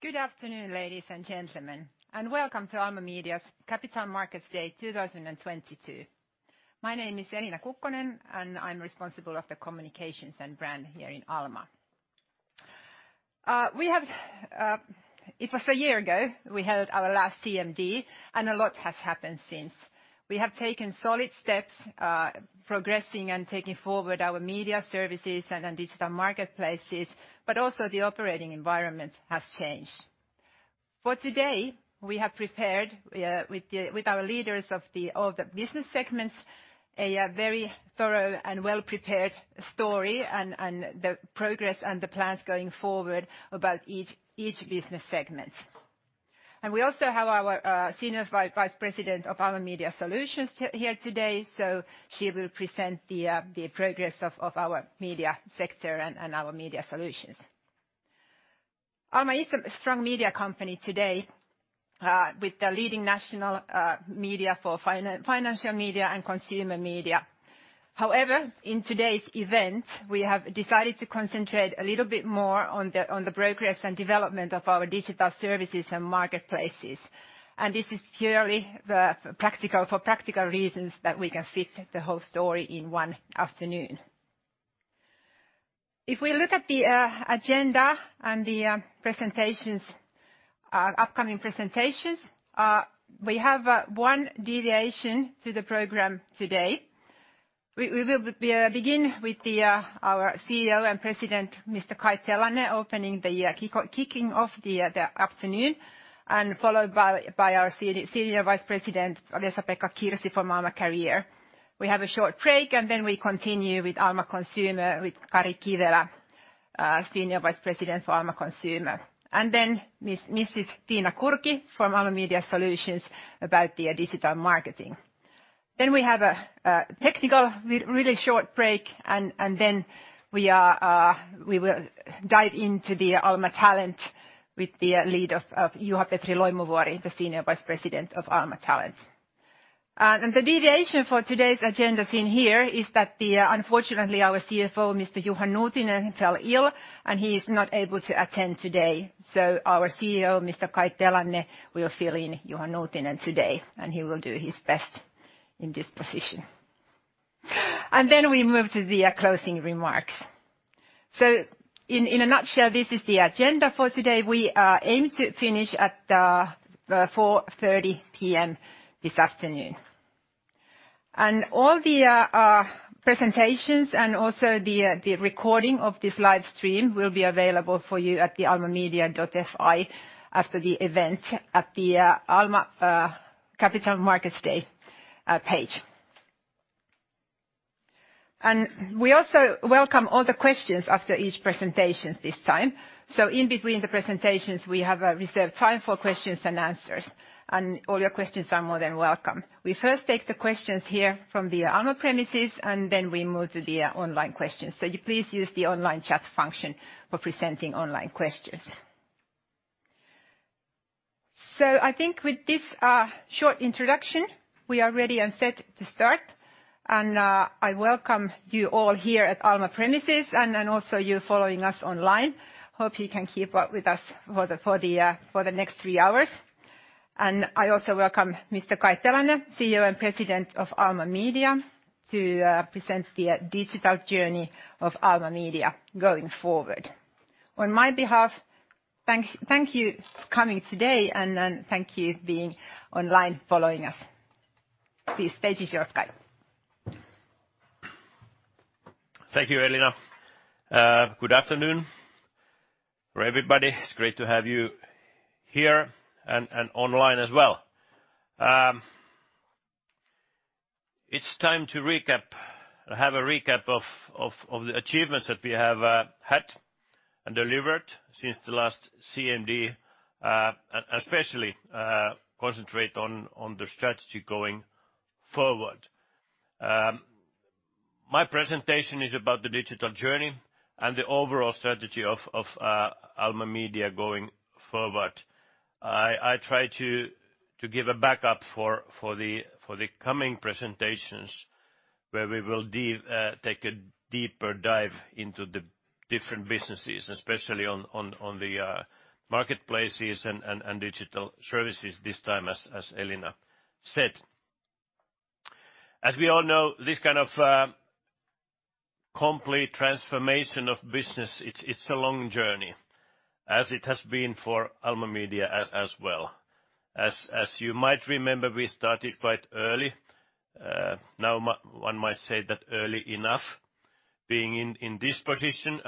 Good afternoon, ladies and gentlemen, welcome to Alma Media's Capital Markets Day 2022. My name is Elina Kukkonen, I'm responsible of the communications and brand here in Alma. We have, it was a year ago, we held our last CMD a lot has happened since. We have taken solid steps, progressing and taking forward our media services and digital marketplaces, also the operating environment has changed. For today, we have prepared with our leaders of all the business segments, a very thorough and well-prepared story and the progress and the plans going forward about each business segment. We also have our Senior Vice President of Alma Media Solutions here today. She will present the progress of our media sector and our media solutions. Alma is a strong media company today, with the leading national financial media and consumer media. However, in today's event, we have decided to concentrate a little bit more on the progress and development of our digital services and marketplaces. This is purely for practical reasons that we can fit the whole story in one afternoon. If we look at the agenda and the presentations, upcoming presentations, we have one deviation to the program today. We will begin with our CEO and President, Mr. Kai Telanne, opening and kicking off the afternoon, and followed by our Senior Vice President, Vesa-Pekka Kirsi from Alma Career. We have a short break. Then we continue with Alma Consumer, with Kari Kivelä, Senior Vice President for Alma Consumer. Then Ms. Tiina Kurki from Alma Media Solutions about their digital marketing. We have a really short break. Then we will dive into Alma Talent with the lead of Juha-Petri Loimovuori, Senior Vice President of Alma Talent. The deviation for today's agenda seen here is that unfortunately our CFO, Mr. Juha Nuutinen fell ill, and he is not able to attend today. Our CEO, Mr. Kai Telanne, will fill in Juha Nuutinen today, and he will do his best in this position. We move to the closing remarks. In a nutshell, this is the agenda for today. We aim to finish at 4:30 P.M. this afternoon. All the presentations and also the recording of this live stream will be available for you at the almamedia.fi after the event at the Alma Capital Markets Day page. We also welcome all the questions after each presentation this time. In between the presentations, we have reserved time for questions and answers, and all your questions are more than welcome. We first take the questions here from the Alma premises, and then we move to the online questions. Please use the online chat function for presenting online questions. I think with this short introduction, we are ready and set to start. I welcome you all here at Alma premises and also you following us online. Hope you can keep up with us for the next three hours. I also welcome Mr. Kai Telanne, CEO and President of Alma Media, to present the digital journey of Alma Media going forward. On my behalf, thank you for coming today and then thank you being online following us. Please, stage is yours, Kai. Thank you, Elina. Good afternoon, everybody. It's great to have you here and online as well. It's time to have a recap of the achievements that we have had and delivered since the last CMD and especially concentrate on the strategy going forward. My presentation is about the digital journey and the overall strategy of Alma Media going forward. I try to give a backup for the coming presentations where we will take a deeper dive into the different businesses, especially on the marketplaces and digital services this time, as Elina said. As we all know, this kind of complete transformation of business, it's a long journey, as it has been for Alma Media as well. As you might remember, we started quite early. Now one might say that early enough being in this position,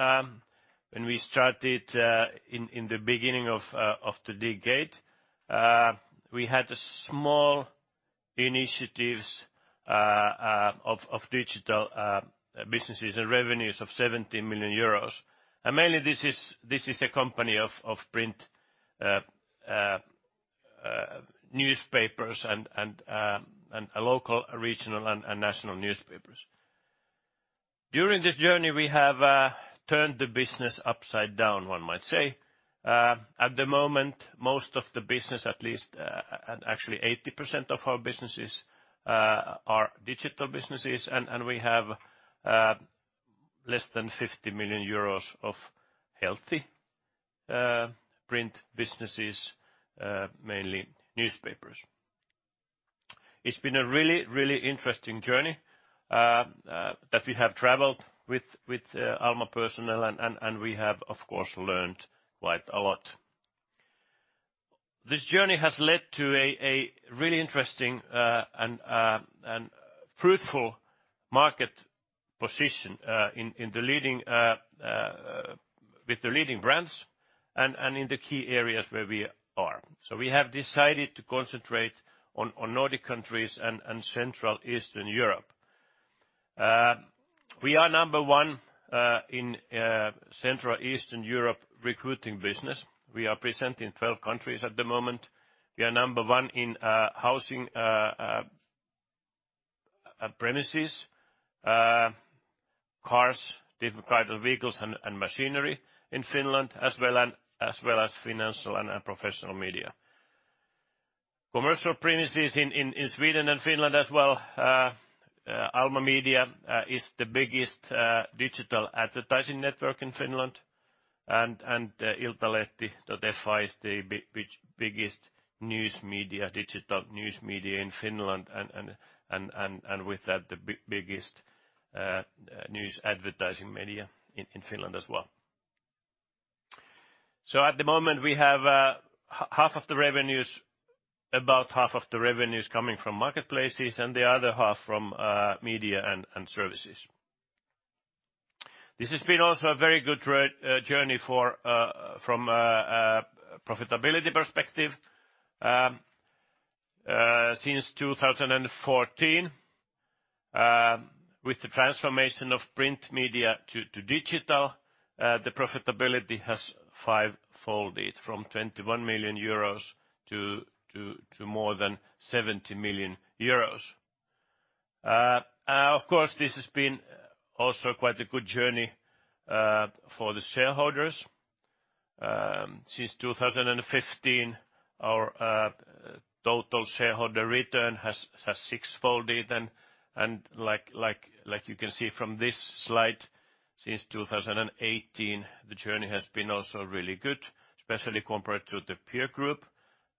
when we started in the beginning of the decade, we had small initiatives of digital businesses and revenues of 70 million euros. Mainly this is a company of print newspapers and local, regional, and national newspapers. During this journey, we have turned the business upside down, one might say. At the moment, most of the business, at least, and actually 80% of our businesses are digital businesses, and we have less than 50 million euros of healthy print businesses, mainly newspapers. It's been a really interesting journey that we have traveled with Alma personnel, and we have, of course, learned quite a lot. This journey has led to a really interesting and fruitful market position in the leading with the leading brands and in the key areas where we are. We have decided to concentrate on Nordic countries and Central and Eastern Europe. We are number one in Central and Eastern Europe recruiting business. We are present in 12 countries at the moment. We are number one in housing, premises, cars, different kind of vehicles and machinery in Finland, as well as financial and professional media. Commercial premises in Sweden and Finland as well, Alma Media is the biggest digital advertising network in Finland, and Iltalehti, that defines the biggest news media, digital news media in Finland and with that, the biggest news advertising media in Finland as well. At the moment, we have half of the revenues, about half of the revenues coming from marketplaces and the other half from media and services. This has been also a very good journey for from a profitability perspective. Since 2014, with the transformation of print media to digital, the profitability has fivefold it from 21 million euros to more than 70 million euros. Of course, this has been also quite a good journey for the shareholders. Since 2015, our total shareholder return has sixfold it like you can see from this slide, since 2018, the journey has been also really good, especially compared to the peer group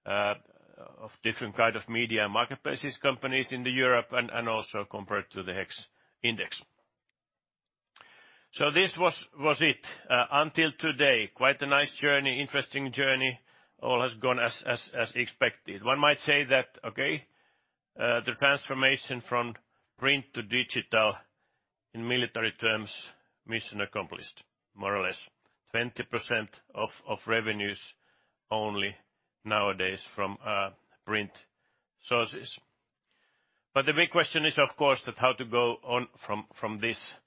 of different kind of media marketplaces companies in Europe and also compared to the HEX index. This was it until today, quite a nice journey, interesting journey, all has gone as expected. One might say that, okay, the transformation from print to digital in military terms, mission accomplished, more or less. 20% revenues only nowadays from print sources. The big question is, of course, that how to go on from this. That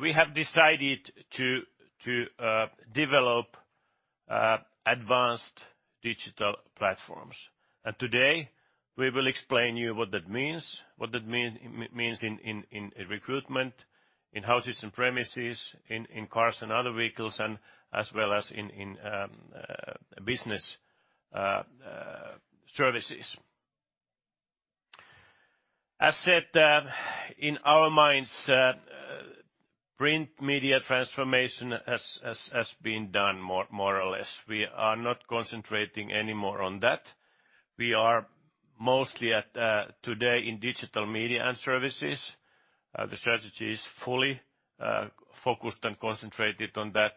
we have decided to develop advanced digital platforms. Today, we will explain you what that means in recruitment, in houses and premises, in cars and other vehicles and as well as in business services. As said, in our minds, print media transformation has been done more or less. We are not concentrating any more on that. We are mostly today in digital media and services. The strategy is fully focused and concentrated on that.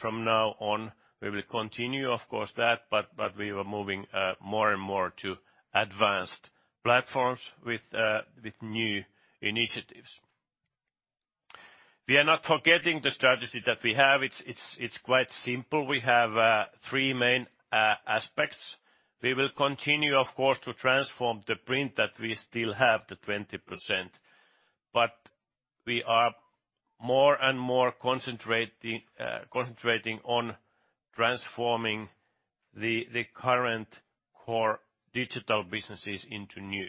From now on, we will continue, of course, that, but we are moving more and more to advanced platforms with new initiatives. We are not forgetting the strategy that we have. It's quite simple. We have three main aspects. We will continue, of course, to transform the print that we still have, the 20%. We are more and more concentrating on transforming the current core digital businesses into new.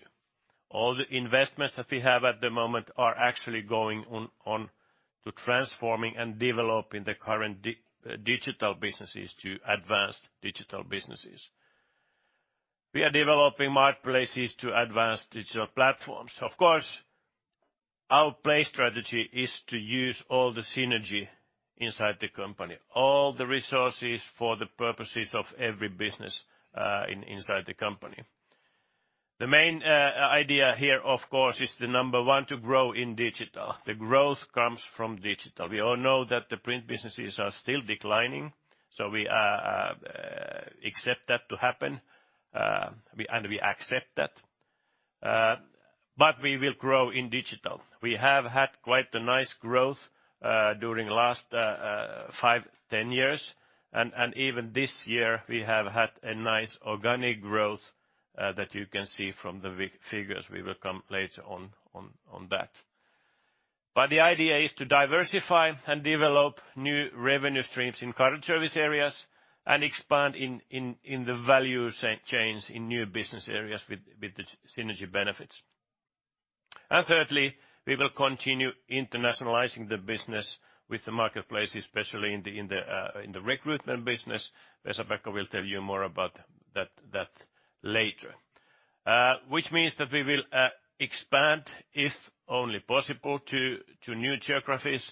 All the investments that we have at the moment are actually going on to transforming and developing the current digital businesses to advanced digital businesses. We are developing marketplaces to advanced digital platforms. Our play strategy is to use all the synergy inside the company, all the resources for the purposes of every business inside the company. The main idea here, of course, is the number one to grow in digital. The growth comes from digital. We all know that the print businesses are still declining, we accept that to happen, and we accept that. We will grow in digital. We have had quite a nice growth during last five, 10 years. Even this year, we have had a nice organic growth that you can see from the figures. We will come later on that. The idea is to diversify and develop new revenue streams in current service areas and expand in the value chains in new business areas with the synergy benefits. Thirdly, we will continue internationalizing the business with the marketplace, especially in the recruitment business. Vesa-Pekka Kirsi will tell you more about that later. Which means that we will expand, if only possible, to new geographies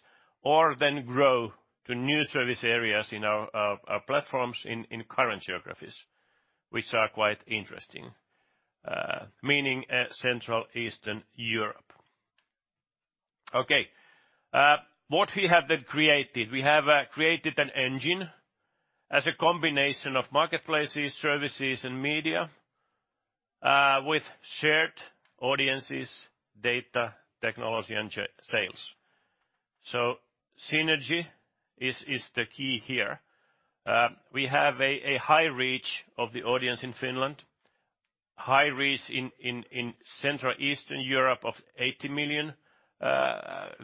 or then grow to new service areas in our platforms in current geographies, which are quite interesting, meaning Central and Eastern Europe. Okay. What we have created? We have created an engine as a combination of marketplaces, services, and media, with shared audiences, data, technology, and sales. Synergy is the key here. We have a high reach of the audience in Finland, high reach in Central and Eastern Europe of 80 million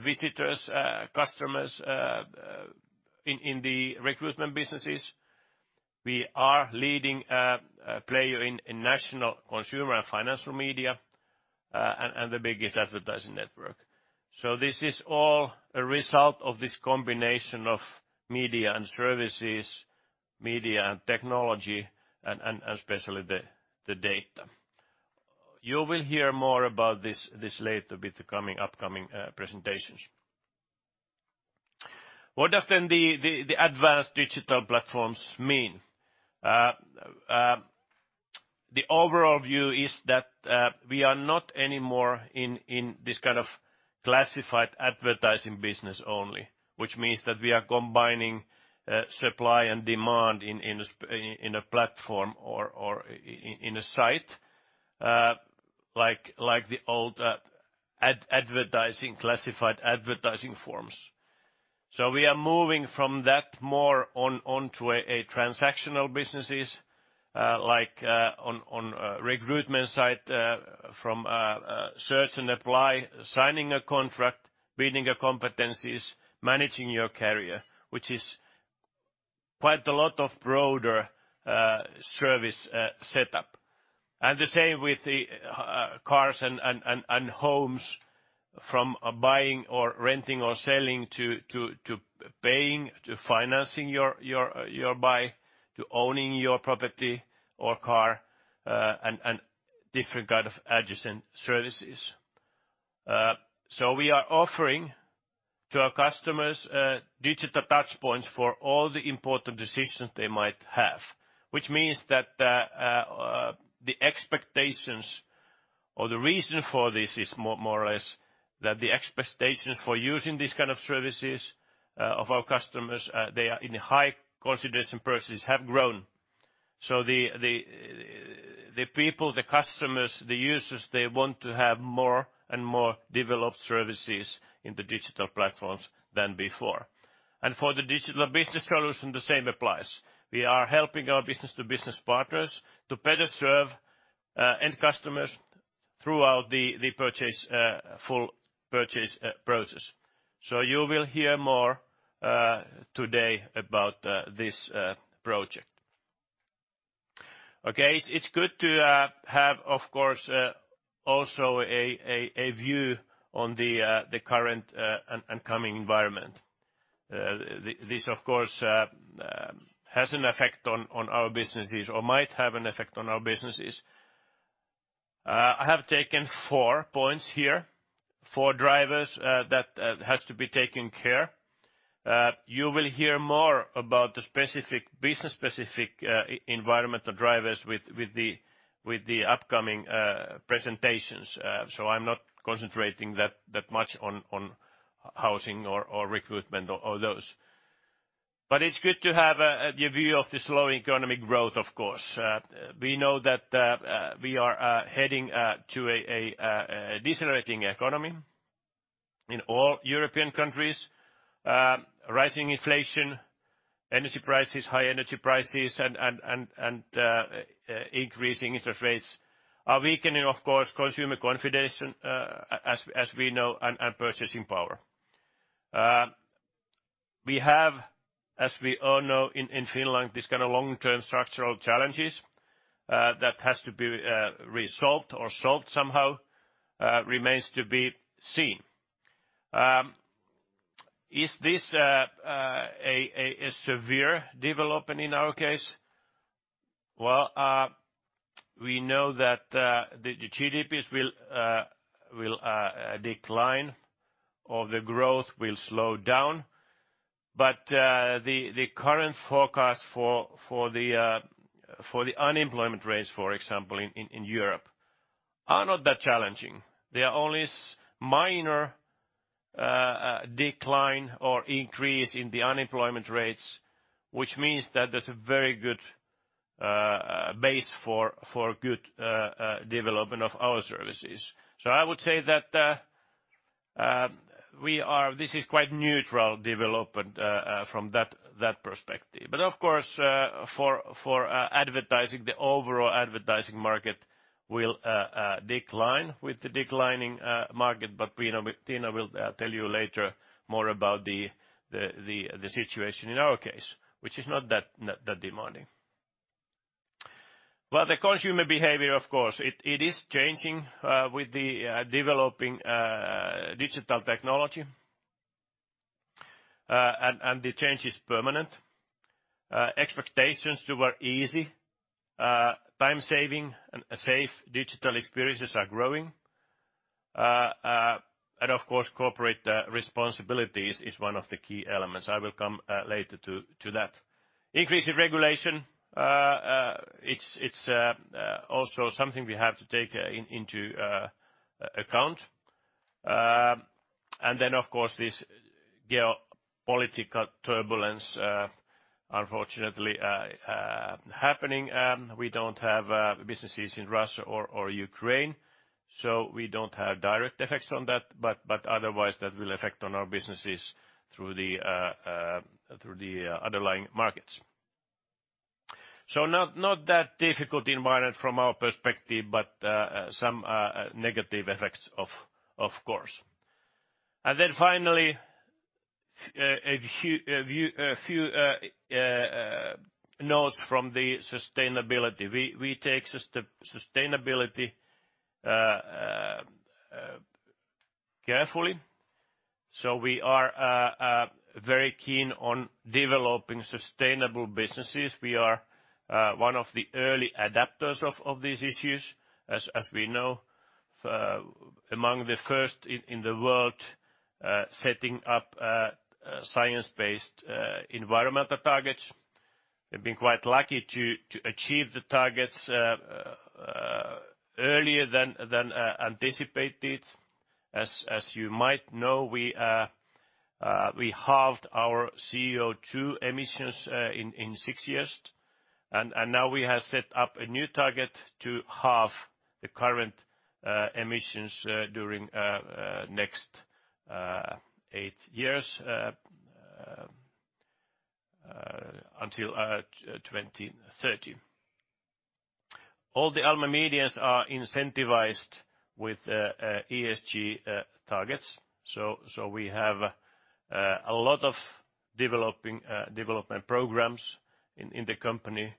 visitors, customers, in the recruitment businesses. We are leading player in national consumer and financial media and the biggest advertising network. This is all a result of this combination of media and services, media and technology, and especially the data. You will hear more about this later with the upcoming presentations. What does the advanced digital platforms mean? The overall view is that we are not anymore in this kind of classified advertising business only, which means that we are combining supply and demand in a platform or in a site like the old advertising, classified advertising forms. We are moving from that more on to a transactional businesses like recruitment site from search and apply, signing a contract, building your competencies, managing your career, which is quite a lot of broader service setup. The same with the cars and homes from buying or renting or selling to paying, to financing your buy, to owning your property or car and different kind of adjacent services. We are offering to our customers, digital touchpoints for all the important decisions they might have, which means that the expectations or the reason for this is more or less that the expectations for using these kind of services of our customers, they are in high consideration purchases have grown. The people, the customers, the users, they want to have more and more developed services in the digital platforms than before. For the digital business solution, the same applies. We are helping our business-to-business partners to better serve end customers throughout the purchase, full purchase process. You will hear more today about this project. Okay. It's good to have, of course, also a view on the current and coming environment. This, of course, has an effect on our businesses or might have an effect on our businesses. I have taken four points here, four drivers, that has to be taken care. You will hear more about the specific, business-specific, environmental drivers with the upcoming presentations. So I'm not concentrating that much on housing or recruitment or those. It's good to have a view of the slow economic growth, of course. We know that we are heading to a decelerating economy in all European countries. Rising inflation, energy prices, high energy prices and increasing interest rates are weakening, of course, consumer confidence as we know, and purchasing power. We have, as we all know, in Finland, this kind of long-term structural challenges that has to be resolved or solved somehow, remains to be seen. Is this a severe development in our case? Well, we know that the GDPs will decline, or the growth will slow down. The current forecast for the unemployment rates, for example, in Europe are not that challenging. There are only minor decline or increase in the unemployment rates, which means that there's a very good base for good development of our services. I would say that this is quite neutral development from that perspective. Of course, for advertising, the overall advertising market will decline with the declining market, but Tiina will tell you later more about the situation in our case, which is not that demanding. The consumer behavior, of course, it is changing with the developing digital technology. The change is permanent. Expectations toward easy, time-saving and safe digital experiences are growing. Of course, corporate responsibilities is one of the key elements. I will come later to that. Increase in regulation, it's also something we have to take into account. Of course, this geopolitical turbulence, unfortunately, happening. We don't have businesses in Russia or Ukraine, we don't have direct effects from that. Otherwise, that will affect on our businesses through the underlying markets. Not that difficult environment from our perspective, but some negative effects of course. Finally, a few notes from the sustainability. We take sustainability carefully. We are very keen on developing sustainable businesses. We are one of the early adapters of these issues, as we know, among the first in the world, setting up science-based environmental targets. We've been quite lucky to achieve the targets earlier than anticipated. As you might know, we halved our CO2 emissions in six years. Now we have set up a new target to half the current emissions during next eight years until 2030. All the Alma Media are incentivized with ESG targets. We have a lot of developing development programs in the company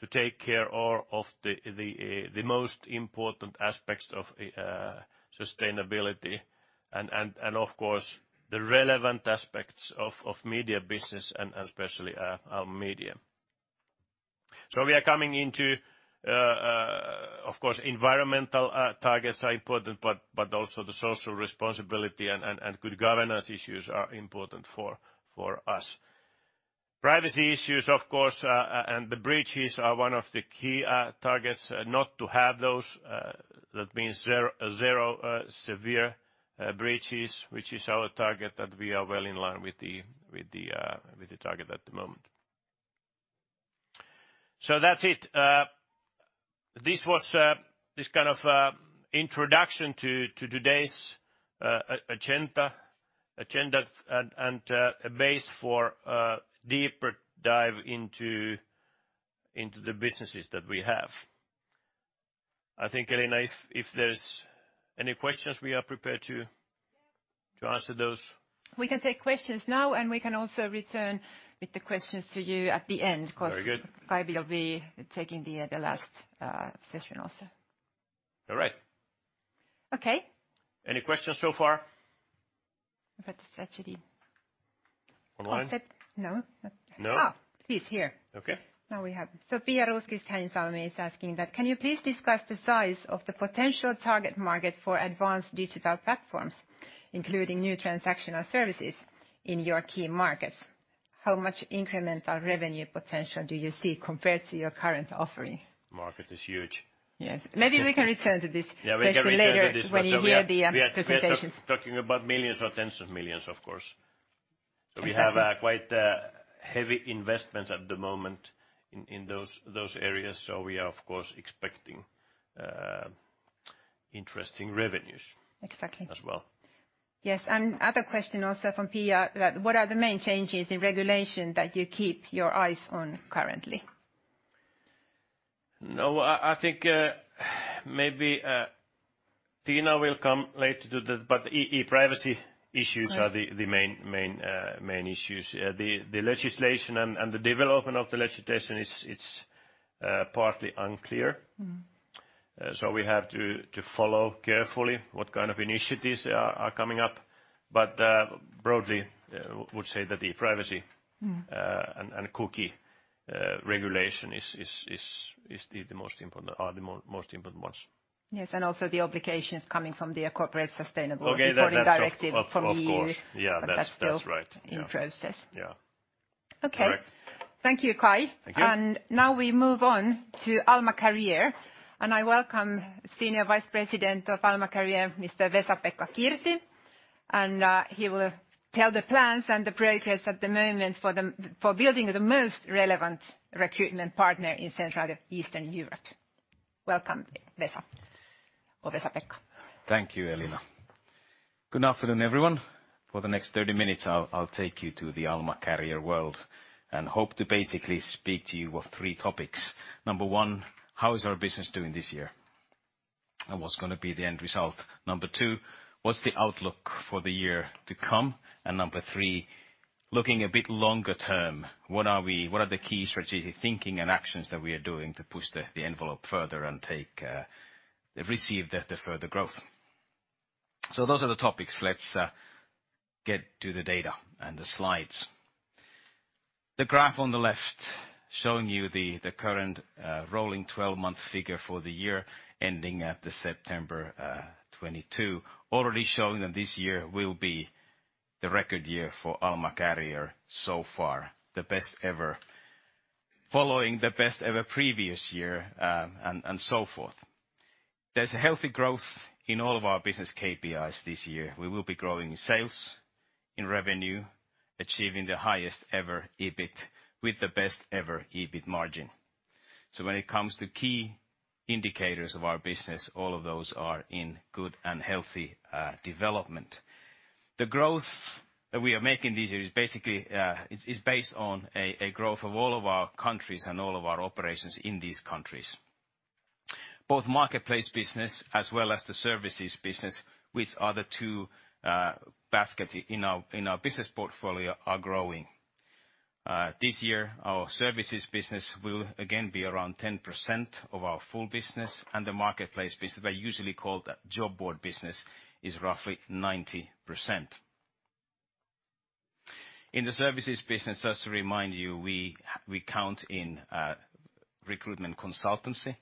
to take care of the most important aspects of sustainability and of course, the relevant aspects of media business and especially our media. We are coming into, of course, environmental targets are important, but also the social responsibility and good governance issues are important for us. Privacy issues, of course, the breaches are one of the key targets, not to have those. That means zero severe breaches, which is our target that we are well in line with the target at the moment. That's it. This was this kind of introduction to today's agenda and a base for a deeper dive into the businesses that we have. I think, Elina, if there's any questions, we are prepared to answer those. We can take questions now, and we can also return with the questions to you at the end. Very good. Cause Kai will be taking the last, session also. All right. Okay. Any questions so far? I've got to stretch it in. Online? No. No? Please, here. Okay. Now we have. Pia Rosqvist-Heinsalmi is asking that can you please discuss the size of the potential target market for advanced digital platforms, including new transactional services in your key markets? How much incremental revenue potential do you see compared to your current offering? Market is huge. Yes. Maybe we can return to this— Yeah, we can return to this. Question later when you hear the presentations. We are talking about millions or EUR tens of millions, of course. Exactly. We have, quite, heavy investments at the moment in those areas. We are, of course, expecting, interesting revenues. Exactly. As well. Yes. Other question also from Pia, that what are the main changes in regulation that you keep your eyes on currently? No, I think, maybe, Tiina will come later to the—but ePrivacy issues— Yes. Are the main issues. The legislation and the development of the legislation it's partly unclear we have to follow carefully what kind of initiatives are coming up. broadly, would say that the privacy cookie regulation are the most important ones. Yes. Also the obligations coming from the corporate sustainable— Okay. That's— Reporting directive from the E.U. Of course. Yeah. That's still— That's right. In process. Yeah. Okay. All right. Thank you, Kai. Thank you. Now we move on to Alma Career. I welcome Senior Vice President of Alma Career, Mr. Vesa-Pekka Kirsi. He will tell the plans and the progress at the moment for building the most relevant recruitment partner in Central and Eastern Europe. Welcome, Vesa or Vesa-Pekka. Thank you, Elina. Good afternoon, everyone. For the next 30 minutes, I'll take you to the Alma Career world and hope to basically speak to you of three topics. Number one, how is our business doing this year, what's gonna be the end result? Number two, what's the outlook for the year to come? Number three, looking a bit longer term, what are the key strategic thinking and actions that we are doing to push the envelope further and take receive the further growth? Those are the topics. Let's get to the data and the slides. The graph on the left showing you the current rolling 12 month figure for the year ending at the September 2022. Already showing that this year will be the record year for Alma Career so far, the best ever. Following the best ever previous year, and so forth. There's a healthy growth in all of our business KPIs this year. We will be growing in sales, in revenue, achieving the highest ever EBIT with the best ever EBIT margin. When it comes to key indicators of our business, all of those are in good and healthy development. The growth that we are making this year is basically, it's based on a growth of all of our countries and all of our operations in these countries. Both marketplace business as well as the services business, which are the two baskets in our business portfolio are growing. This year, our services business will again be around 10% of our full business. The marketplace business, they're usually called job board business, is roughly 90%. In the services business, just to remind you, we count in recruitment consultancy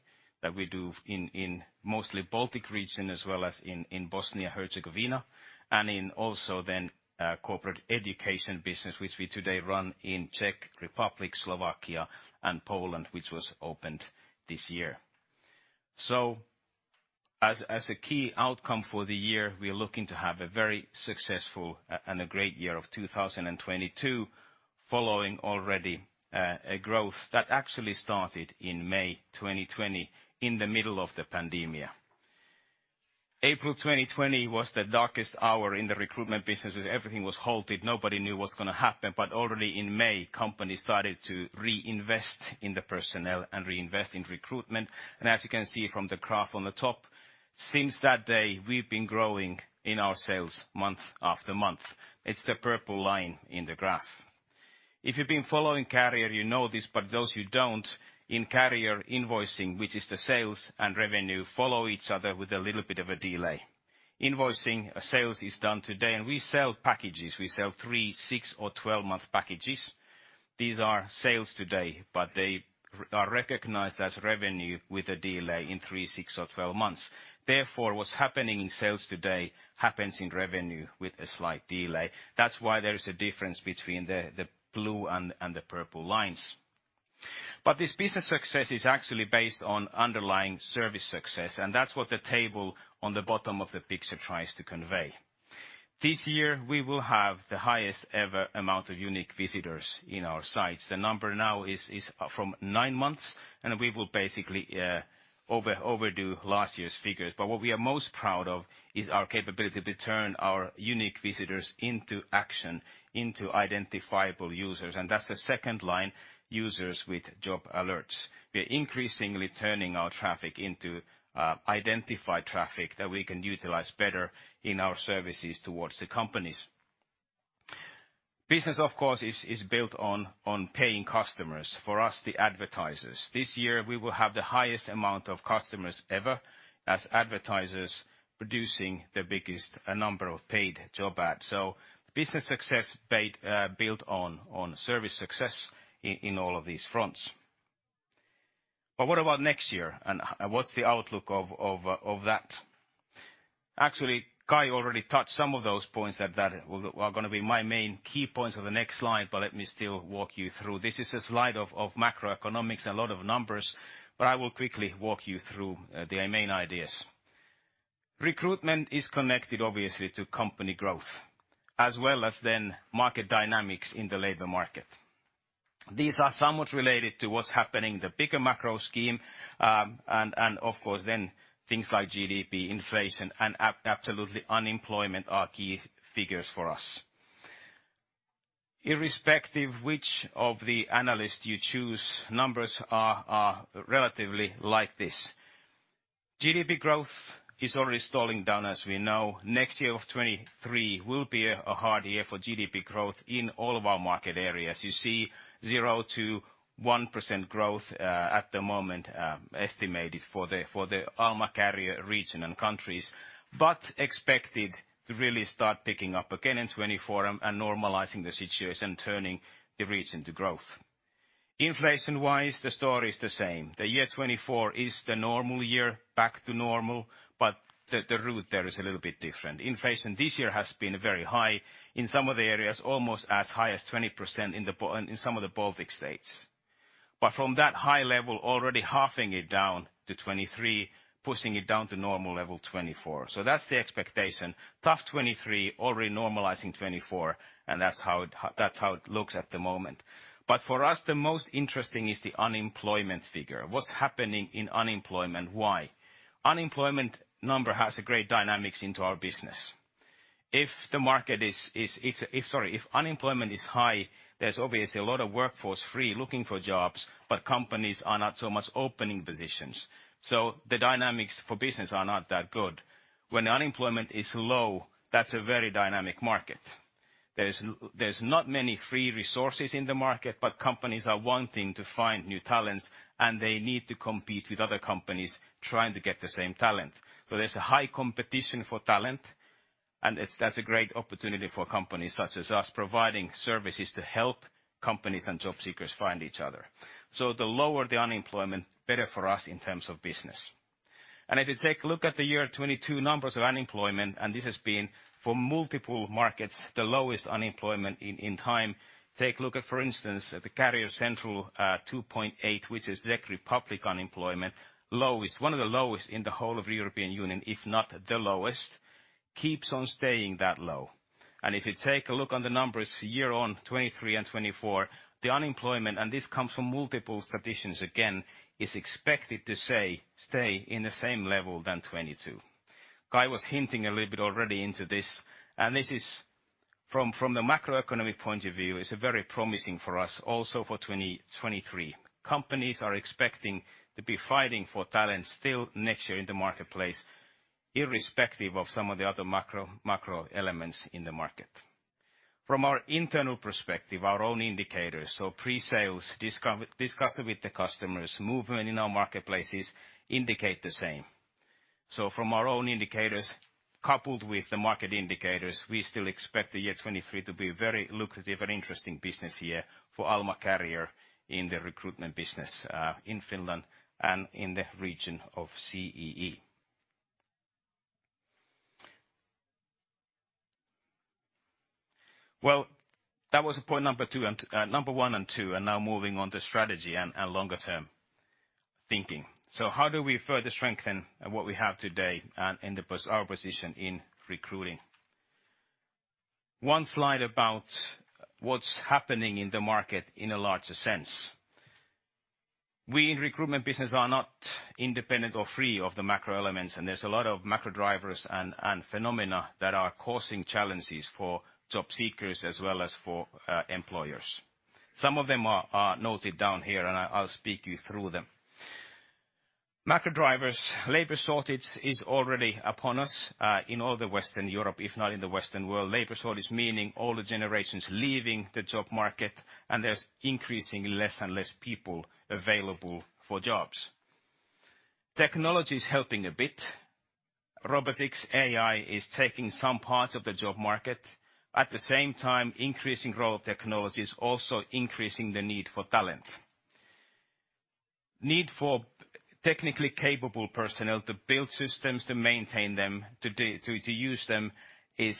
that we do in mostly Baltic region, as well as in Bosnia and Herzegovina, also corporate education business, which we today run in Czech Republic, Slovakia, and Poland, which was opened this year. As a key outcome for the year, we're looking to have a very successful and a great year of 2022 following already a growth that actually started in May 2020, in the middle of the pandemic. April 2020 was the darkest hour in the recruitment business with everything was halted. Nobody knew what's gonna happen. Already in May, companies started to reinvest in the personnel and reinvest in recruitment. As you can see from the graph on the top, since that day, we've been growing in our sales month-after-month. It's the purple line in the graph. If you've been following Career, you know this, but those who don't, in Career invoicing, which is the sales and revenue, follow each other with a little bit of a delay. Invoicing sales is done today, and we sell packages. We sell three, six or 12-month packages. These are sales today, but they are recognized as revenue with a delay in three, six or 12 months. Therefore, what's happening in sales today happens in revenue with a slight delay. That's why there is a difference between the blue and the purple lines. This business success is actually based on underlying service success, and that's what the table on the bottom of the picture tries to convey. This year, we will have the highest ever amount of unique visitors in our sites. The number now is from nine months, and we will basically overdo last year's figures. What we are most proud of is our capability to turn our unique visitors into action, into identifiable users, and that's the second line, users with job alerts. We are increasingly turning our traffic into identified traffic that we can utilize better in our services towards the companies. Business, of course, is built on paying customers, for us, the advertisers. This year, we will have the highest amount of customers ever as advertisers producing the biggest number of paid job ads. Business success built on service success in all of these fronts. What about next year and what's the outlook of that? Actually, Kai already touched some of those points that are gonna be my main key points on the next slide, but let me still walk you through. This is a slide of macroeconomics and a lot of numbers, but I will quickly walk you through, the main ideas. Recruitment is connected obviously to company growth as well as then market dynamics in the labor market. These are somewhat related to what's happening, the bigger macro scheme, and of course then things like GDP, inflation and absolutely unemployment are key figures for us. Irrespective which of the analysts you choose, numbers are relatively like this. GDP growth is already stalling down, as we know. Next year of 2023 will be a hard year for GDP growth in all of our market areas. You see 0%-1% growth at the moment, estimated for the Alma Career region and countries, but expected to really start picking up again in 2024 and normalizing the situation, turning the region to growth. Inflation-wise, the story is the same. The year 2024 is the normal year back to normal, the route there is a little bit different. Inflation this year has been very high in some of the areas, almost as high as 20% in some of the Baltic states. From that high level, already halving it down to 2023, pushing it down to normal level 2024. That's the expectation. Tough 2023, already normalizing 2024, and that's how it looks at the moment. For us, the most interesting is the unemployment figure. What's happening in unemployment? Why? Unemployment number has a great dynamics into our business. Sorry. If unemployment is high, there's obviously a lot of workforce free looking for jobs, but companies are not so much opening positions. The dynamics for business are not that good. When unemployment is low, that's a very dynamic market. There's not many free resources in the market, but companies are wanting to find new talents, and they need to compete with other companies trying to get the same talent. There's a high competition for talent, and that's a great opportunity for companies such as us providing services to help companies and job seekers find each other. The lower the unemployment, better for us in terms of business. If you take a look at the year 2022 numbers of unemployment, this has been, for multiple markets, the lowest unemployment in time. Take a look at, for instance, the Career Central, 2.8, which is Czech Republic unemployment, lowest, one of the lowest in the whole of the European Union, if not the lowest, keeps on staying that low. If you take a look on the numbers year on 2023 and 2024, the unemployment, and this comes from multiple statisticians again, is expected to stay in the same level than 2022. Kai was hinting a little bit already into this, and this is from the macroeconomic point of view, is very promising for us also for 2023. Companies are expecting to be fighting for talent still next year in the marketplace, irrespective of some of the other macro elements in the market. From our internal perspective, our own indicators, so pre-sales, discussion with the customers, movement in our marketplaces indicate the same. From our own indicators coupled with the market indicators, we still expect the year 2023 to be a very lucrative and interesting business year for Alma Career in the recruitment business in Finland and in the region of CEE. That was a point number two and number one and two. Now moving on to strategy and longer term thinking. How do we further strengthen what we have today and in our position in recruiting? One slide about what's happening in the market in a larger sense. We in recruitment business are not independent or free of the macro elements. There's a lot of macro drivers and phenomena that are causing challenges for job seekers as well as for employers. Some of them are noted down here, and I'll speak you through them. Macro drivers. Labor shortage is already upon us in all the Western Europe, if not in the Western world. Labor shortage meaning older generations leaving the job market. There's increasingly less and less people available for jobs. Technology is helping a bit. Robotics, AI is taking some parts of the job market. At the same time, increasing role of technology is also increasing the need for talent. Need for technically capable personnel to build systems, to maintain them, to use them is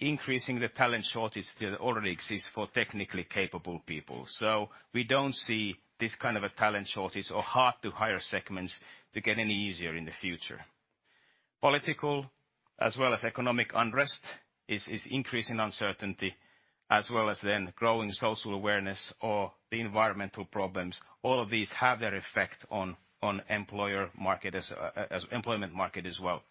increasing the talent shortage that already exists for technically capable people. We don't see this kind of a talent shortage or hard-to-hire segments to get any easier in the future. Political as well as economic unrest is increasing uncertainty as well as growing social awareness or the environmental problems. All of these have their effect on employer market as employment market as well.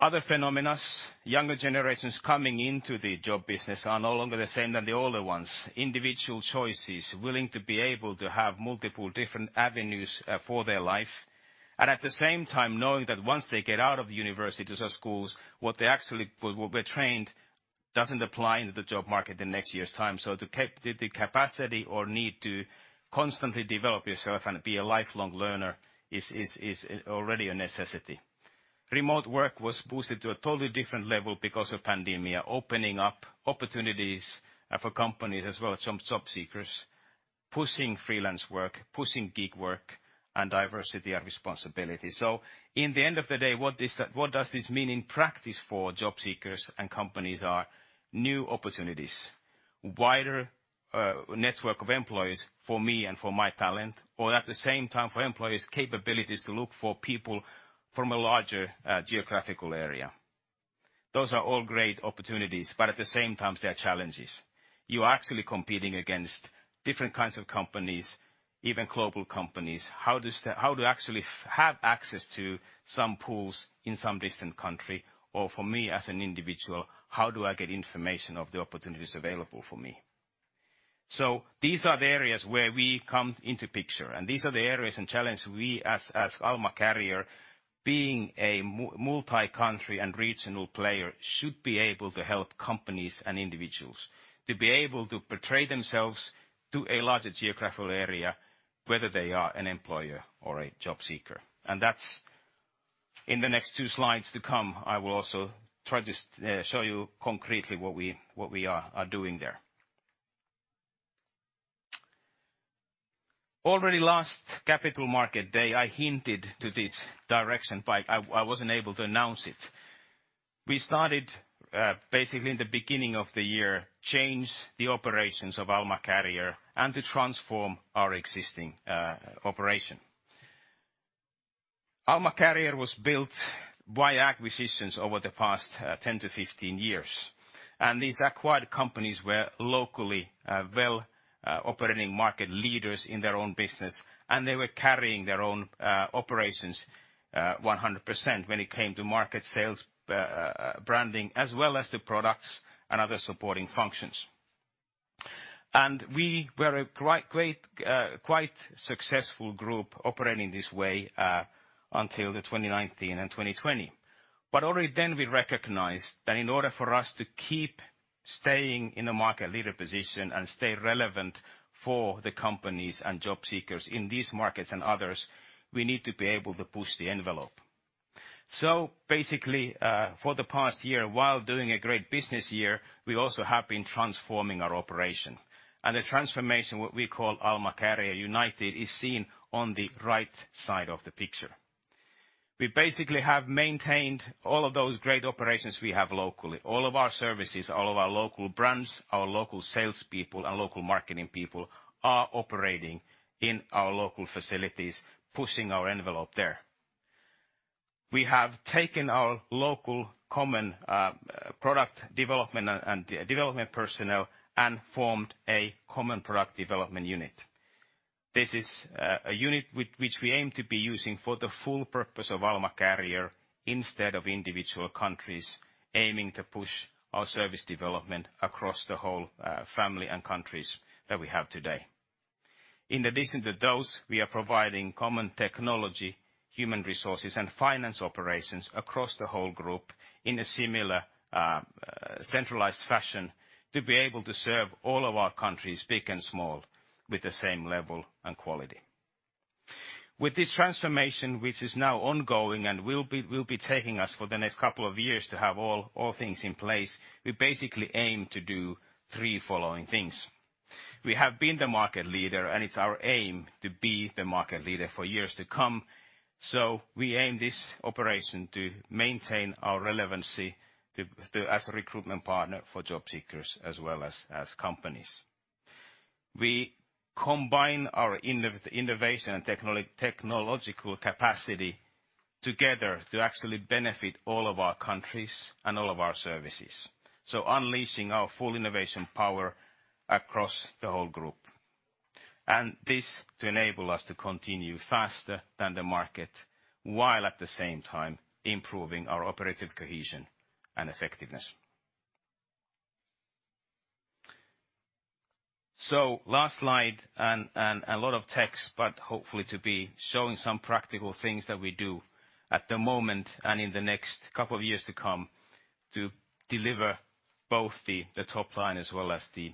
Other phenomena, younger generations coming into the job business are no longer the same than the older ones. Individual choices, willing to be able to have multiple different avenues for their life. At the same time, knowing that once they get out of university, schools, what they actually were trained doesn't apply in the job market the next year's time. The capacity or need to constantly develop yourself and be a lifelong learner is already a necessity. Remote work was boosted to a totally different level because of pandemic, opening up opportunities for companies as well as job seekers, pushing freelance work, pushing gig work, and diversity and responsibility. in the end of the day, what does this mean in practice for job seekers and companies are new opportunities, wider network of employees for me and for my talent, or at the same time for employees, capabilities to look for people from a larger geographical area. Those are all great opportunities, at the same time, they are challenges. You are actually competing against different kinds of companies, even global companies. How to actually have access to some pools in some distant country, or for me as an individual, how do I get information of the opportunities available for me? These are the areas where we come into picture, and these are the areas and challenges we as Alma Career, being a multi-country and regional player, should be able to help companies and individuals to be able to portray themselves to a larger geographical area, whether they are an employer or a job seeker. In the next two slides to come, I will also try to show you concretely what we are doing there. Already last Capital Market day, I hinted to this direction, but I wasn't able to announce it. We started, basically in the beginning of the year, change the operations of Alma Career and to transform our existing operation. Alma Career was built via acquisitions over the past 10 to 15 years. These acquired companies were locally operating market leaders in their own business, and they were carrying their own operations 100% when it came to market sales, branding, as well as the products and other supporting functions. We were a great, quite successful group operating this way until 2019 and 2020. Already then we recognized that in order for us to keep staying in a market leader position and stay relevant for the companies and job seekers in these markets and others, we need to be able to push the envelope. Basically, for the past year, while doing a great business year, we also have been transforming our operation and the transformation, what we call AlmaCareer United, is seen on the right side of the picture. We basically have maintained all of those great operations we have locally. All of our services, all of our local brands, our local salespeople and local marketing people are operating in our local facilities, pushing our envelope there. We have taken our local common product development and development personnel and formed a common product development unit. This is a unit which we aim to be using for the full purpose of Alma Career instead of individual countries aiming to push our service development across the whole family and countries that we have today. In addition to those, we are providing common technology, human resources and finance operations across the whole group in a similar centralized fashion to be able to serve all of our countries, big and small, with the same level and quality. With this transformation, which is now ongoing and will be taking us for the next couple of years to have all things in place, we basically aim to do three following things. We have been the market leader. It's our aim to be the market leader for years to come. We aim this operation to maintain our relevancy as a recruitment partner for job seekers as well as companies. We combine our innovation and technological capacity together to actually benefit all of our countries and all of our services, so unleashing our full innovation power across the whole group. This to enable us to continue faster than the market, while at the same time improving our operative cohesion and effectiveness. Last slide and a lot of text, but hopefully to be showing some practical things that we do at the moment and in the next couple of years to come to deliver both the top line as well as the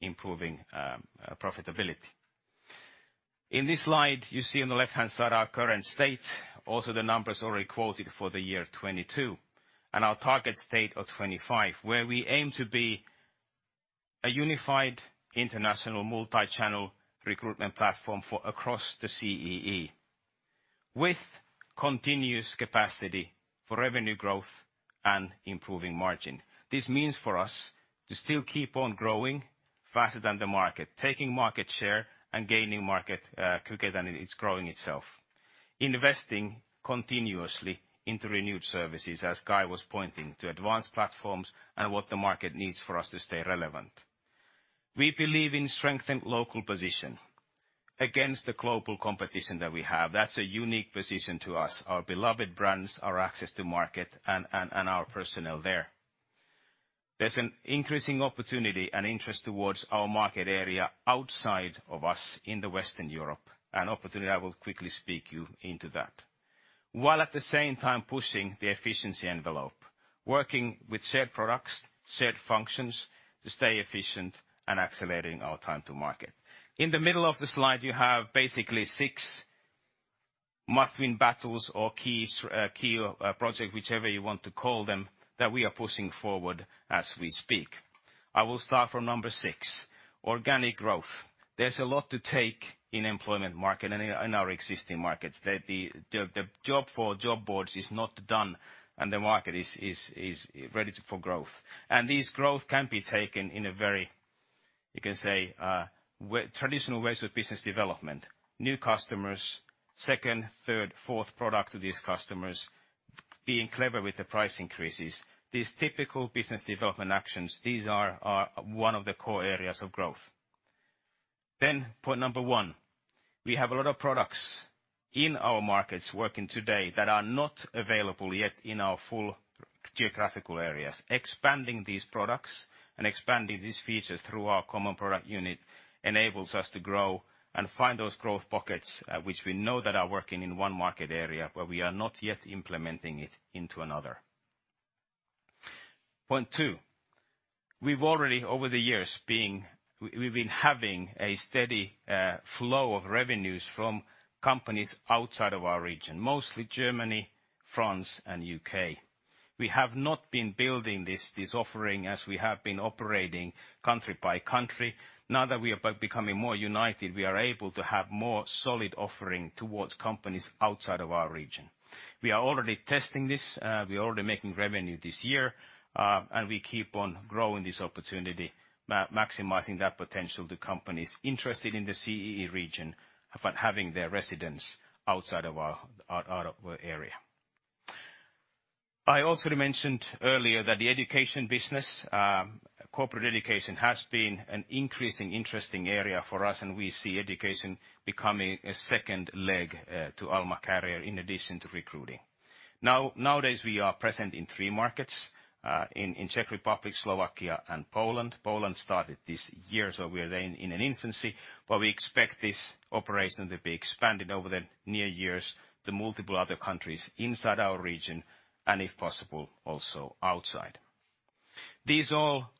improving profitability. In this slide, you see on the left-hand side our current state, also the numbers already quoted for the year 22 and our target state of 25, where we aim to be a unified international multi-channel recruitment platform for across the CEE with continuous capacity for revenue growth and improving margin. This means for us to still keep on growing faster than the market, taking market share and gaining market quicker than it's growing itself, investing continuously into renewed services, as Kai was pointing, to advanced platforms and what the market needs for us to stay relevant. We believe in strengthened local position against the global competition that we have. That's a unique position to us, our beloved brands, our access to market and, and our personnel there. There's an increasing opportunity and interest towards our market area outside of us in the Western Europe, an opportunity I will quickly speak you into that. While at the same time pushing the efficiency envelope, working with shared products, shared functions to stay efficient and accelerating our time to market. In the middle of the slide, you have basically six must-win battles or key project, whichever you want to call them, that we are pushing forward as we speak. I will start from number six, organic growth. There's a lot to take in employment market and in our existing markets. The job for job boards is not done and the market is ready for growth. This growth can be taken in a very, you can say, way, traditional ways of business development, new customers, second, third, fourth product to these customers, being clever with the price increases. These typical business development actions, these are one of the core areas of growth. Point 1. We have a lot of products in our markets working today that are not available yet in our full geographical areas. Expanding these products and expanding these features through our common product unit enables us to grow and find those growth pockets, which we know that are working in one market area, but we are not yet implementing it into another. Point 2. We've already, over the years, we've been having a steady flow of revenues from companies outside of our region, mostly Germany, France and U.K. We have not been building this offering as we have been operating country by country. Now that we are becoming more united, we are able to have more solid offering towards companies outside of our region. We are already testing this. We are already making revenue this year. We keep on growing this opportunity, maximizing that potential to companies interested in the CEE region, but having their residence outside of our area. I also mentioned earlier that the education business, corporate education has been an increasing interesting area for us. We see education becoming a second leg to Alma Career in addition to recruiting. Nowadays, we are present in three markets, in Czech Republic, Slovakia, and Poland. Poland started this year. We are then in an infancy. We expect this operation to be expanded over the near years to multiple other countries inside our region and if possible, also outside. These all,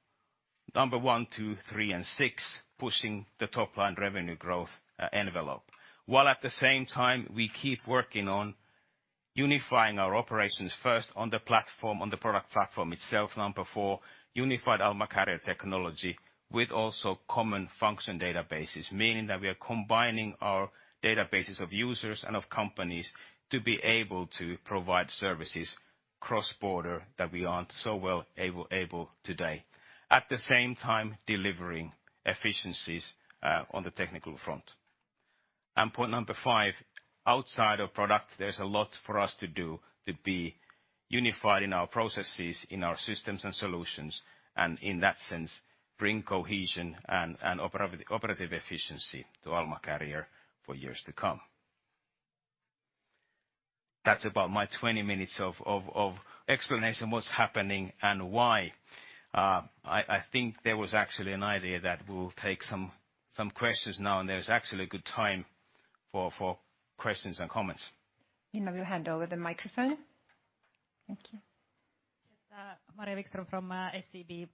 number one, two, three, and six, pushing the top line revenue growth envelope. While at the same time, we keep working on unifying our operations first on the platform, on the product platform itself, number four, unified Alma Career technology with also common function databases. Meaning that we are combining our databases of users and of companies to be able to provide services cross-border that we aren't so well able today. At the same time, delivering efficiencies on the technical front. Point number five, outside of product, there's a lot for us to do to be unified in our processes, in our systems and solutions, and in that sense, bring cohesion and operative efficiency to Alma Career for years to come. That's about my 20 minutes of explanation what's happening and why. I think there was actually an idea that we'll take some questions now, and there's actually a good time for questions and comments. You know, we'll hand over the microphone. Thank you. Yes, Maria Wikström from SEB.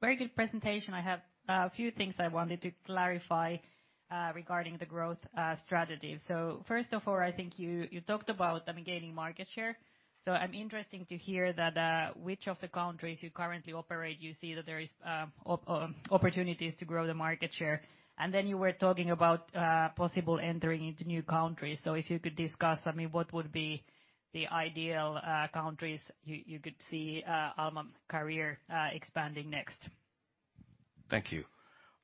Very good presentation. I have a few things I wanted to clarify regarding the growth strategy. First of all, I think you talked about, I mean, gaining market share. I'm interesting to hear that which of the countries you currently operate you see that there is opportunities to grow the market share. You were talking about possible entering into new countries. If you could discuss, I mean, what would be the ideal countries you could see Alma Career expanding next? Thank you.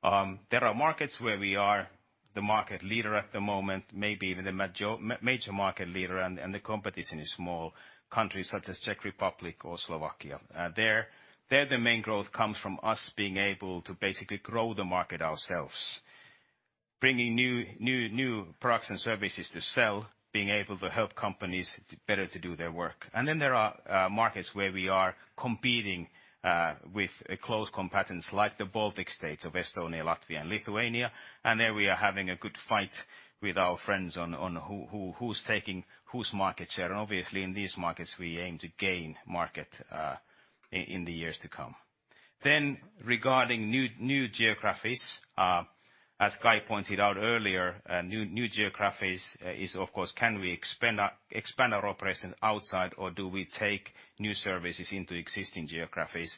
There are markets where we are the market leader at the moment, maybe even the major market leader, and the competition is small countries such as Czech Republic or Slovakia. There, the main growth comes from us being able to basically grow the market ourselves, bringing new products and services to sell, being able to help companies to better to do their work. Then there are markets where we are competing with close competitors like the Baltic States of Estonia, Latvia, and Lithuania. There, we are having a good fight with our friends on who's taking whose market share. Obviously, in these markets, we aim to gain market in the years to come. Regarding new geographies, as Kai Telanne pointed out earlier, new geographies is of course, can we expand our operations outside, or do we take new services into existing geographies?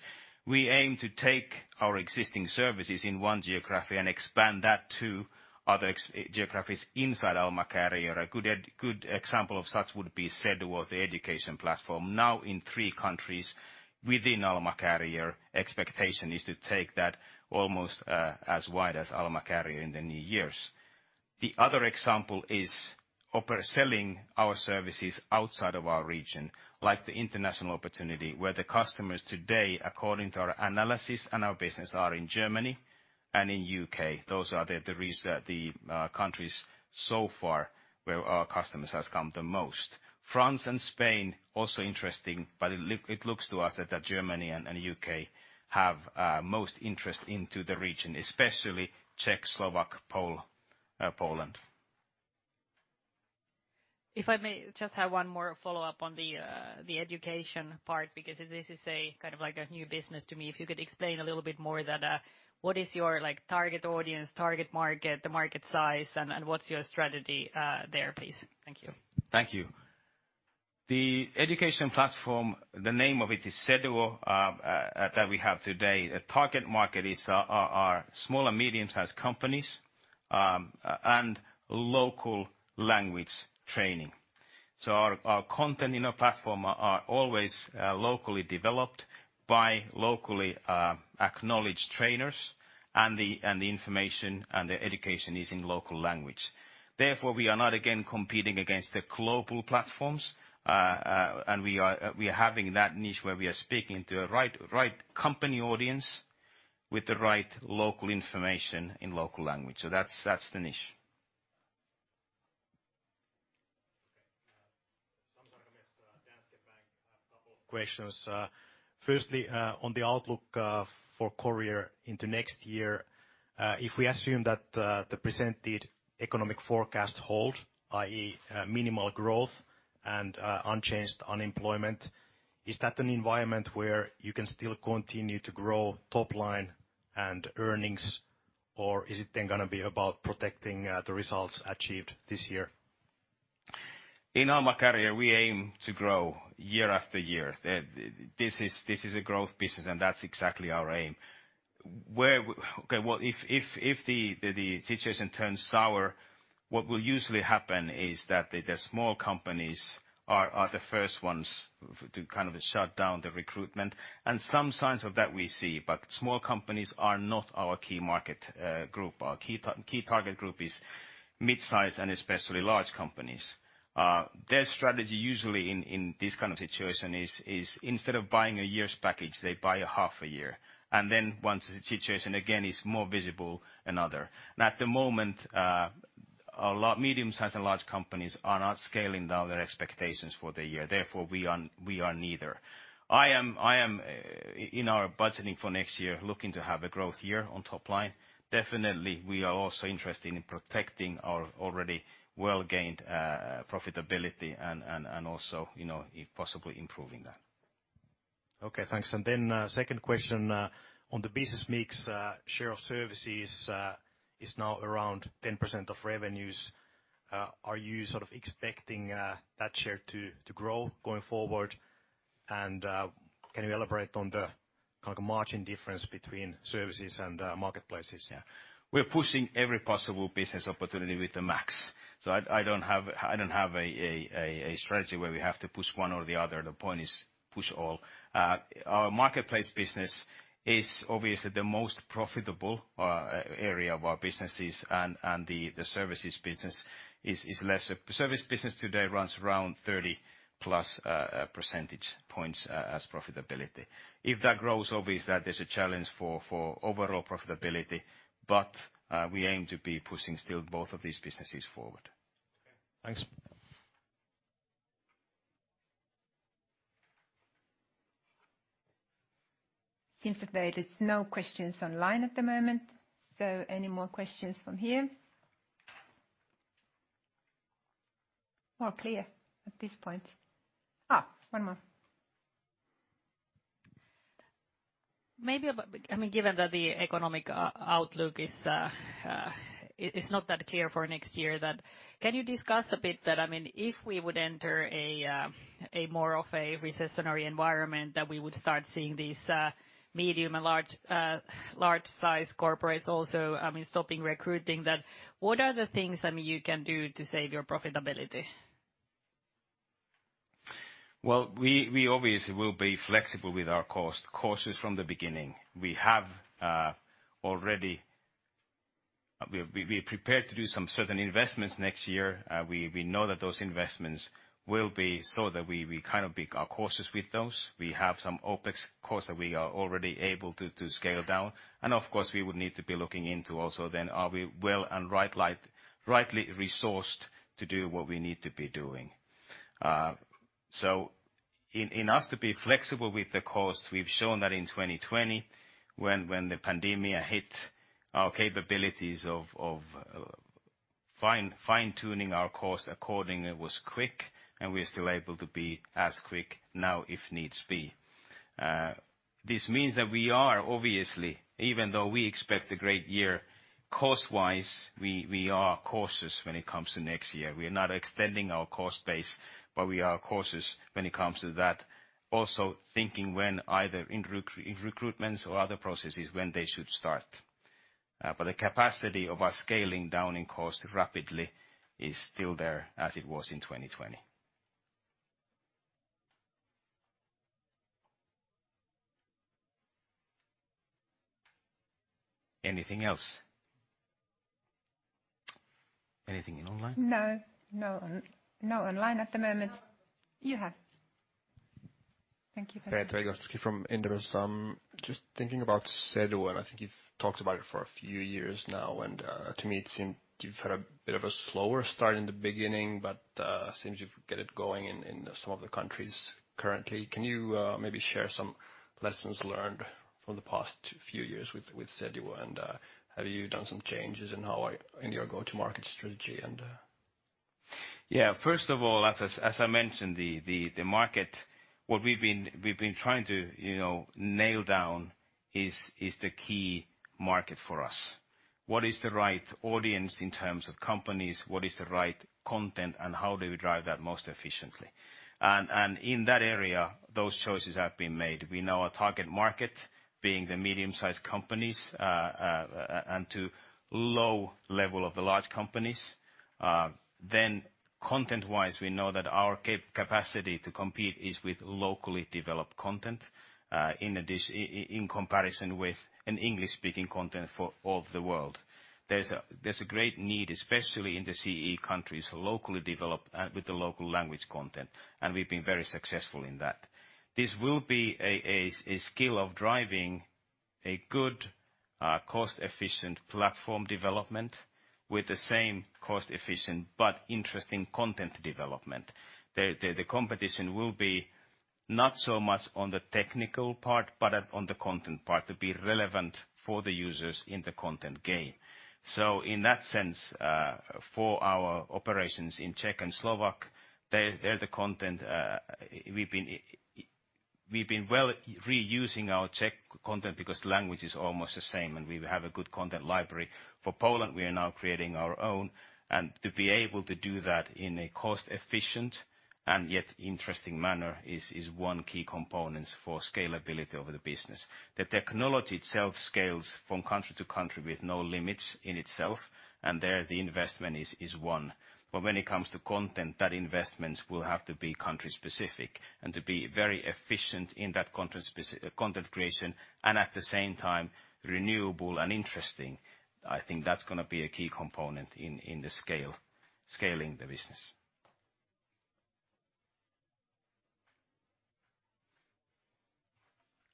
We aim to take our existing services in one geography and expand that to other ex-geographies inside Alma Career. A good example of such would be Seduo, the education platform. Now in three countries within Alma Career, expectation is to take that almost as wide as Alma Career in the new years. The other example is offer selling our services outside of our region, like the international opportunity, where the customers today, according to our analysis and our business, are in Germany and in U.K. Those are the countries so far where our customers has come the most. France and Spain, also interesting. It looks to us that Germany and U.K. have most interest into the region, especially Czech, Slovak, Poland. If I may just have one more follow-up on the education part, because this is a kind of like a new business to me. If you could explain a little bit more that, what is your like target audience, target market, the market size, and what's your strategy, there, please? Thank you. Thank you. The education platform, the name of it is Seduo that we have today. The target market are small and medium-sized companies and local language training. Our content in our platform are always locally developed by locally acknowledged trainers and the information and the education is in local language. Therefore, we are not again competing against the global platforms and we are having that niche where we are speaking to a right company audience with the right local information in local language. That's the niche. Okay. Sami Sarkamies, Danske Bank. A couple of questions. Firstly, on the outlook for Career into next year, if we assume that the presented economic forecast hold, i.e., minimal growth and unchanged unemployment, is that an environment where you can still continue to grow top line and earnings, or is it then gonna be about protecting the results achieved this year? In Alma Career, we aim to grow year after year. This is a growth business. That's exactly our aim. Okay, well, if the situation turns sour. What will usually happen is that the small companies are the first ones to kind of shut down the recruitment. Some signs of that we see. Small companies are not our key market group. Our key target group is mid-size and especially large companies. Their strategy usually in this kind of situation is instead of buying a year's package, they buy a half a year. Once the situation again is more visible, another. At the moment, medium-size and large companies are not scaling down their expectations for the year, therefore, we are neither. I am in our budgeting for next year, looking to have a growth year on top line. Definitely, we are also interested in protecting our already well-gained profitability and also, you know, if possibly improving that. Okay, thanks. Second question on the business mix, share of services is now around 10% of revenues. Are you sort of expecting that share to grow going forward? Can you elaborate on the kind of margin difference between services and marketplaces? Yeah. We're pushing every possible business opportunity with the max. I don't have a strategy where we have to push one or the other. The point is push all. Our marketplace business is obviously the most profitable area of our businesses and the services business is less. Service business today runs around 30 plus percentage points as profitability. If that grows, obvious that there's a challenge for overall profitability, we aim to be pushing still both of these businesses forward. Okay. Thanks. Seems that there is no questions online at the moment. Any more questions from here? All clear at this point. One more. Maybe, but I mean, given that the economic outlook is not that clear for next year, can you discuss a bit that, I mean, if we would enter a more of a recessionary environment that we would start seeing these medium and large-sized corporates also, I mean, stopping recruiting, what are the things, I mean, you can do to save your profitability? Well, we obviously will be flexible with our cost. Cautious from the beginning. We have already, we are prepared to do some certain investments next year. We know that those investments will be so that we kind of pick our courses with those. We have some OpEx costs that we are already able to scale down. Of course, we would need to be looking into also then are we well and rightly resourced to do what we need to be doing. In us to be flexible with the cost, we've shown that in 2020 when the pandemic hit, our capabilities of fine-tuning our cost accordingly was quick, and we're still able to be as quick now if needs be. This means that we are obviously, even though we expect a great year cost-wise, we are cautious when it comes to next year. We are not extending our cost base, but we are cautious when it comes to that. Also thinking when either in recruitments or other processes when they should start. The capacity of us scaling down in cost rapidly is still there as it was in 2020. Anything else? Anything in online? No. No on, no online at the moment. You have. Thank you. Petri Aho from Inderes. Just thinking about Seduo, and I think you've talked about it for a few years now. To me, it seemed you've had a bit of a slower start in the beginning, but seems you've get it going in some of the countries currently. Can you maybe share some lessons learned from the past few years with Seduo and have you done some changes in your go-to-market strategy and? Yeah. First of all, as I mentioned, the market what we've been trying to, you know, nail down is the key market for us. What is the right audience in terms of companies? What is the right content, and how do we drive that most efficiently? In that area, those choices have been made. We know our target market being the medium-sized companies, and to low level of the large companies. Content-wise, we know that our capacity to compete is with locally developed content, in comparison with an English-speaking content for all of the world. There's a great need, especially in the CEE countries, locally developed, with the local language content, and we've been very successful in that. This will be a skill of driving a good cost-efficient platform development with the same cost-efficient but interesting content development. The competition will be not so much on the technical part, but on the content part, to be relevant for the users in the content game. In that sense, for our operations in Czech and Slovak, they're the content, we've been well reusing our Czech content because the language is almost the same, and we have a good content library. For Poland, we are now creating our own, and to be able to do that in a cost-efficient and yet interesting manner is one key components for scalability of the business. The technology itself scales from country to country with no limits in itself, and there, the investment is one. When it comes to content, that investments will have to be country-specific, and to be very efficient in that content creation, and at the same time renewable and interesting, I think that's gonna be a key component in the scale, scaling the business.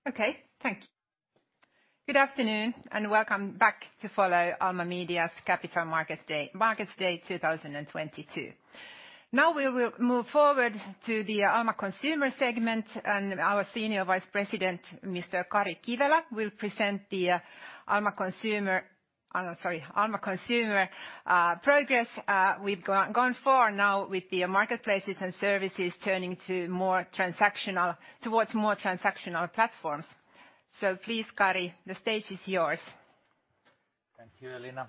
Okay. Thank you. Good afternoon, and welcome back to follow Alma Media's Capital Market Day, Markets Day 2022. Now we will move forward to the Alma Consumer segment, and our Senior Vice President, Mr. Kari Kivelä, will present the Alma Consumer progress. We've gone far now with the marketplaces and services turning to more transactional, towards more transactional platforms. Please, Kari, the stage is yours. Thank you, Elina.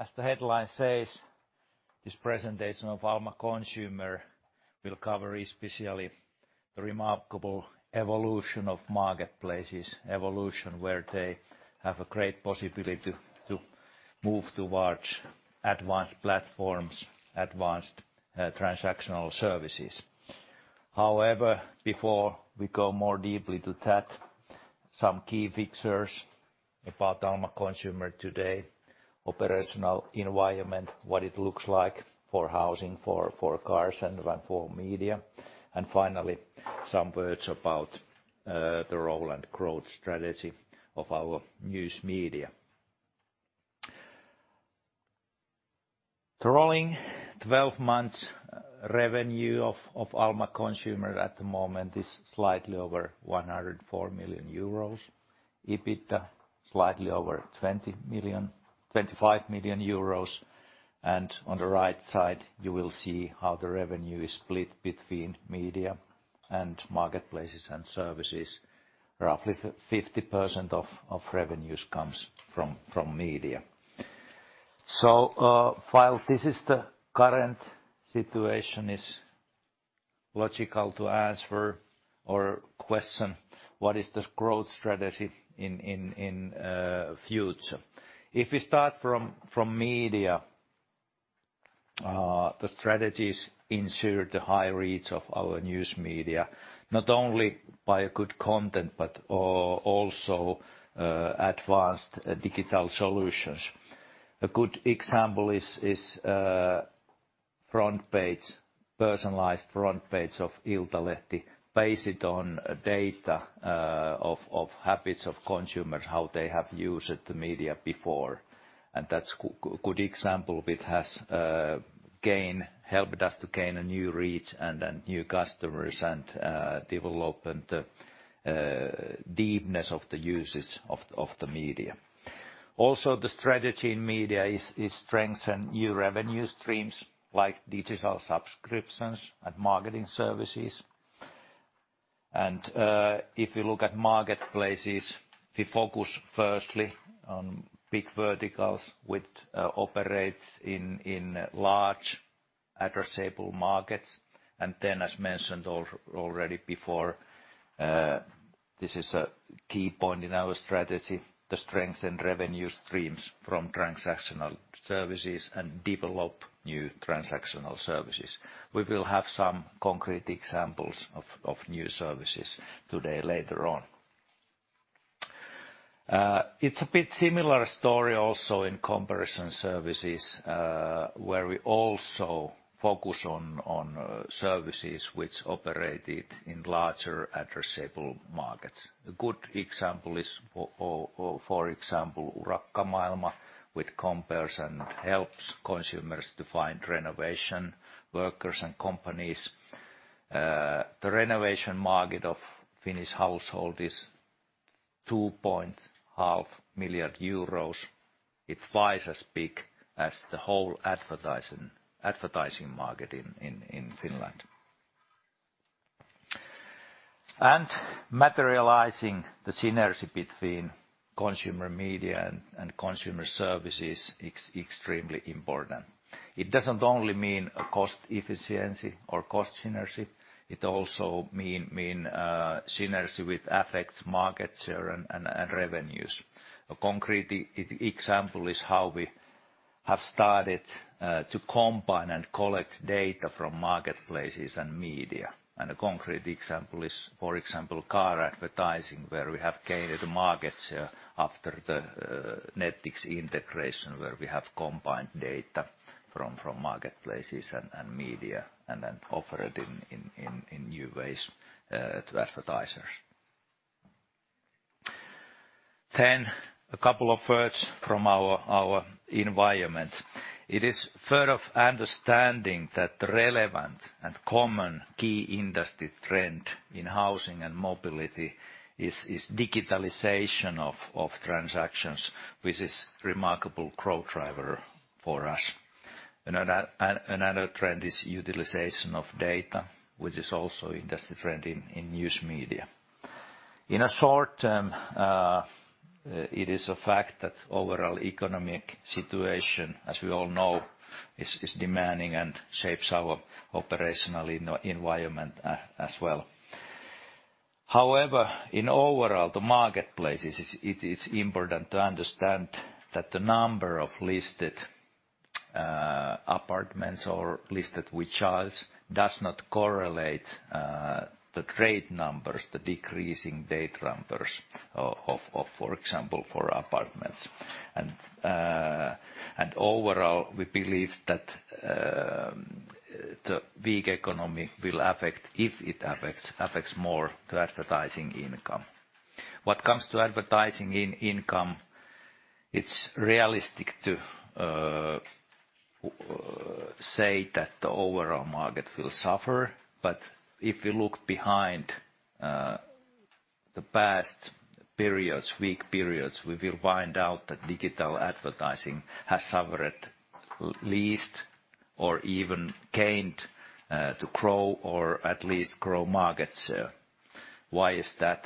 As the headline says, this presentation of Alma Consumer will cover especially the remarkable evolution of marketplaces. Evolution where they have a great possibility to move towards advanced platforms, advanced transactional services. However, before we go more deeply to that, some key pictures about Alma Consumer today, operational environment, what it looks like for housing, for cars, and then for media. Finally, some words about the role and growth strategy of our news media. The rolling 12 months revenue of Alma Consumer at the moment is slightly over 104 million euros. EBITDA, slightly over 20 million, 25 million euros. On the right side, you will see how the revenue is split between media and marketplaces and services. Roughly 50% of revenues comes from media. While this is the current situation is logical to ask for or question what is the growth strategy in future. If we start from media, the strategies ensure the high reach of our news media, not only by a good content, but also advanced digital solutions. A good example is front page, personalized front page of Iltalehti based on data of habits of consumers, how they have used the media before. That's good example, which has helped us to gain a new reach and then new customers and development deepness of the usage of the media. Also, the strategy in media is strengthen new revenue streams like digital subscriptions and marketing services. If you look at marketplaces, we focus firstly on big verticals which operates in large addressable markets. As mentioned already before, this is a key point in our strategy, to strengthen revenue streams from transactional services and develop new transactional services. We will have some concrete examples of new services today later on. It's a bit similar story also in comparison services, where we also focus on services which operated in larger addressable markets. A good example is for example, Urakkamaailma, which compares and helps consumers to find renovation workers and companies. The renovation market of Finnish household is two point half million euros. It's twice as big as the whole advertising market in Finland. Materializing the synergy between consumer media and consumer services is extremely important. It doesn't only mean a cost efficiency or cost synergy, it also mean synergy with effects market share and revenues. A concrete example is how we have started to combine and collect data from marketplaces and media. A concrete example is, for example, car advertising, where we have gained market share after the Nettix integration, where we have combined data from marketplaces and media, and then offer it in new ways to advertisers. A couple of words from our environment. It is fair of understanding that relevant and common key industry trend in housing and mobility is digitalization of transactions, which is remarkable growth driver for us. Another trend is utilization of data, which is also industry trend in news media. In a short-term, it is a fact that overall economic situation, as we all know, is demanding and shapes our operational environment as well. However, in overall, the marketplace is, it is important to understand that the number of listed apartments or listed vehicles does not correlate the trade numbers, the decreasing data numbers of, for example, for apartments. Overall, we believe that the weak economy will affect, if it affects more the advertising income. What comes to advertising in income, it's realistic to say that the overall market will suffer. If you look behind the past periods, weak periods, we will find out that digital advertising has suffered least or even gained to grow or at least grow markets. Why is that?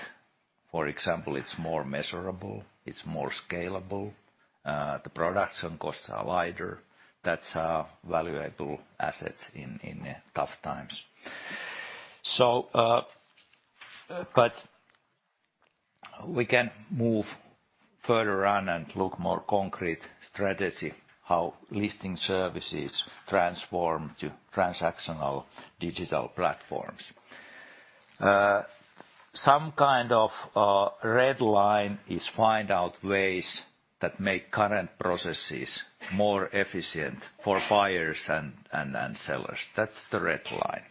For example, it's more measurable, it's more scalable, the production costs are lighter. That's a valuable asset in tough times. We can move further on and look more concrete strategy how listing services transform to transactional digital platforms. Some kind of red line is find out ways that make current processes more efficient for buyers and sellers. That's the red line.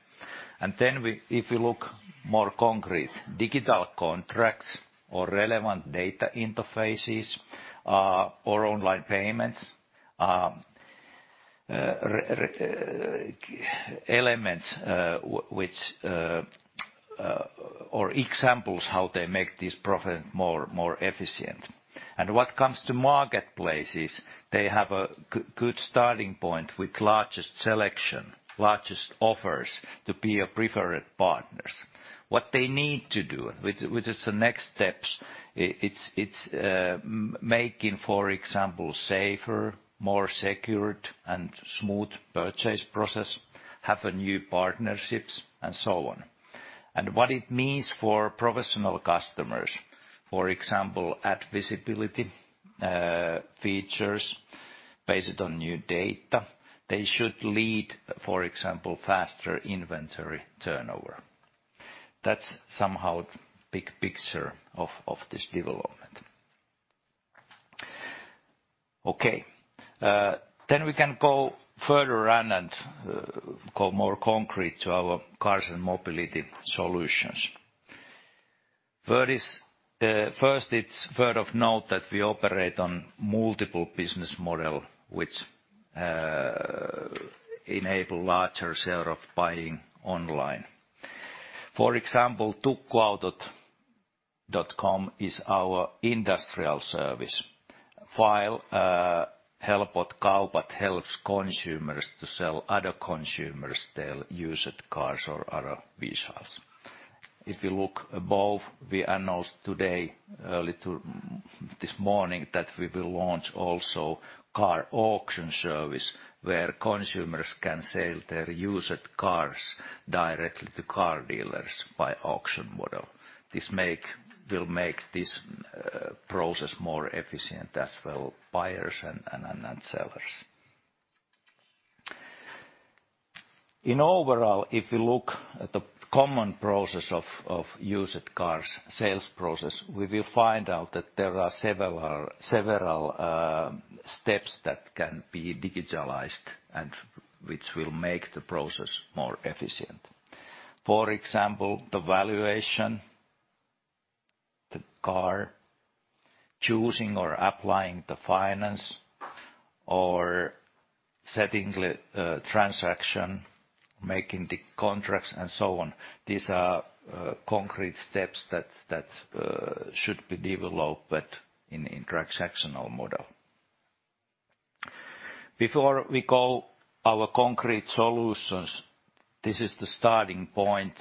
Then if you look more concrete, digital contracts or relevant data interfaces, or online payments, elements which or examples how they make this process more efficient. What comes to marketplaces, they have a good starting point with largest selection, largest offers to be a preferred partners. What they need to do, which is the next steps, it's making, for example, safer, more secured, and smooth purchase process, have a new partnerships, and so on. What it means for professional customers, for example, ad visibility, features based on new data, they should lead, for example, faster inventory turnover. That's somehow big picture of this development. Okay. We can go further on and go more concrete to our cars and mobility solutions. First it's worth of note that we operate on multiple business model which enable larger share of buying online. For example, Tukkuautot.com is our industrial service. While Helpot Kaupat helps consumers to sell other consumers their used cars or other vehicles. If you look above, we announced today little this morning, that we will launch also car auction service where consumers can sell their used cars directly to car dealers by auction model. This will make this process more efficient as well, buyers and sellers. In overall, if you look at the Common process of used cars sales process, we will find out that there are several steps that can be digitalized and which will make the process more efficient. For example, the valuation the car, choosing or applying the finance, or setting the transaction, making the contracts, and so on. These are concrete steps that should be developed in transactional model. Before we go our concrete solutions, this is the starting point,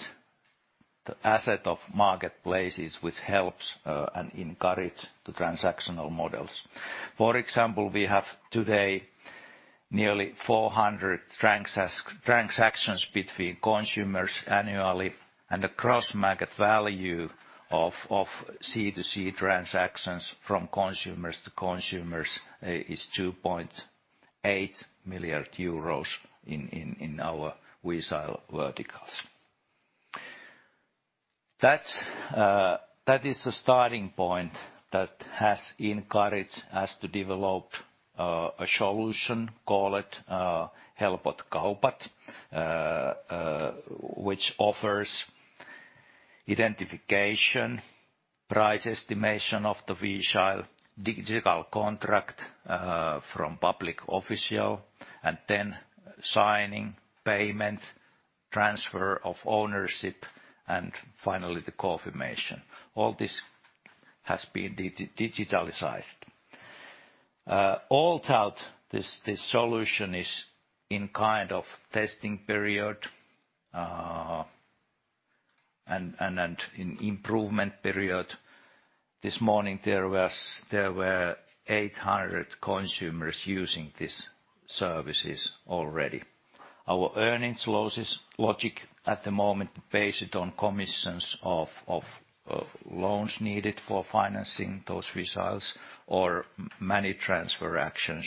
the asset of marketplaces which helps and encourage the transactional models. For example, we have today nearly 400 transactions between consumers annually, and the cross-market value of C2C transactions from consumers to consumers is 2.8 million euros in our vehicle verticals. That is the starting point that has encouraged us to develop a solution called Helpot Kaupat, which offers identification, price estimation of the vehicle, digital contract from public official, and then signing, payment, transfer of ownership, and finally the confirmation. All this has been digitalized. All told, this solution is in kind of testing period and in improvement period. This morning, there were 800 consumers using this services already. Our earnings losses logic at the moment based on commissions of loans needed for financing those results or money transfer actions,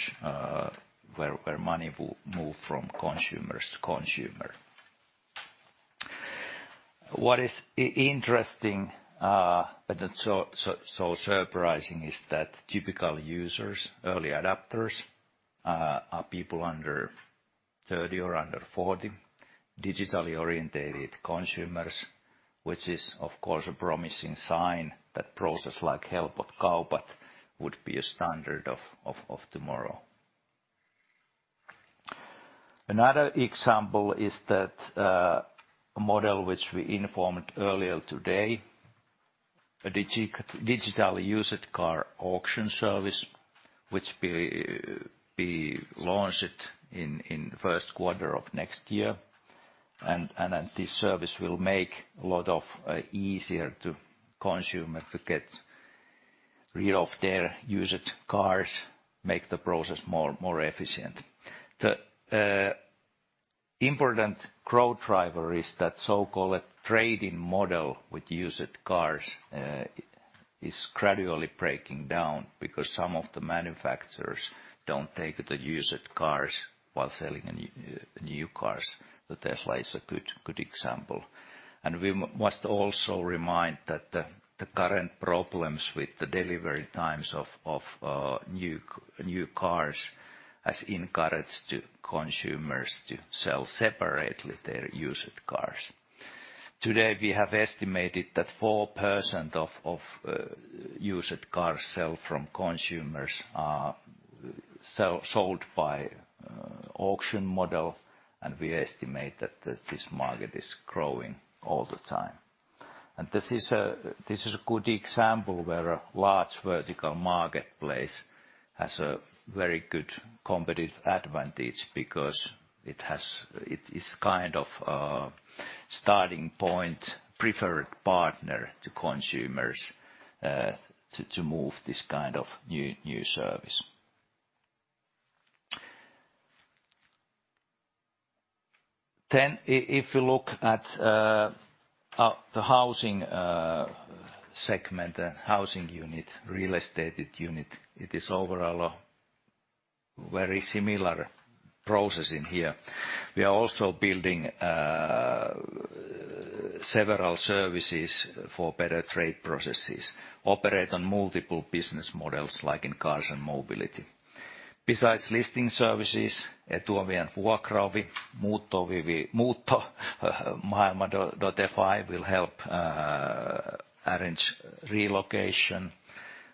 where money will move from consumers to consumer. What is interesting, but not so surprising is that typical users, early adapters, are people under 30 or under 40, digitally oriented consumers, which is, of course, a promising sign that process like Helpot Kaupat would be a standard of tomorrow. Another example is that model which we informed earlier today, a digital used car auction service which be launched in the first quarter of next year. This service will make a lot easier to consumer to get rid of their used cars, make the process more efficient. The important growth driver is that so-called trade-in model with used cars is gradually breaking down because some of the manufacturers don't take the used cars while selling a new cars. Tesla is a good example. We must also remind that the current problems with the delivery times of new cars has encouraged to consumers to sell separately their used cars. Today, we have estimated that 4% of used cars sell from consumers are sold by auction model, and we estimate that this market is growing all the time. This is a good example where a large vertical marketplace has a very good competitive advantage because it is kind of a starting point, preferred partner to consumers to move this kind of new service. If you look at the housing segment, housing unit, real estate unit, it is overall a very similar process in here. We are also building several services for better trade processes, operate on multiple business models like in cars and mobility. Besides listing services, Muuttomaailma.fi will help arrange relocation,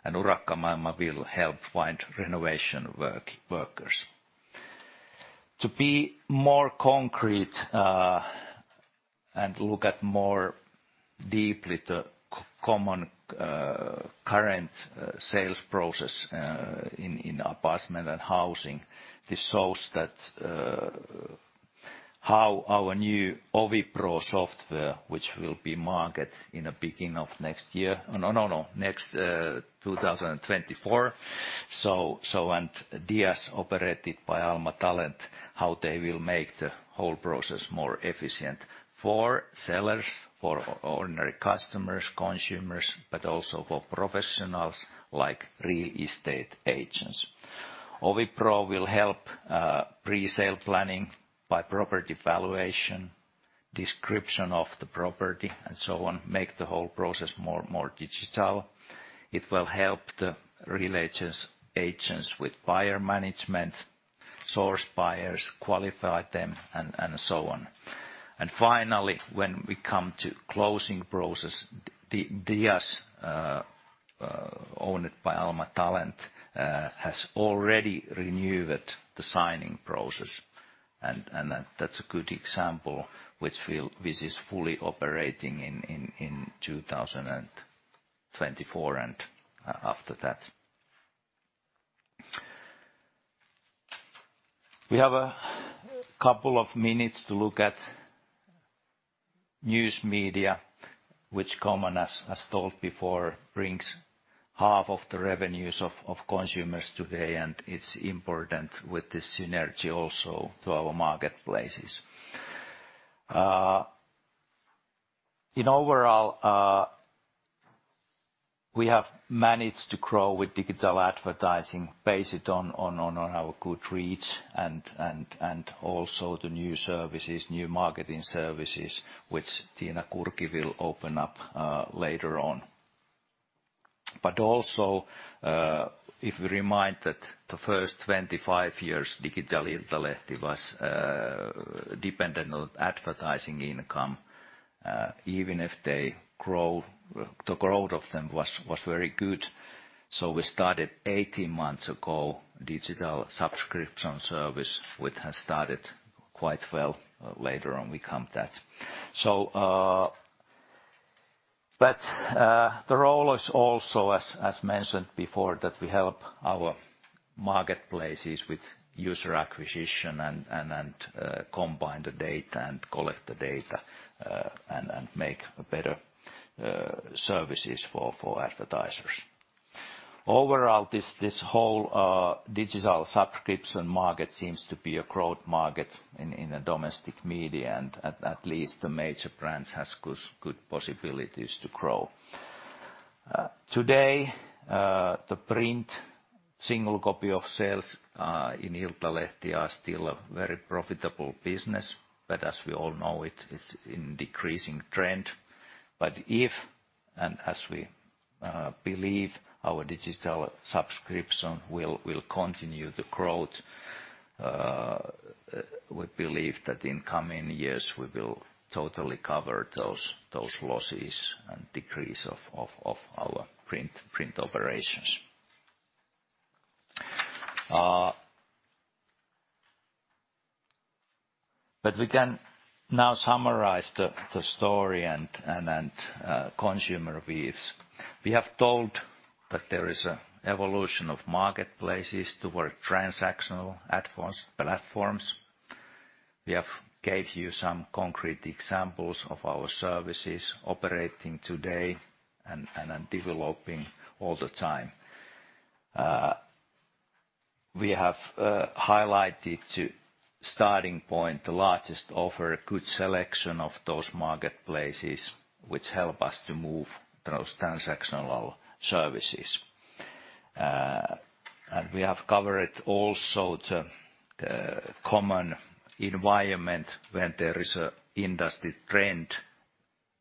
and Urakkamaailma will help find renovation workers. To be more concrete, and look at more deeply the common current sales process in apartment and housing, this shows that how our new OviPro software, which will be market in the beginning of next year. No, next 2024. DIAS operated by Alma Talent, how they will make the whole process more efficient for sellers, for ordinary customers, consumers, but also for professionals like real estate agents. OviPro will help pre-sale planning by property valuation, description of the property, and so on, make the whole process more digital. It will help the real agents with buyer management, source buyers, qualify them, and so on. Finally, when we come to closing process, DIAS, owned by Alma Talent, has already renewed the signing process and that's a good example which is fully operating in 2024 and after that. We have a couple of minutes to look at news media, which Koman has told before, brings half of the revenues of consumers today, and it's important with this synergy also to our marketplaces. In overall, we have managed to grow with digital advertising based on our good reach and also the new services, new marketing services, which Tiina Kurki will open up, later on. But also, uh, if we remind that the first 25 years, Digitaalinen Iltalehti was, uh, dependent on advertising income, uh, even if they grow, the growth of them was, was very good-So we started eighteen months ago digital subscription service, which has started quite well. Later on, we come that. So—but the role is also as, as mentioned before, that we help our marketplaces with user acquisition and combine the data and collect the data and make better services for advertisers. Overall, this whole digital subscription market seems to be a growth market in the domestic media, and at least the major brands has good possibilities to grow. Today, the print single copy of sales in Iltalehti are still a very profitable business, but as we all know it's in decreasing trend. If, and as we believe our digital subscription will continue the growth, we believe that in coming years we will totally cover those losses and decrease of our print operations. We can now summarize the story and consumer views. We have told that there is a evolution of marketplaces toward transactional advanced platforms. We have gave you some concrete examples of our services operating today and developing all the time. We have highlighted to starting point the largest offer, good selection of those marketplaces which help us to move those transactional services. We have covered also the common environment when there is a industry trend,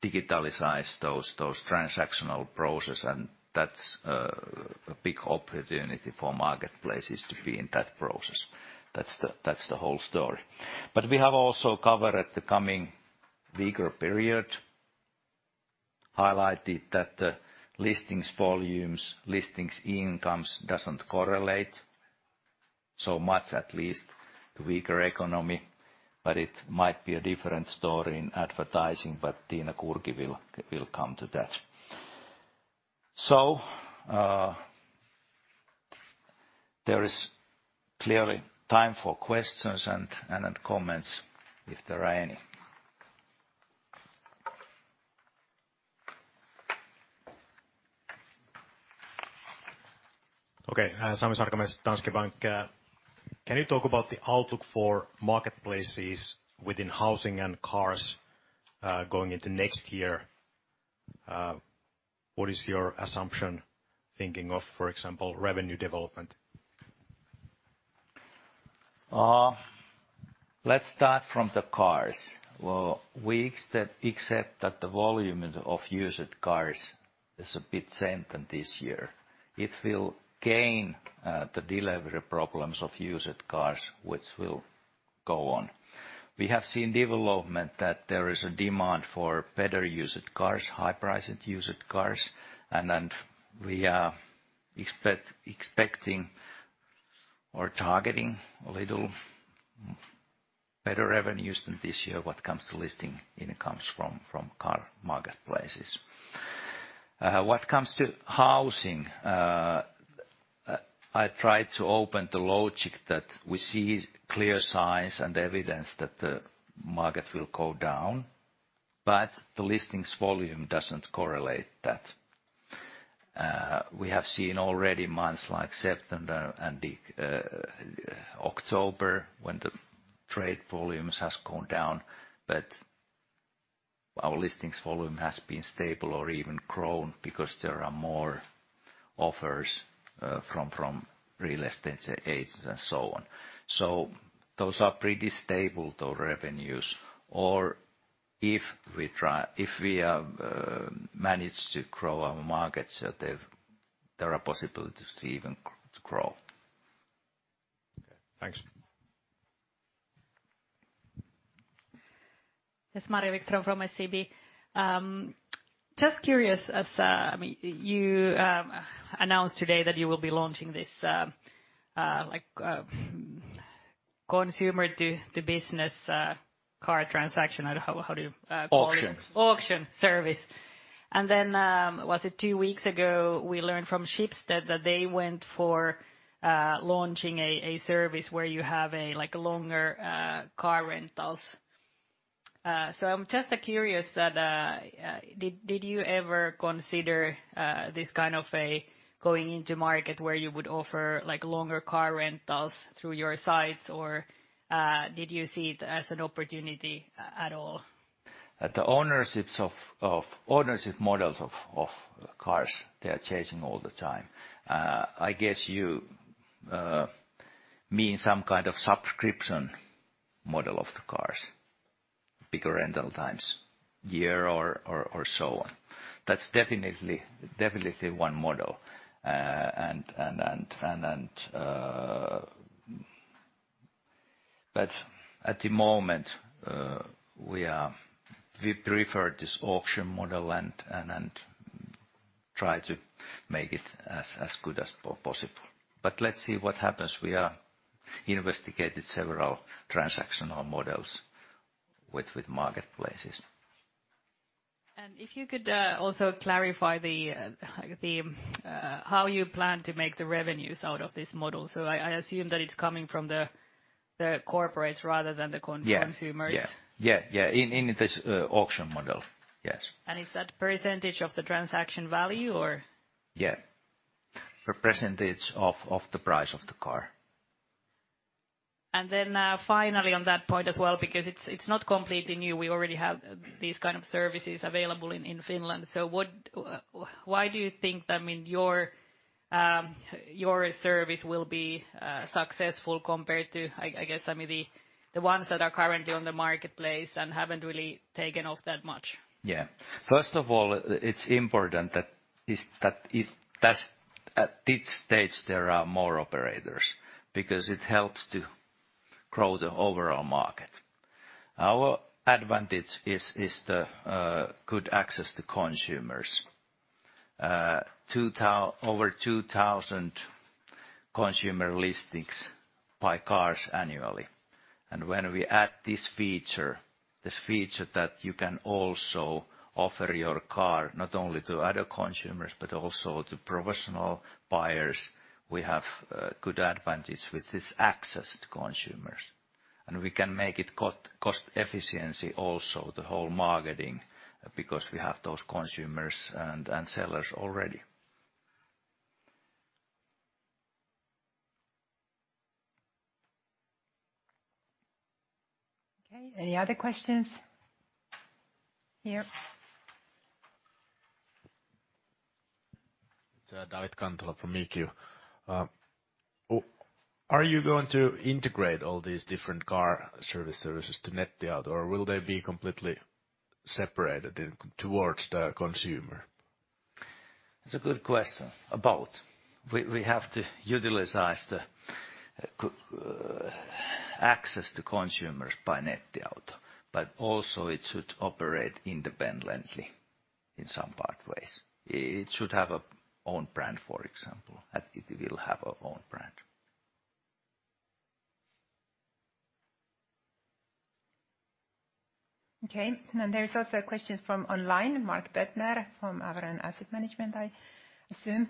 digitalize those transactional process and that's a big opportunity for marketplaces to be in that process. That's the whole story. We have also covered the coming weaker period, highlighted that the listings volumes, listings incomes doesn't correlate so much at least to weaker economy, but it might be a different story in advertising. Tiina Kurki will come to that. There is clearly time for questions and comments, if there are any. Okay. Sami Sarkamies, Danske Bank. Can you talk about the outlook for marketplaces within housing and cars, going into next year? What is your assumption thinking of, for example, revenue development? Let's start from the cars. We accept that the volume of used cars is a bit same than this year. It will gain the delivery problems of used cars which will go on. We have seen development that there is a demand for better used cars, high-priced used cars, and we are expecting or targeting a little better revenues than this year what comes to listing incomes from car marketplaces. What comes to housing, I tried to open the logic that we see clear signs and evidence that the market will go down. The listings volume doesn't correlate that. We have seen already months like September and October when the trade volumes has gone down. Our listings volume has been stable or even grown because there are more offers from real estate agents and so on. Those are pretty stable, those revenues. If we manage to grow our markets, there are possibilities to even to grow. Okay. Thanks. Yes. Maria Wikström from SEB. Just curious as, I mean, you announced today that you will be launching this, like, consumer to business car transaction. I don't know how do you call it? Auction. Auction service. Then, was it two weeks ago we learned from Schibsted that they went for launching a service where you have like longer car rentals. So I'm just curious that did you ever consider this kind of going into market where you would offer like longer car rentals through your sites or did you see it as an opportunity at all? At the ownership models of cars, they are changing all the time. I guess you mean some kind of subscription model of the cars, bigger rental times, year or so on. That's definitely one model. At the moment, we prefer this auction model and try to make it as good as possible. Let's see what happens. We are investigating several transactional models with marketplaces. If you could also clarify how you plan to make the revenues out of this model. I assume that it's coming from the corporates rather than the con— Yeah. Consumers. Yeah. Yeah, yeah. In this auction model. Yes. Is that percentage of the transaction value or? Yeah. Percentage of the price of the car. Then, finally on that point as well, because it's not completely new, we already have these kind of services available in Finland. What, why do you think that, I mean, your service will be successful compared to, I guess, I mean, the ones that are currently on the marketplace and haven't really taken off that much? First of all, it's important that at this stage there are more operators because it helps to grow the overall market. Our advantage is the good access to consumers. Over 2,000 consumer listings buy cars annually. When we add this feature that you can also offer your car not only to other consumers but also to professional buyers, we have good advantage with this access to consumers. We can make it co-cost efficiency also, the whole marketing, because we have those consumers and sellers already. Okay. Any other questions? Here. It's, David Sandström from DNB. Are you going to integrate all these different car services to Nettiauto or will they be completely separated in, towards the consumer? It's a good question. We have to utilize the access to consumers by Nettiauto, also it should operate independently in some part ways. It should have a own brand, for example. It will have a own brand. Okay. There is also a question from online, Markus Böttcher from Arejärvi Asset Management, I assume,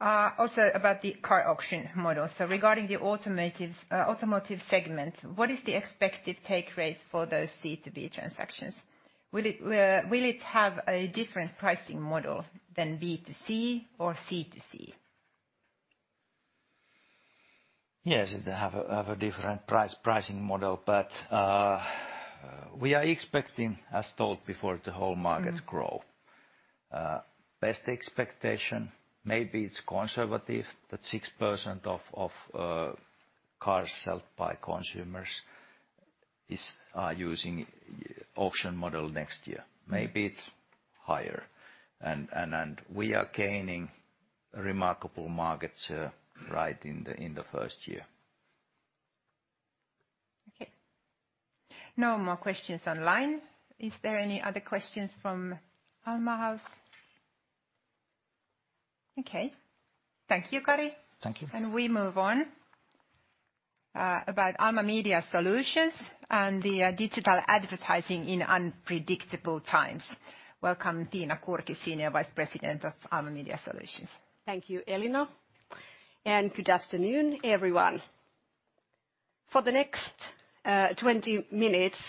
also about the car auction model. Regarding the automotive segment, what is the expected take rates for those C2B transactions? Will it have a different pricing model than B2C or C2C? Yes, it'll have a different price, pricing model, but we are expecting, as told before, the whole market grow. Best expectation, maybe it's conservative, but 6% of cars sold by consumers are using auction model next year. Maybe it's higher. we are gaining remarkable market share right in the, in the first year. Okay. No more questions online. Is there any other questions from Alma house? Okay. Thank you, Kari. Thank you. We move on, about Alma Media Solutions and the digital advertising in unpredictable times. Welcome, Tiina Kurki, Senior Vice President of Alma Media Solutions. Thank you, Elina. Good afternoon, everyone. For the next 20 minutes,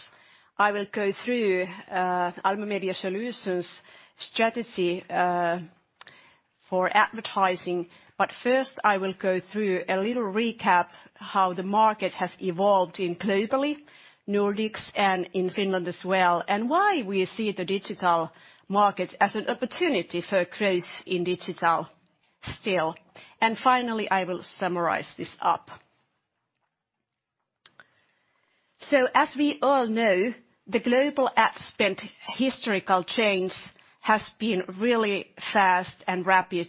I will go through Alma Media Solutions' strategy for advertising, but first I will go through a little recap how the market has evolved in globally, Nordics, and in Finland as well, and why we see the digital market as an opportunity for growth in digital still. Finally, I will summarize this up. As we all know, the global ad spend historical change has been really fast and rapid,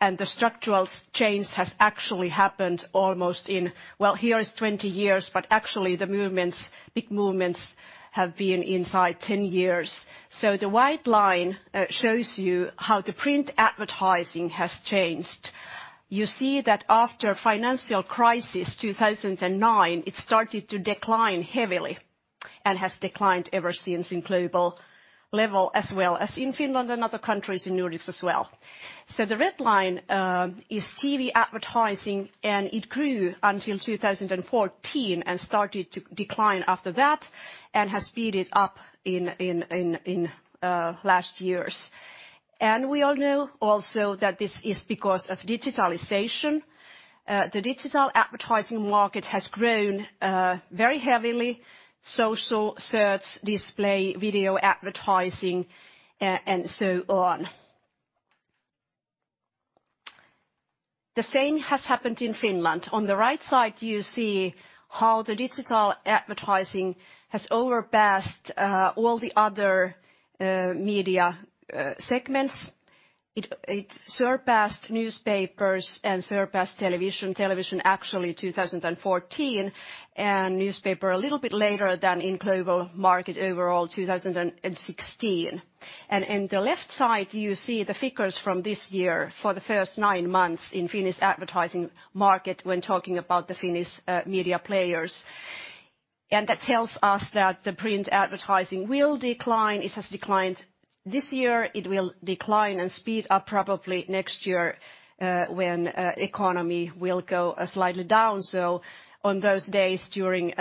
and the structural change has actually happened almost in, well, here is 20 years, but actually the movements, big movements have been inside 10 years. The white line shows you how the print advertising has changed. You see that after financial crisis, 2009, it started to decline heavily and has declined ever since in global level as well as in Finland and other countries in Nordics as well. The red line is TV advertising, and it grew until 2014 and started to decline after that and has speeded up in last years. We all know also that this is because of digitalization. The digital advertising market has grown very heavily, social, search, display, video advertising, and so on. The same has happened in Finland. On the right side, you see how the digital advertising has overpassed all the other media segments. It surpassed newspapers and surpassed television, actually 2014, and newspaper a little bit later than in global market overall, 2016. In the left side, you see the figures from this year for the first nine months in Finnish advertising market when talking about the Finnish media players. That tells us that the print advertising will decline. It has declined this year. It will decline and speed up probably next year, when economy will go slightly down. On those days during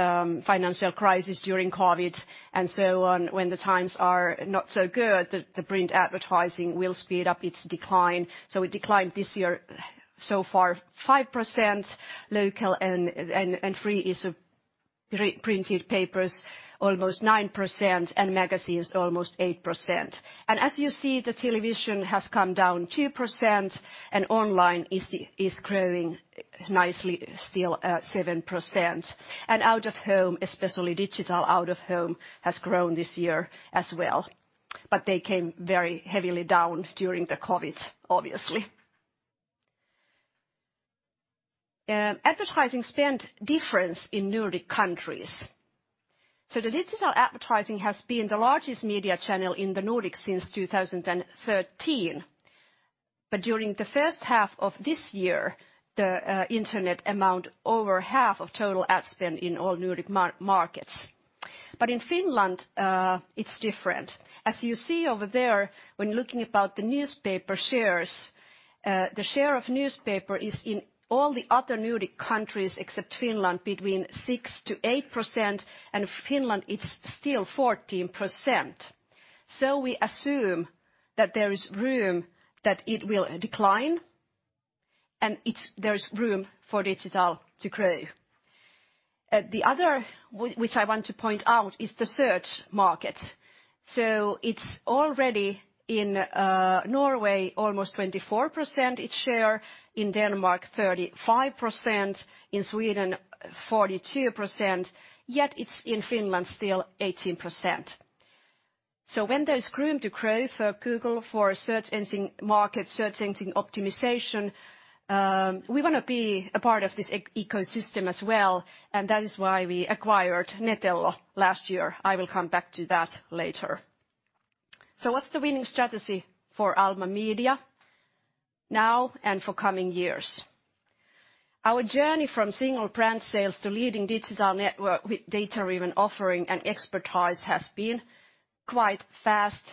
financial crisis, during COVID, and so on, when the times are not so good, the print advertising will speed up its decline. It declined this year so far 5% local and free printed papers, almost 9%, and magazines almost 8%. As you see, the television has come down 2% and online is growing nicely, still, 7%. Out-of-home, especially digital out-of-home, has grown this year as well. They came very heavily down during the COVID, obviously. Advertising spend difference in Nordic countries. The digital advertising has been the largest media channel in the Nordics since 2013. During the first half of this year, the internet amount over half of total ad spend in all Nordic markets. In Finland, it's different. As you see over there, when looking about the newspaper shares, the share of newspaper is in all the other Nordic countries, except Finland, between 6%-8%, and Finland it's still 14%. We assume that there is room that it will decline and there's room for digital to grow. The other which I want to point out is the search market. It's already in Norway almost 24%, its share in Denmark 35%, in Sweden 42%. Yet it's in Finland still 18%. When there's room to grow for Google, for search engine market, search engine optimization, we wanna be a part of this ecosystem as well, and that is why we acquired Netello last year. I will come back to that later. What's the winning strategy for Alma Media now and for coming years? Our journey from single brand sales to leading digital network with data-driven offering and expertise has been quite fast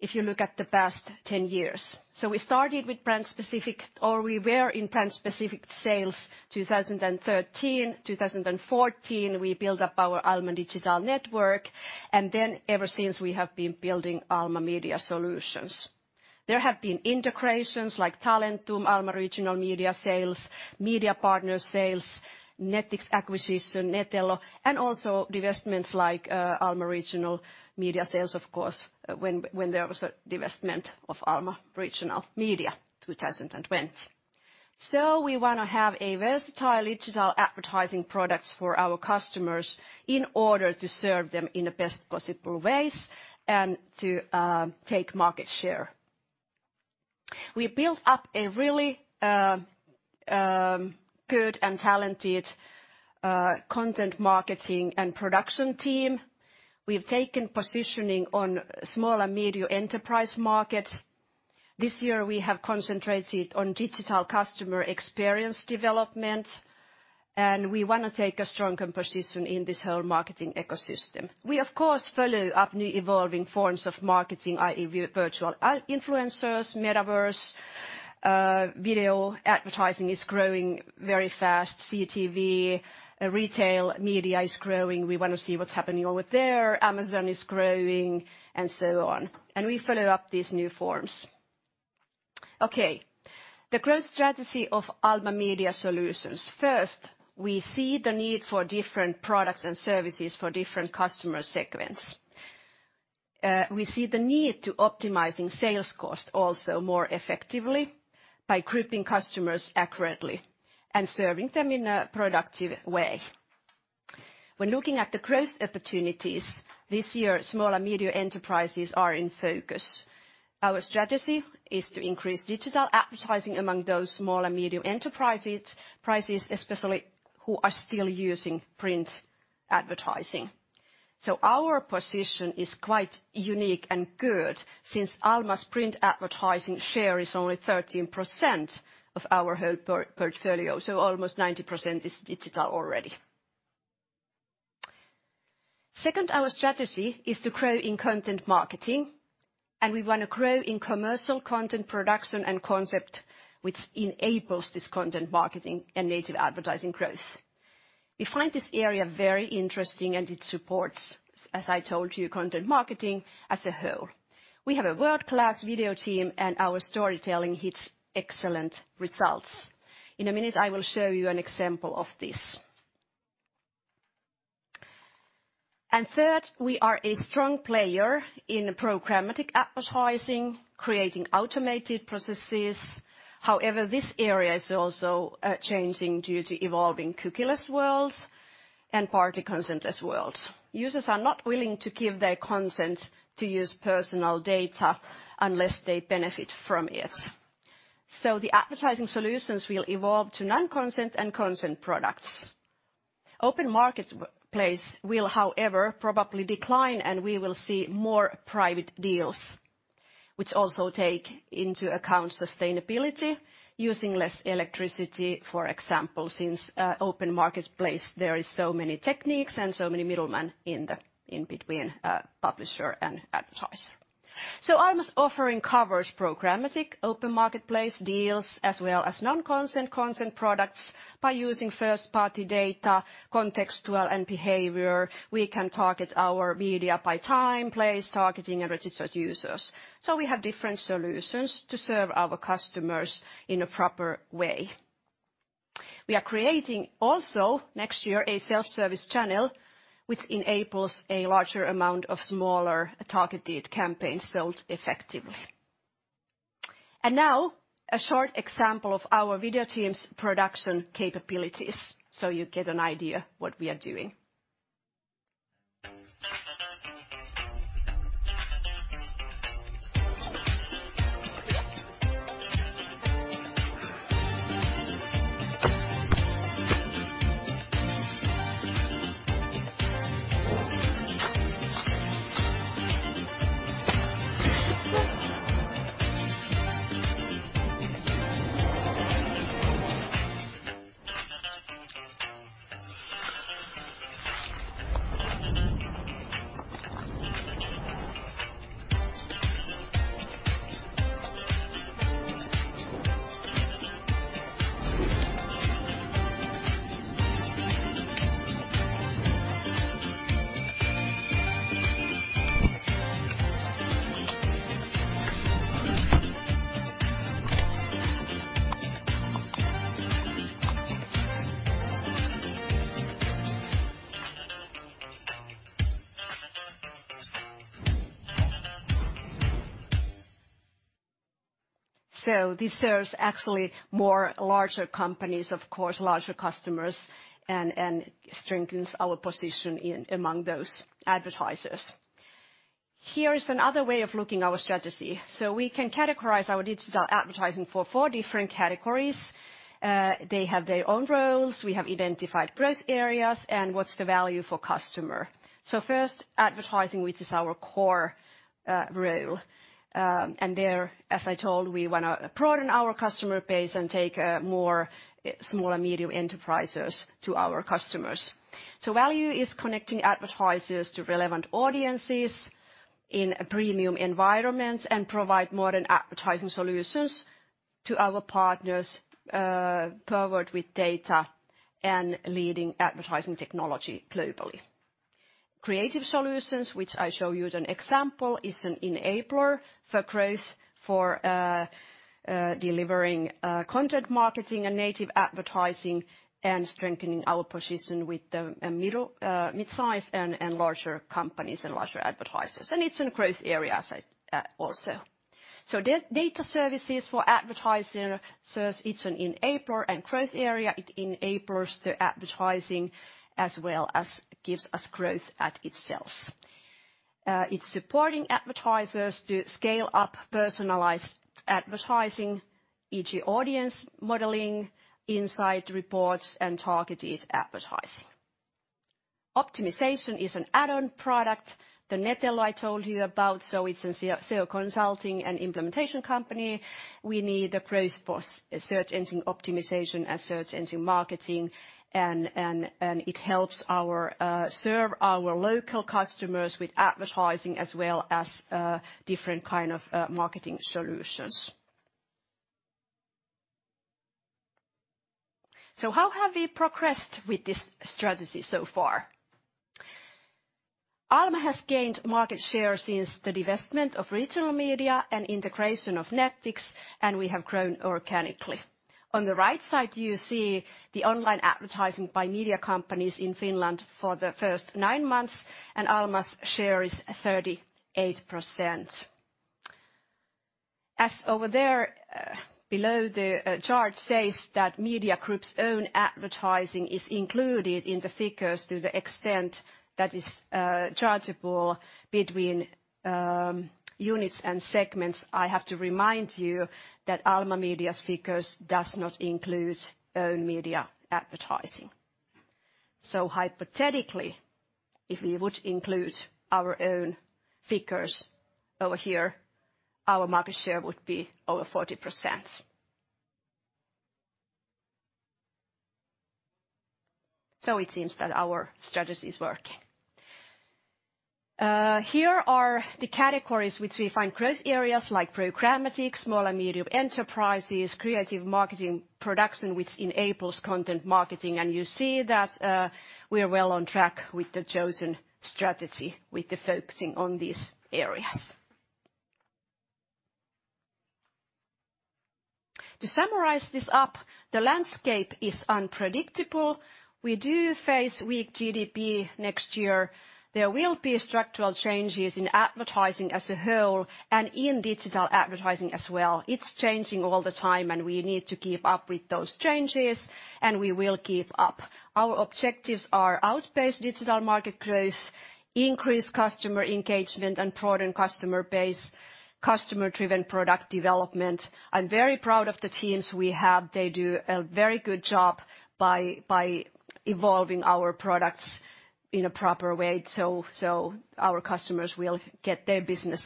if you look at the past 10 years. We started with brand specific, or we were in brand specific sales 2013. 2014, we built up our Alma digital network, ever since we have been building Alma Media Solutions. There have been integrations like Talentum, Alma Regional Media Sales, Media Partner Sales, Nettix acquisition, Netello, and also divestments like Alma Regional Media Sales, of course, when there was a divestment of Alma Media regional news media business 2020. We wanna have a versatile digital advertising products for our customers in order to serve them in the best possible ways and to take market share. We built up a really good and talented content marketing and production team. We've taken positioning on SME market. This year we have concentrated on digital customer experience development. We wanna take a stronger position in this whole marketing ecosystem. We, of course, follow up new evolving forms of marketing, i.e., virtual influencers, metaverse, video advertising is growing very fast. CTV, retail media is growing. We wanna see what's happening over there. Amazon is growing, and so on. We follow up these new forms. Okay. The growth strategy of Alma Media Solutions. First, we see the need for different products and services for different customer segments. We see the need to optimizing sales cost also more effectively by grouping customers accurately and serving them in a productive way. When looking at the growth opportunities, this year small and medium enterprises are in focus. Our strategy is to increase digital advertising among those small and medium enterprises, especially who are still using print advertising. Our position is quite unique and good since Alma's print advertising share is only 13% of our whole portfolio. Almost 90% is digital already. Second, our strategy is to grow in content marketing, and we wanna grow in commercial content production and concept which enables this content marketing and native advertising growth. We find this area very interesting, and it supports, as I told you, content marketing as a whole. We have a world-class video team, and our storytelling hits excellent results. In a minute, I will show you an example of this. Third, we are a strong player in programmatic advertising, creating automated processes. However, this area is also changing due to evolving cookieless worlds and party consentless world. Users are not willing to give their consent to use personal data unless they benefit from it. The advertising solutions will evolve to non-consent and consent products. Open marketplace will, however, probably decline, and we will see more private deals which also take into account sustainability, using less electricity, for example, since open marketplace there is so many techniques and so many middlemen in between publisher and advertiser. Alma's offering covers programmatic open marketplace deals as well as non-consent, consent products. By using first-party data, contextual and behavior, we can target our media by time, place, targeting, and registered users. We have different solutions to serve our customers in a proper way. We are creating also next year a self-service channel which enables a larger amount of smaller targeted campaigns sold effectively. Now a short example of our video team's production capabilities, so you get an idea what we are doing. This serves actually more larger companies, of course larger customers, and strengthens our position among those advertisers. Here is another way of looking our strategy. We can categorize our digital advertising for four different categories. They have their own roles. We have identified growth areas and what's the value for customer. First, advertising, which is our core role. And there, as I told, we wanna broaden our customer base and take more small and medium enterprises to our customers. Value is connecting advertisers to relevant audiences in a premium environment and provide modern advertising solutions to our partners, powered with data and leading advertising technology globally. Creative solutions, which I showed you as an example, is an enabler for growth for delivering content marketing and native advertising and strengthening our position with the midsize and larger companies and larger advertisers. It's in growth areas also. Data services for advertisers is an enabler and growth area. It enables the advertising as well as gives us growth at itself. It's supporting advertisers to scale up personalized advertising, e.g., audience modeling, insight reports, and targeted advertising. Optimization is an add-on product. The Netello I told you about, it's a SEO consulting and implementation company. We need a growth for search engine optimization and search engine marketing, and it helps our serve our local customers with advertising as well as different kind of marketing solutions. How have we progressed with this strategy so far? Alma has gained market share since the divestment of regional media and integration of Nettix, and we have grown organically. On the right side, you see the online advertising by media companies in Finland for the first nine months, and Alma's share is 38%. As over there, below the chart says that Media Group's own advertising is included in the figures to the extent that is chargeable between units and segments. I have to remind you that Alma Media's figures does not include own media advertising. Hypothetically, if we would include our own figures over here, our market share would be over 40%. It seems that our strategy is working. Here are the categories which we find growth areas like programmatic, small and medium enterprises, creative marketing production, which enables content marketing. You see that we are well on track with the chosen strategy with the focusing on these areas. To summarize this up, the landscape is unpredictable. We do face weak GDP next year. There will be structural changes in advertising as a whole, and in digital advertising as well. It's changing all the time, and we need to keep up with those changes, and we will keep up. Our objectives are outpace digital market growth, increase customer engagement, and broaden customer base, customer-driven product development. I'm very proud of the teams we have. They do a very good job by evolving our products in a proper way so our customers will get their business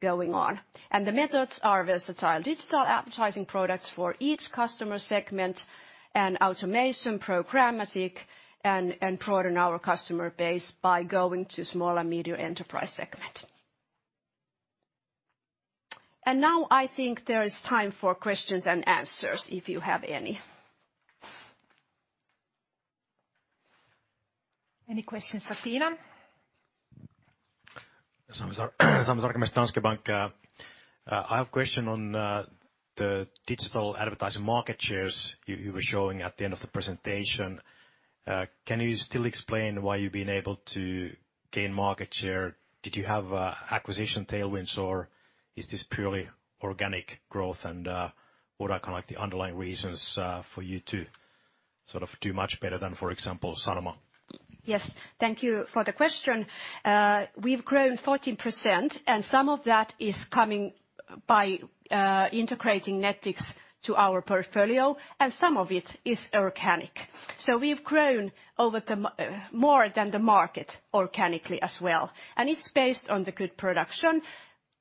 going on. The methods are versatile. Digital advertising products for each customer segment and automation, programmatic, and broaden our customer base by going to small and medium enterprise segment. Now I think there is time for questions and answers, if you have any. Any questions for Tiina? Sami Sarkamies, Danske Bank. I have question on the digital advertising market shares you were showing at the end of the presentation. Can you still explain why you've been able to gain market share? Did you have a acquisition tailwinds, or is this purely organic growth? What are kinda like the underlying reasons for you to sort of do much better than, for example, Sanoma? Thank you for the question. We've grown 14%, and some of that is coming by integrating Nettix to our portfolio, and some of it is organic. We've grown over the more than the market organically as well, and it's based on the good production,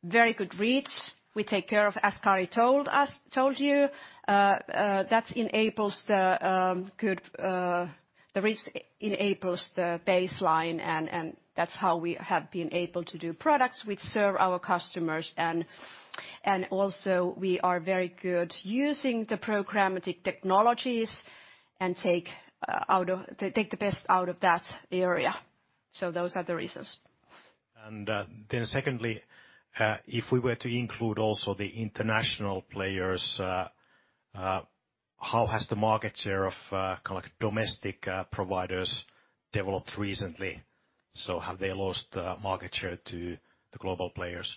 very good reach. We take care of, as Kari told us, told you. That's enables the good the reach enables the baseline and that's how we have been able to do products which serve our customers and also we are very good using the programmatic technologies and take out of, take the best out of that area. Those are the reasons. Then secondly, if we were to include also the international players, how has the market share of kinda like domestic providers developed recently? Have they lost market share to the global players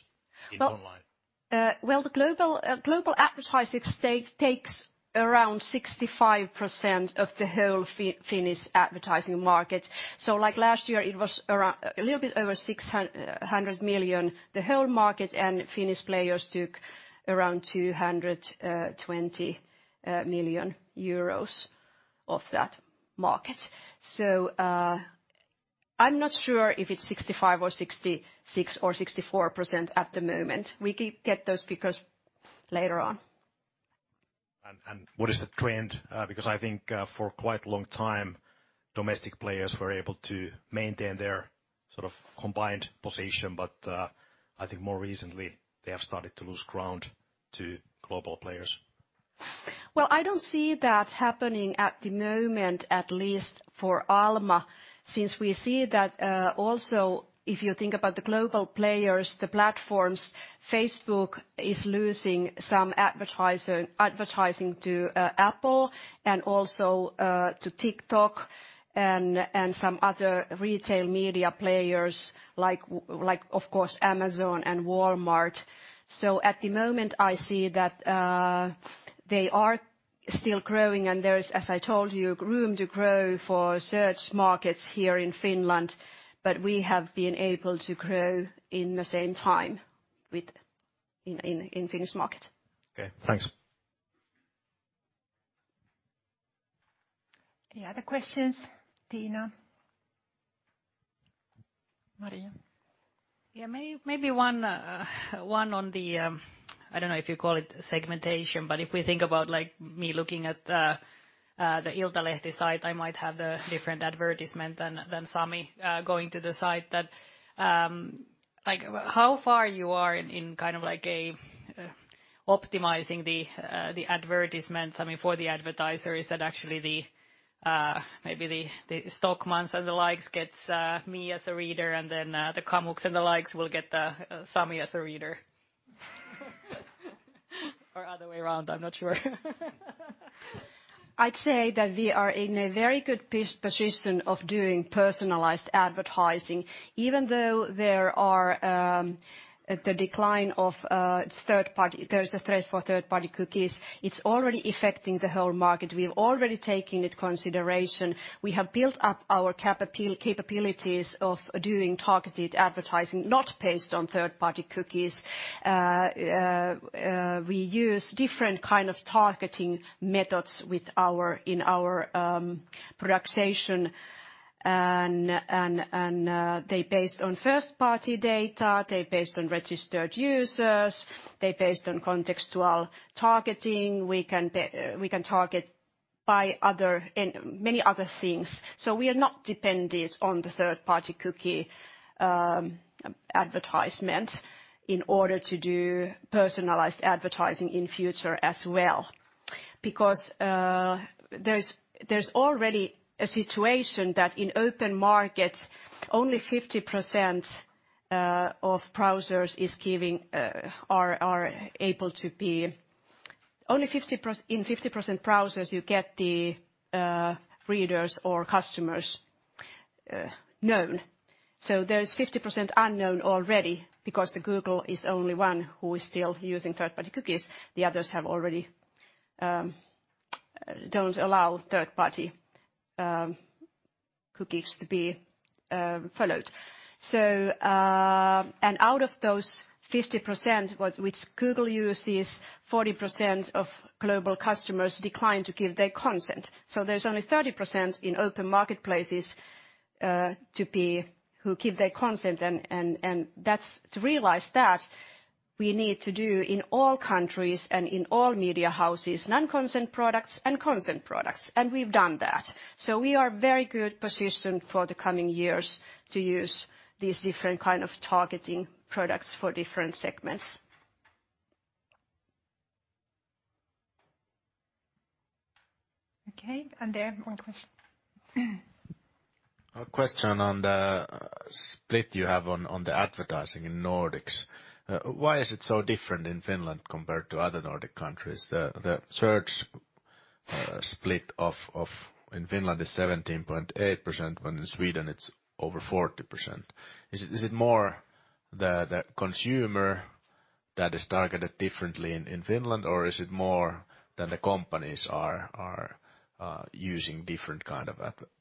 in online? Well, well, the global advertising stake takes around 65% of the whole Finnish advertising market. Like last year it was around, a little bit over 600 million, the whole market, and Finnish players took around 220 million euros of that market. I'm not sure if it's 65% or 66% or 64% at the moment. We can get those figures later on. What is the trend? Because I think for quite a long time domestic players were able to maintain their sort of combined position. I think more recently they have started to lose ground to global players. I don't see that happening at the moment, at least for Alma, since we see that, also, if you think about the global players, the platforms, Facebook is losing some advertising to Apple and also to TikTok and some other retail media players like, of course, Amazon and Walmart. At the moment I see that they are still growing and there is, as I told you, room to grow for search markets here in Finland, but we have been able to grow in the same time with in Finnish market. Okay. Thanks. Any other questions? Tiina? Maria? Yeah, maybe one on the, I don't know if you call it segmentation, but if we think about, like me looking at the Iltalehti site, I might have a different advertisement than Sami going to the site. That like how far you are in kind of like a optimizing the advertisements, I mean, for the advertisers that actually the maybe the Stockmann and the likes gets me as a reader, and then the Kamux and the likes will get Sami as a reader. Other way around, I'm not sure. I'd say that we are in a very good position of doing personalized advertising, even though there's a threat for third party cookies. It's already affecting the whole market. We've already taken into consideration. We have built up our capabilities of doing targeted advertising, not based on third party cookies. We use different kind of targeting methods with our, in our, production. They're based on first party data. They're based on registered users. They're based on contextual targeting. We can target by other and many other things. We are not dependent on the third party cookie advertisement in order to do personalized advertising in future as well. There's already a situation that in open market, only 50% of browsers are able to be. In 50% browsers you get the readers or customers known. There's 50% unknown already because Google is only one who is still using third-party cookies. The others have already don't allow third-party cookies to be followed. Out of those 50% what which Google uses, 40% of global customers decline to give their consent. There's only 30% in open marketplaces to be, who give their consent and that's, to realize that, we need to do in all countries and in all media houses non-consent products and consent products. We've done that. We are very good positioned for the coming years to use these different kind of targeting products for different segments. Okay. There, one question. A question on the split you have on the advertising in Nordics. Why is it so different in Finland compared to other Nordic countries? The search split of in Finland is 17.8%, when in Sweden it's over 40%. Is it more the consumer that is targeted differently in Finland, or is it more that the companies are using different kind of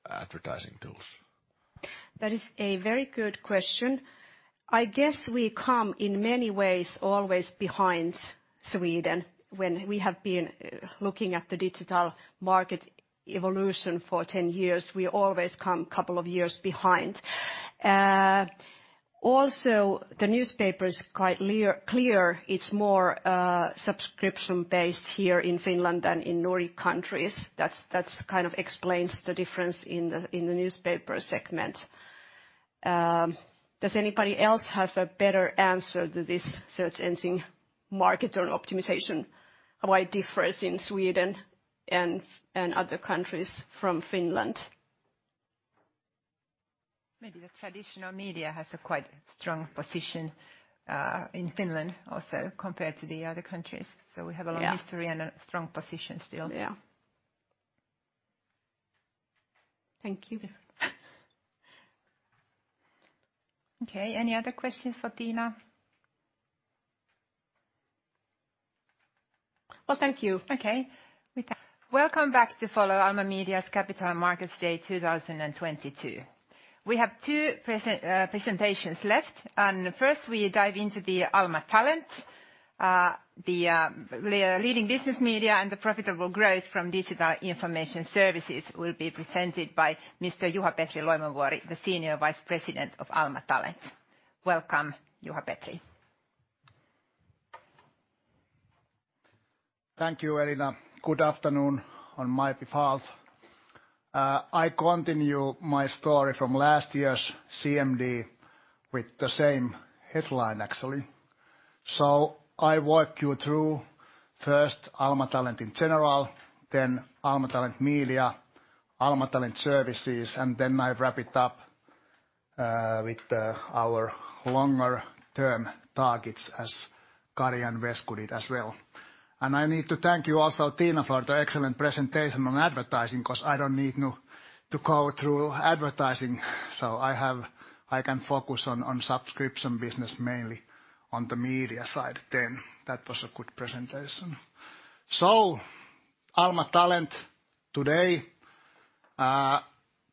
advertising tools? That is a very good question. I guess we come in many ways always behind Sweden. When we have been looking at the digital market evolution for 10 years, we always come couple of years behind. Also, the newspaper is quite clear, it's more subscription-based here in Finland than in Nordic countries. That's kind of explains the difference in the, in the newspaper segment. Does anybody else have a better answer to this search engine market optimization, why it differs in Sweden and other countries from Finland? Maybe the traditional media has a quite strong position in Finland also compared to the other countries. Yeah. A long history and a strong position still. Yeah. Thank you. Okay, any other questions for Tiina? Well, thank you. Okay. Welcome back to Follow Alma Media's Capital Markets Day 2022. We have two presentations left. First we dive into the Alma Talent. The leading business media and the profitable growth from digital information services will be presented by Mr. Juha-Petri Loimovuori, the Senior Vice President of Alma Talent. Welcome, Juha-Petri Loimovuori. Thank you, Elina. Good afternoon on my behalf. I continue my story from last year's CMD with the same headline, actually. I walk you through first Alma Talent in general, then Alma Talent Media, Alma Talent Services, and then I wrap it up with our longer term targets as Kari and Vesa-Pekka as well. I need to thank you also, Tiina, for the excellent presentation on advertising, 'cause I don't need now to go through advertising. I can focus on subscription business, mainly on the media side then. That was a good presentation. Alma Talent today,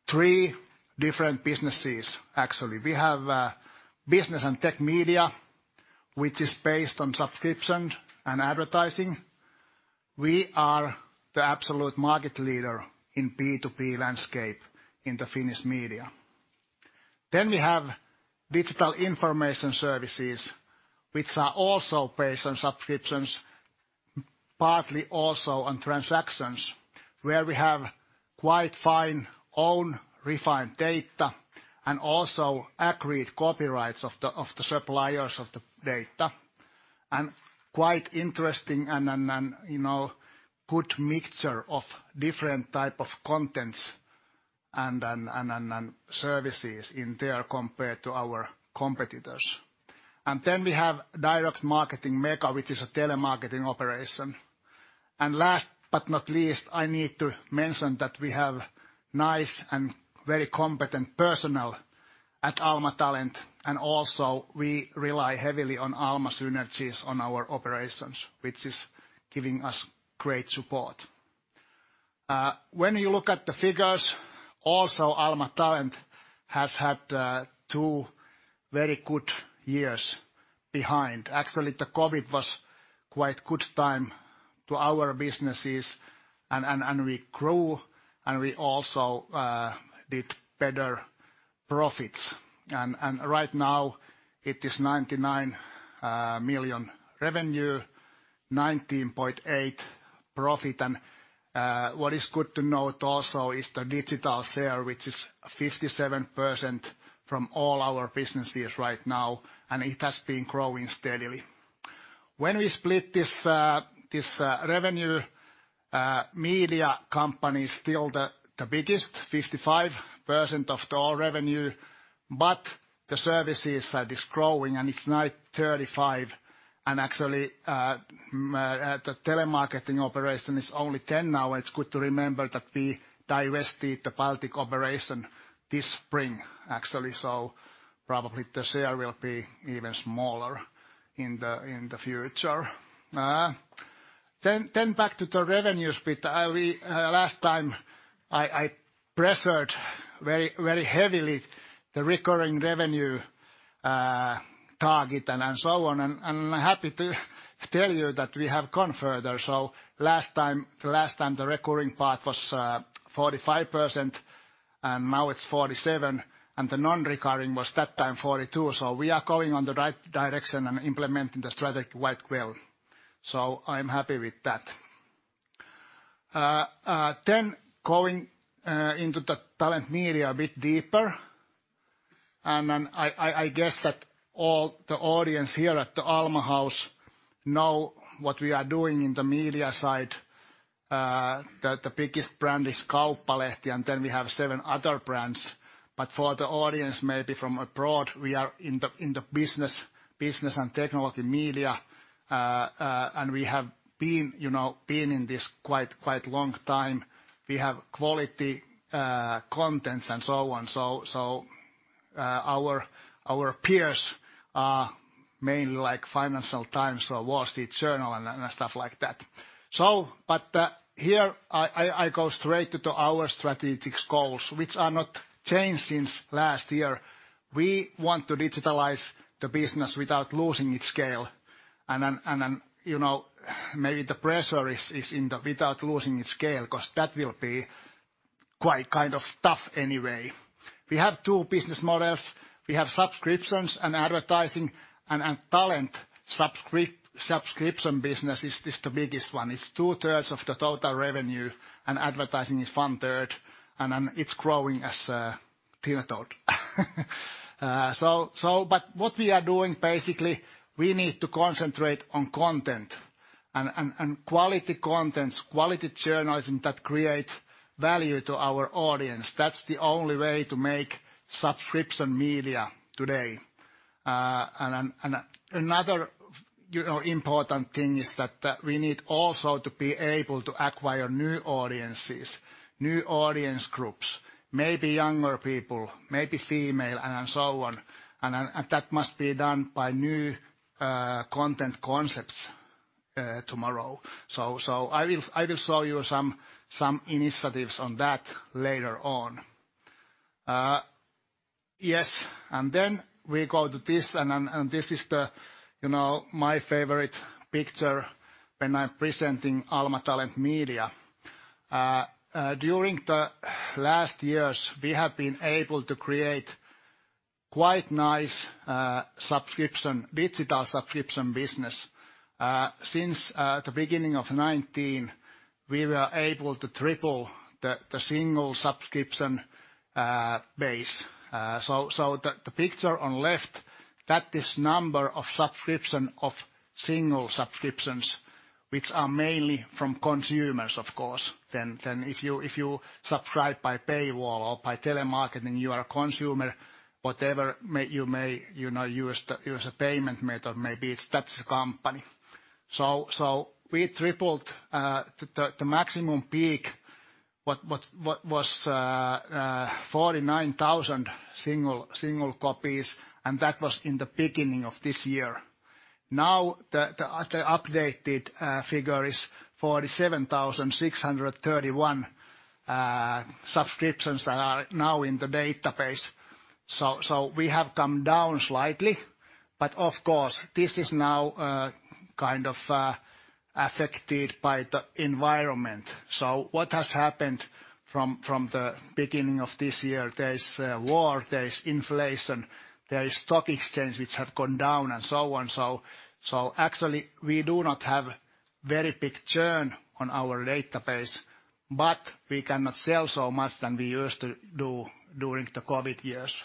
three different businesses, actually. We have business and tech media, which is based on subscription and advertising. We are the absolute market leader in B2B landscape in the Finnish media. We have digital information services, which are also based on subscriptions, partly also on transactions, where we have quite fine own refined data and also agreed copyrights of the suppliers of the data. Quite interesting and, you know, good mixture of different type of contents and services in there compared to our competitors. We have direct marketing maker, which is a telemarketing operation. Last but not least, I need to mention that we have nice and very competent personnel at Alma Talent, and also we rely heavily on Alma synergies on our operations, which is giving us great support. When you look at the figures, also Alma Talent has had two very good years behind. Actually, the COVID was quite good time to our businesses and we grew and we also did better profits. Right now it is 99 million revenue, 19.8 profit. What is good to note also is the digital share, which is 57% from all our businesses right now, and it has been growing steadily. When we split this revenue, media company is still the biggest, 55% of the all revenue, but the services side is growing and it's now 35%. Actually, the telemarketing operation is only 10% now. It's good to remember that we divested the Baltic operation this spring, actually, so probably the share will be even smaller in the future. Back to the revenue split. Last time, I pressured very heavily the recurring revenue target and so on. I'm happy to tell you that we have gone further. The last time, the recurring part was 45%, now it's 47%. The non-recurring was that time 42%. We are going on the right direction and implementing the strategy quite well. I'm happy with that. Going into the Alma Talent a bit deeper, I guess that all the audience here at the Alma House know what we are doing in the media side. The biggest brand is Kauppalehti, we have seven other brands. For the audience, maybe from abroad, we are in the business and technology media. We have been, you know, been in this quite long time. We have quality contents and so on. Our peers are mainly like Financial Times or The Wall Street Journal and stuff like that. Here I go straight to the our strategic goals, which are not changed since last year. We want to digitalize the business without losing its scale. You know, maybe the pressure is in the without losing its scale, 'cause that will be quite kind of tough anyway. We have two business models. We have subscriptions and advertising, and Talent subscription business is the biggest one. It's two-thirds of the total revenue, and advertising is one-third, and then it's growing as Tiina told. But what we are doing, basically, we need to concentrate on content and quality contents, quality journalism that creates value to our audience. That's the only way to make subscription media today. Another, you know, important thing is that we need also to be able to acquire new audiences, new audience groups, maybe younger people, maybe female, and so on. That must be done by new content concepts tomorrow. I will show you some initiatives on that later on. Yes. Then we go to this, and this is the, you know, my favorite picture when I'm presenting Alma Talent Media. During the last years, we have been able to create quite nice subscription, digital subscription business. Since the beginning of 2019, we were able to triple the single subscription base. The picture on left, that is number of single subscriptions, which are mainly from consumers, of course. If you subscribe by paywall or by telemarketing, you are a consumer. Whatever you may, you know, use a payment method, maybe that's a company. We tripled the maximum peak, what was 49,000 single copies, and that was in the beginning of this year. The updated figure is 47,631 subscriptions that are now in the database. We have come down slightly, of course, this is now kind of affected by the environment. What has happened from the beginning of this year, there is a war, there is inflation, there is stock exchange which have gone down, and so on. Actually, we do not have very big churn on our database, but we cannot sell so much than we used to do during the COVID years.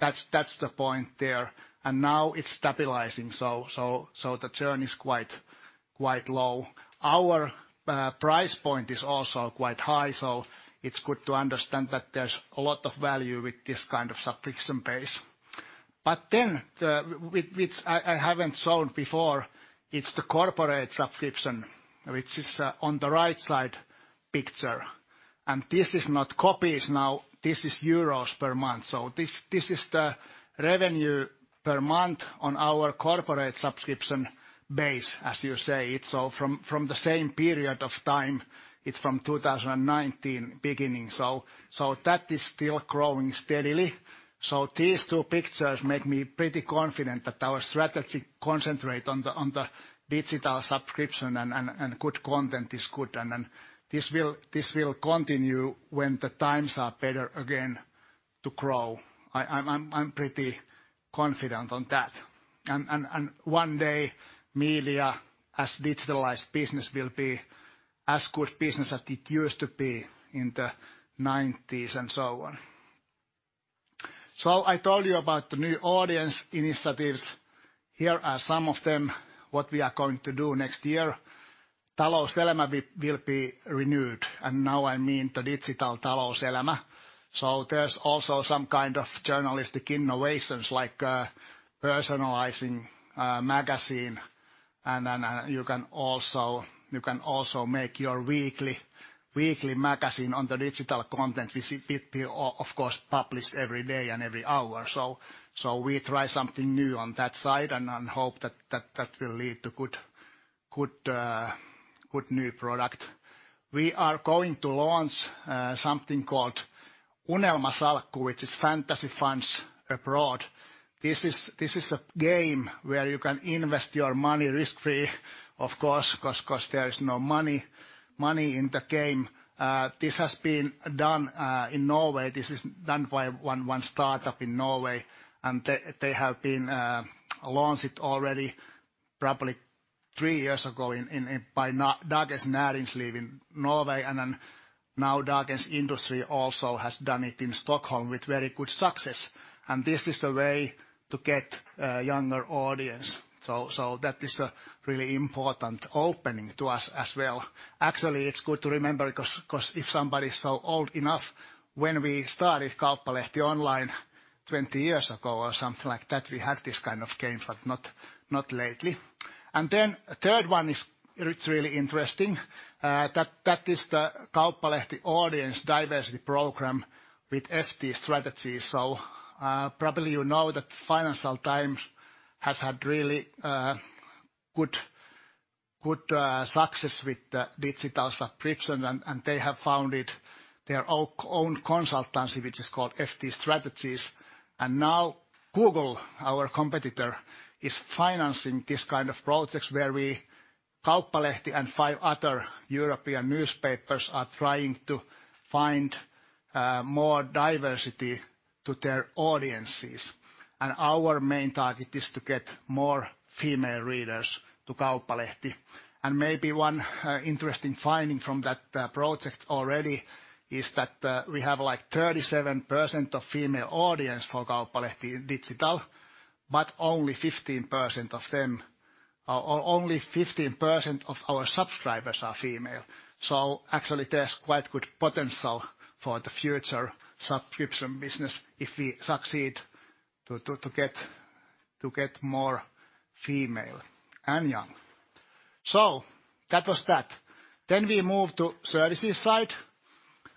That's the point there. Now it's stabilizing. The churn is quite low. Our price point is also quite high, so it's good to understand that there's a lot of value with this kind of subscription base. The, which I haven't shown before, it's the corporate subscription, which is on the right side picture. This is not copies now, this is euros per month. This is the revenue per month on our corporate subscription base, as you say it. From the same period of time, it's from 2019 beginning. That is still growing steadily. These two pictures make me pretty confident that our strategy concentrate on the digital subscription and good content is good. This will continue when the times are better again to grow. I'm pretty confident on that. One day, media as digitalized business will be as good business as it used to be in the nineties and so on. I told you about the new audience initiatives. Here are some of them, what we are going to do next year. Talouselämä will be renewed, and now I mean the digital Talouselämä. There's also some kind of journalistic innovations like personalizing a magazine, and then you can also make your weekly magazine on the digital content we see, of course, publish every day and every hour. We try something new on that side and then hope that will lead to good new product. We are going to launch something called Unelmasalkku, which is fantasy funds abroad. This is a game where you can invest your money risk-free, of course, 'cause there is no money in the game. This has been done in Norway. This is done by one startup in Norway, and they have been launched it already probably three years ago in by now Dagens Næringsliv in Norway and then now Dagens Industri also has done it in Stockholm with very good success. This is a way to get younger audience. That is a really important opening to us as well. Actually, it's good to remember because if somebody's so old enough when we started Kauppalehti Online 20 years ago or something like that, we had this kind of games, but not lately. Third one is really interesting, that is the Kauppalehti Audience Diversity Program with FT Strategies. Probably you know that Financial Times has had really good success with the digital subscription and they have founded their own consultancy, which is called FT Strategies. Now Google, our competitor, is financing this kind of projects where we, Kauppalehti and five other European newspapers, are trying to find more diversity to their audiences. Our main target is to get more female readers to Kauppalehti. Maybe one interesting finding from that project already is that we have, like, 37% of female audience for Kauppalehti in digital, but only 15% of our subscribers are female. Actually, there's quite good potential for the future subscription business if we succeed to get more female and young. That was that. We move to services side,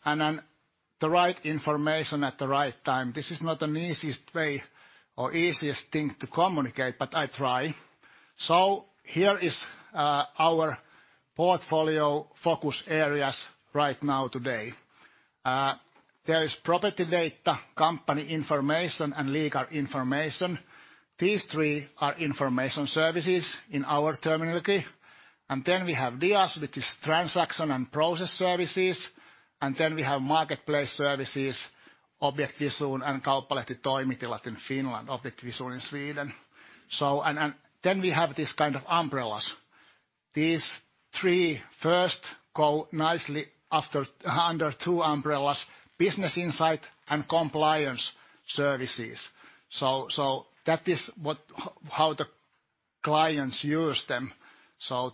the right information at the right time. This is not the easiest way or easiest thing to communicate, I try. Here is our portfolio focus areas right now today. There is Property Data, Company Information, and Legal Information. These three are information services in our terminology. We have DIAS, which is Transaction and Process Services. We have Marketplace Services, Objektvision and Kauppalehti Toimitilat in Finland, Objektvision in Sweden. We have this kind of umbrellas. These three first go nicely under two umbrellas: Business Insight and Compliance Services. That is how the clients use them.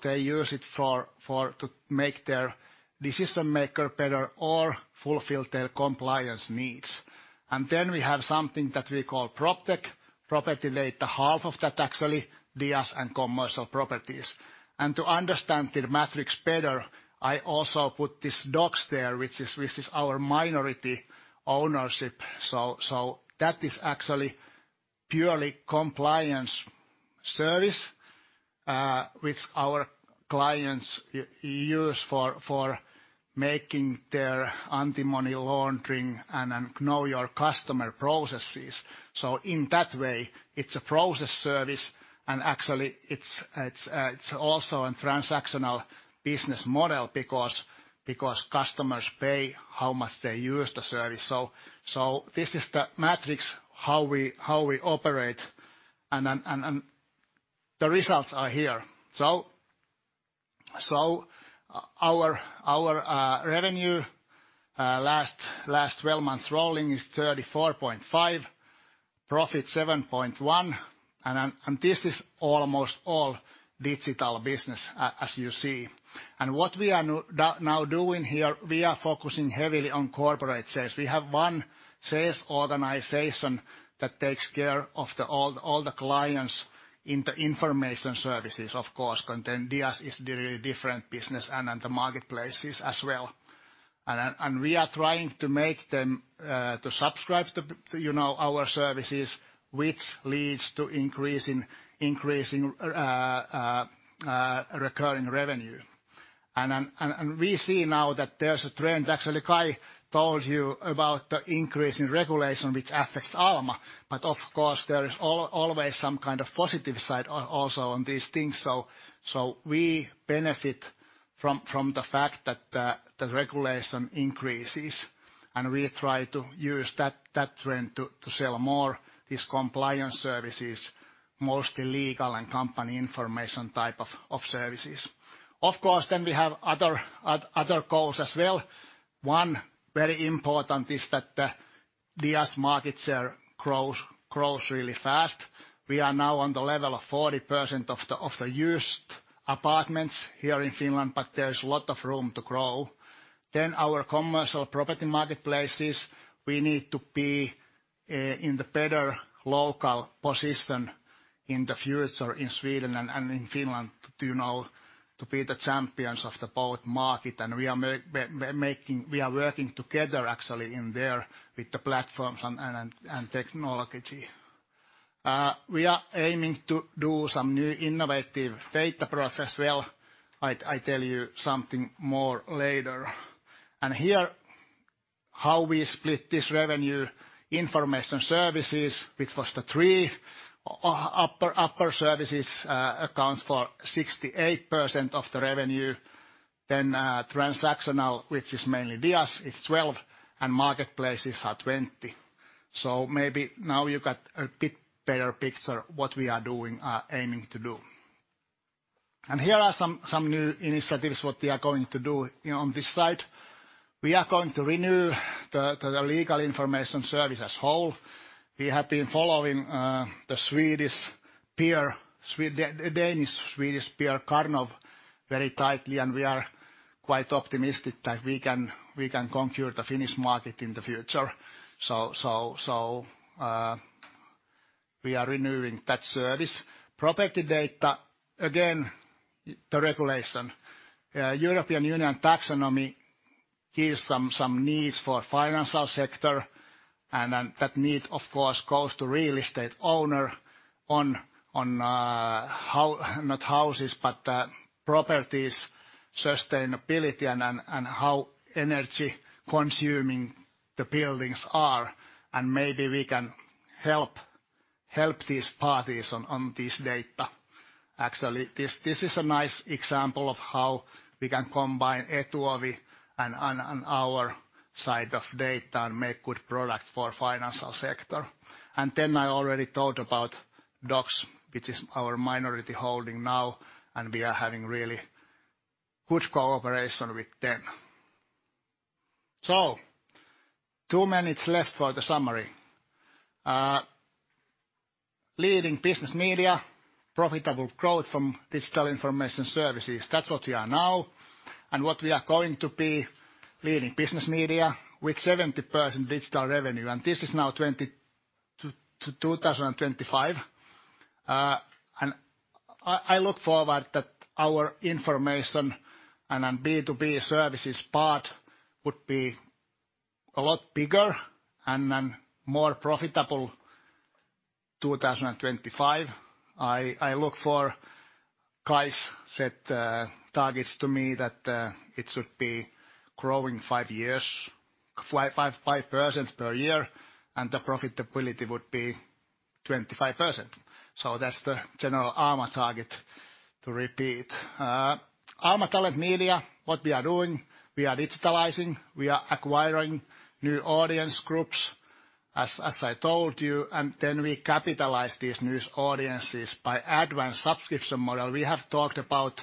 They use it for to make their decision maker better or fulfill their compliance needs. We have something that we call PropTech, Property Data, half of that actually, DIAS, and Commercial Properties. To understand the matrix better, I also put this Docue there, which is our minority ownership. That is actually purely compliance service, which our clients use for making their Anti-Money Laundering and Know Your Customer processes. In that way, it's a process service, and actually, it's also a transactional business model because customers pay how much they use the service. This is the matrix how we operate and the results are here. Our revenue last 12 months rolling is 34.5, profit 7.1, and this is almost all digital business as you see. What we are now doing here, we are focusing heavily on corporate sales. We have one sales organization that takes care of all the clients in the information services, of course, content. DIAS is really different business and then the marketplaces as well. We are trying to make them to subscribe to, you know, our services, which leads to increase in recurring revenue. We see now that there's a trend. Actually, Kai told you about the increase in regulation which affects Alma. Of course, there is always some kind of positive side also on these things. We benefit from the fact that the regulation increases, and we try to use that trend to sell more these compliance services. Mostly legal and company information type of services. Of course, we have other goals as well. One very important is that the DS market share grows really fast. We are now on the level of 40% of the used apartments here in Finland, but there is a lot of room to grow. Our commercial property marketplaces, we need to be in the better local position in the future in Sweden and in Finland to, you know, to be the champions of the both market. We are working together actually in there with the platforms and technology. We are aiming to do some new innovative data process. I tell you something more later. Here, how we split this revenue information services, which was the three upper services, accounts for 68% of the revenue. Transactional, which is mainly DS, is 12, and marketplaces are 20. Maybe now you got a bit better picture what we are doing, aiming to do. Here are some new initiatives what we are going to do. You know, on this side, we are going to renew the legal information service as whole. We have been following the Danish, Swedish peer Karnov very tightly, and we are quite optimistic that we can conquer the Finnish market in the future. So, we are renewing that service. Property data, again, the regulation. European Union Taxonomy gives some needs for financial sector. That need, of course, goes to real estate owner on properties, sustainability and how energy consuming the buildings are, and maybe we can help these parties on this data. Actually, this is a nice example of how we can combine Etuovi and our side of data and make good product for financial sector. I already talked about Docue, which is our minority holding now, and we are having really good cooperation with them. Two minutes left for the summary. Leading business media, profitable growth from digital information services. That's what we are now, and what we are going to be, leading business media with 70% digital revenue, and this is now 20 to 2025. I look forward that our information and then B2B services part would be a lot bigger and then more profitable 2025. I look for Kai's set targets to me that it should be growing five years, 5% per year, and the profitability would be 25%. That's the general Alma target to repeat. Alma Talent Media, what we are doing, we are digitalizing, we are acquiring new audience groups, as I told you, and then we capitalize these news audiences by advanced subscription model. We have talked about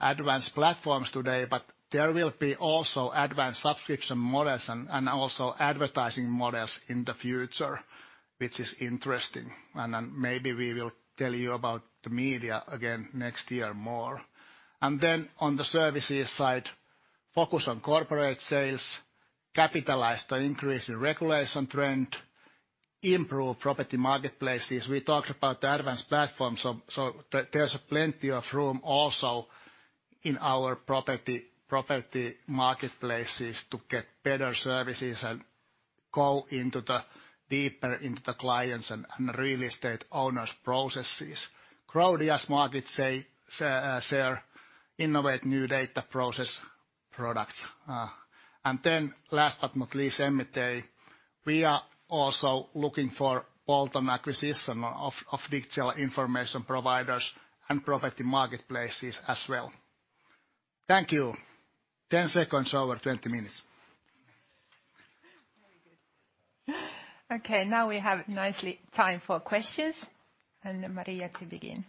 advanced platforms today, but there will be also advanced subscription models and also advertising models in the future, which is interesting. Maybe we will tell you about the media again next year more. On the services side, focus on corporate sales, capitalize the increasing regulation trend, improve property marketplaces. We talked about the advanced platforms, so there's plenty of room also in our property marketplaces to get better services and go into the deeper into the clients and real estate owners' processes. Grow DS market share, innovate new data process products. Last but not least, M&A. We are also looking for bolt-on acquisition of digital information providers and property marketplaces as well. Thank you. 10 seconds over 20 minutes. Very good. Okay, now we have nicely time for questions. Maria to begin.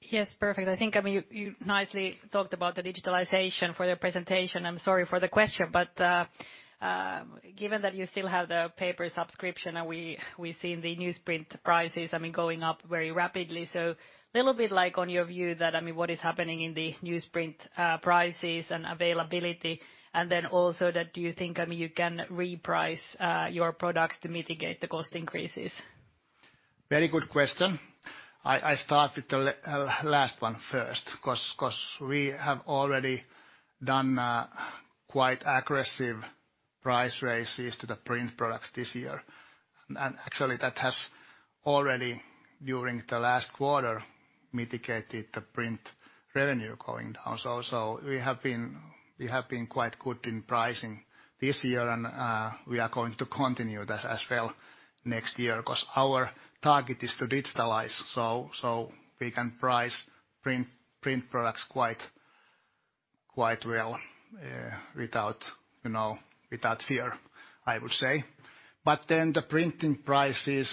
Yes, perfect. I think, you nicely talked about the digitalization for your presentation. I am sorry for the question. Given that you still have the paper subscription and we've seen the newsprint prices, going up very rapidly, little bit like on your view that, what is happening in the newsprint prices and availability, and then also that do you think, you can reprice your products to mitigate the cost increases? Very good question. I start with the last one first 'cause we have already done quite aggressive price raises to the print products this year. Actually that has already during the last quarter mitigated the print revenue going down. We have been quite good in pricing this year and we are going to continue that as well next year 'cause our target is to digitalize so we can price print products quite well, without, you know, without fear, I would say. Then the printing prices,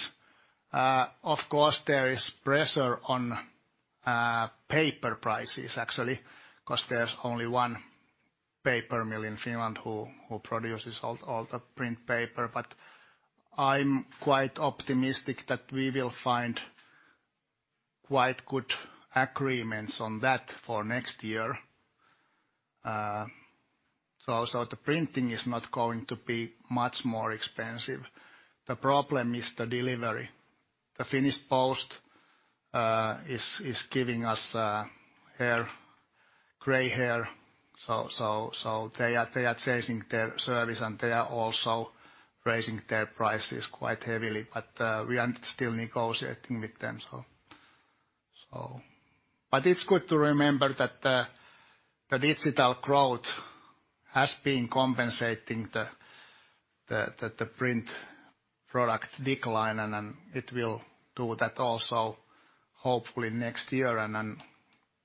of course there is pressure on paper prices actually, 'cause there's only one paper mill in Finland who produces all the print paper. But I'm quite optimistic that we will find quite good agreements on that for next year. The printing is not going to be much more expensive. The problem is the delivery. The Finnish Post is giving us gray hair. They are changing their service and they are also raising their prices quite heavily. We are still negotiating with them. It's good to remember that the digital growth has been compensating the print product decline, it will do that also hopefully next year and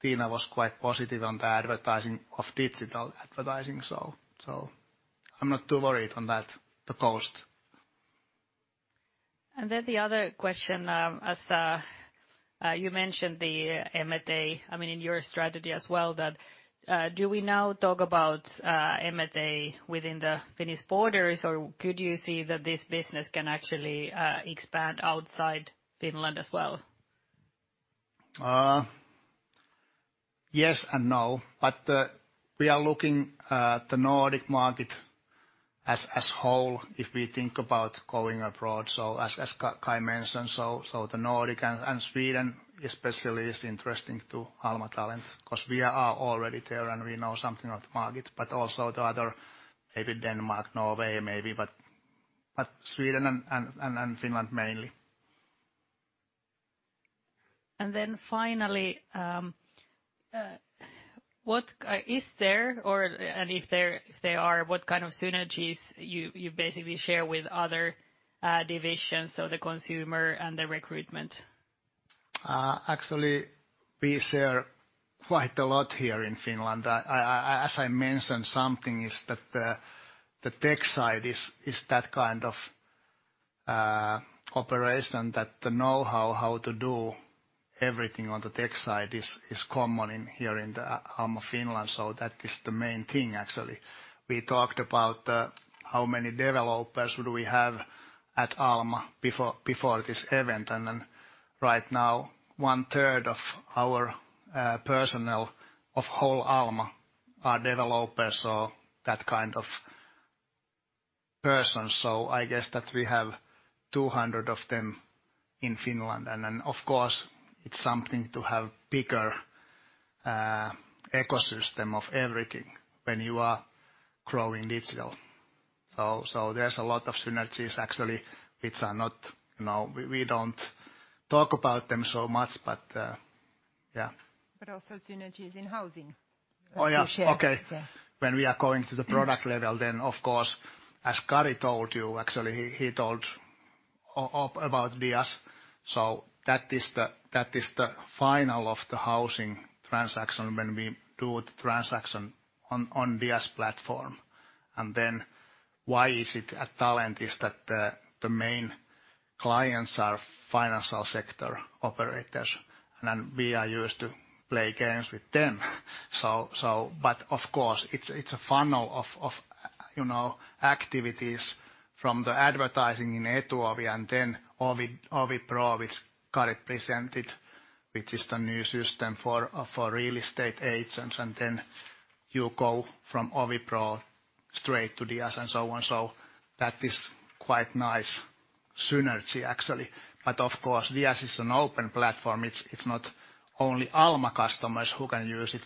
Tiina was quite positive on the advertising of digital advertising. I'm not too worried on that, the Post. The other question, as you mentioned the M&A, I mean, in your strategy as well that, do we now talk about M&A within the Finnish borders? Or could you see that this business can actually expand outside Finland as well? Yes and no. We are looking at the Nordic market as whole if we think about going abroad. As Kai mentioned, the Nordic and Sweden especially is interesting to Alma Talent 'cause we are already there and we know something of the market. Also the other, maybe Denmark, Norway, maybe, but Sweden and Finland mainly. Finally, what is there or and if there are, what kind of synergies you basically share with other divisions, so the consumer and the recruitment? Actually we share quite a lot here in Finland. I, as I mentioned, something is that the tech side is that kind of, operation that the know-how how to do everything on the tech side is common in here in the Alma Finland. That is the main thing actually. We talked about how many developers do we have at Alma before this event. Right now one-third of our personnel of whole Alma are developers, so that kind of person. I guess that we have 200 of them in Finland. Of course, it's something to have bigger ecosystem of everything when you are growing digital. There's a lot of synergies actually, which are not, you know, we don't talk about them so much, but, yeah. Also synergies in housing. Oh, yeah. Okay. That you share. Yeah. When we are going to the product level, of course, as Kari told you, actually he told about DIAS. That is the final of the housing transaction when we do the transaction on DIAS platform. Why is it at Alma Talent is that the main clients are financial sector operators, we are used to play games with them. Of course it's a funnel of, you know, activities from the advertising in Etuovi.com and then OviPro, which Kari presented, which is the new system for real estate agents, you go from OviPro straight to DIAS and so on. That is quite nice synergy actually. Of course, DIAS is an open platform. It's not only Alma customers who can use it,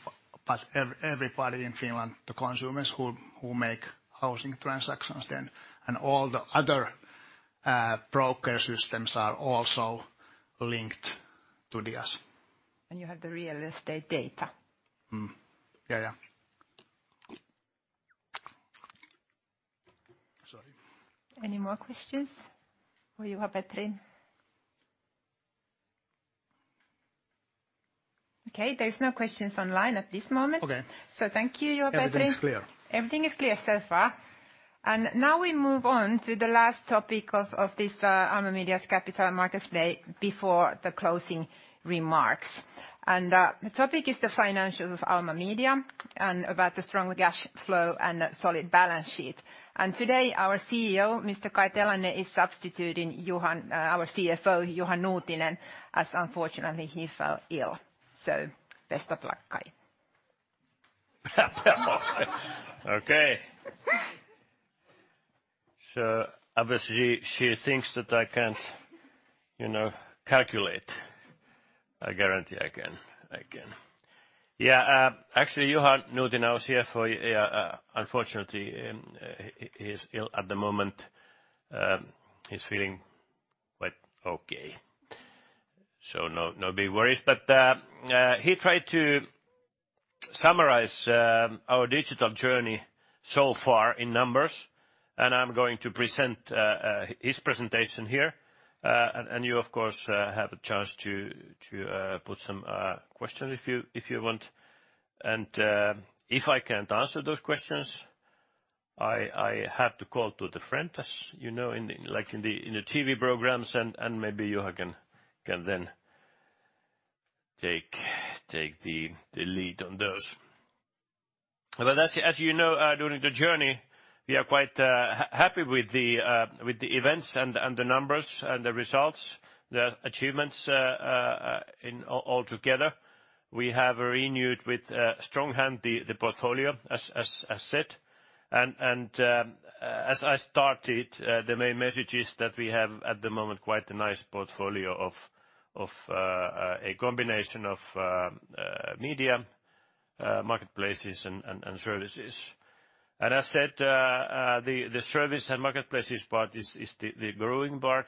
but everybody in Finland, the consumers who make housing transactions then, and all the other broker systems are also linked to DIAS. You have the real estate data. Yeah, yeah. Sorry. Any more questions? There's no questions online at this moment. Okay. Thank you, Juha-Petri. Everything's clear. Everything is clear so far. Now we move on to the last topic of this Alma Media's Capital Markets Day before the closing remarks. The topic is the financials of Alma Media and about the strong cash flow and solid balance sheet. Today, our CEO, Mr. Kai Telanne, is substituting Juha, our CFO, Juha Nuutinen, as unfortunately he fell ill. Best of luck, Kai. Okay. Obviously she thinks that I can't, you know, calculate. I guarantee I can. I can. Yeah, actually Juha Nuutinen, our CFO, unfortunately he is ill at the moment. He's feeling quite okay, so no big worries. He tried to summarize our digital journey so far in numbers. I'm going to present his presentation here. You, of course, have a chance to put some questions if you want. If I can't answer those questions, I have to call to the friend, as you know, in the TV programs, and maybe Juha can then take the lead on those. As you know, during the journey, we are quite happy with the events and the numbers and the results, the achievements in all together. We have renewed with strong hand the portfolio as said. As I started, the main message is that we have, at the moment, quite a nice portfolio of a combination of media, marketplaces and services. As said, the service and marketplaces part is the growing part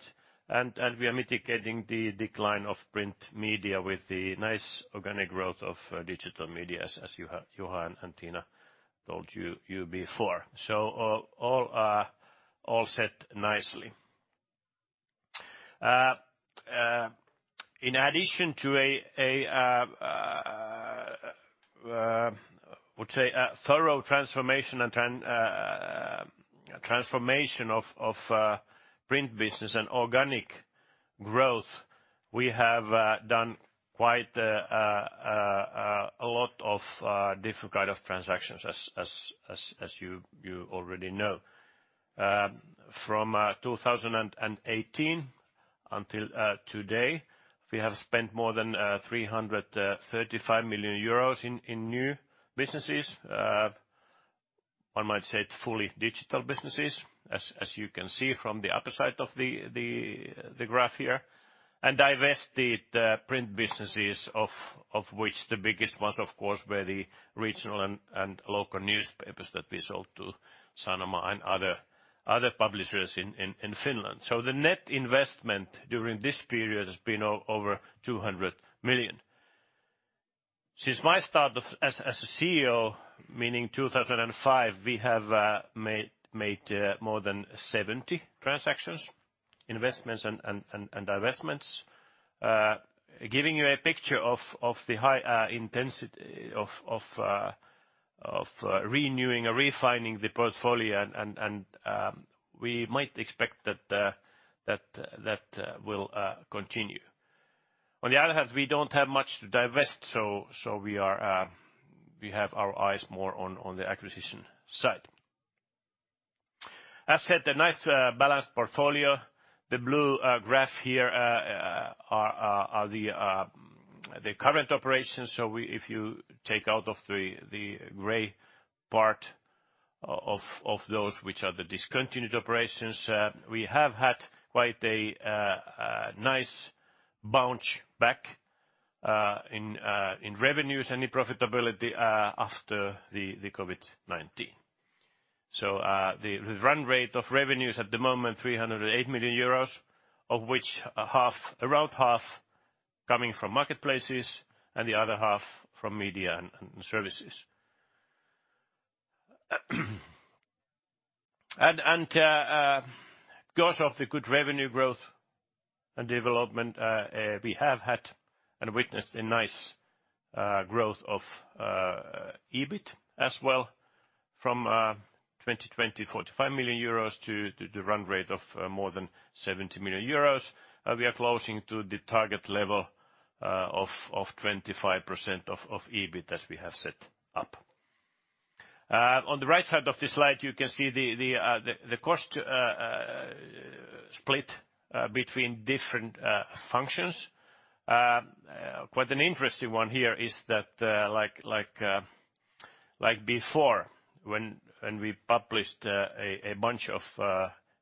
and we are mitigating the decline of print media with the nice organic growth of digital media as Juha and Tiina told you before. All set nicely. In addition to a would say a thorough transformation and transformation of print business and organic growth, we have done quite a lot of different kind of transactions as you already know. From 2018 until today, we have spent more than 335 million euros in new businesses. One might say it's fully digital businesses, as you can see from the upper side of the graph here, and divested print businesses of which the biggest ones, of course, were the regional and local newspapers that we sold to Sanoma and other publishers in Finland. The net investment during this period has been over 200 million. Since my start as CEO, meaning 2005, we have made more than 70 transactions, investments and investments. Giving you a picture of the high intensity of renewing or refining the portfolio and we might expect that will continue. On the other hand, we don't have much to divest, so we are we have our eyes more on the acquisition side. As said, a nice balanced portfolio. The blue graph here are the current operations. If you take out of the gray part of those which are the discontinued operations, we have had quite a nice bounce back in revenues and profitability after the COVID-19. The run rate of revenues at the moment, 308 million euros, of which half, around half coming from marketplaces and the other half from media and services. Because of the good revenue growth and development, we have had and witnessed a nice growth of EBIT as well from 2020, 45 million euros to the run rate of more than 70 million euros. We are closing to the target level of 25% of EBIT as we have set up. On the right side of the slide, you can see the cost split between different functions. Quite an interesting one here is that, like before, when we published a bunch of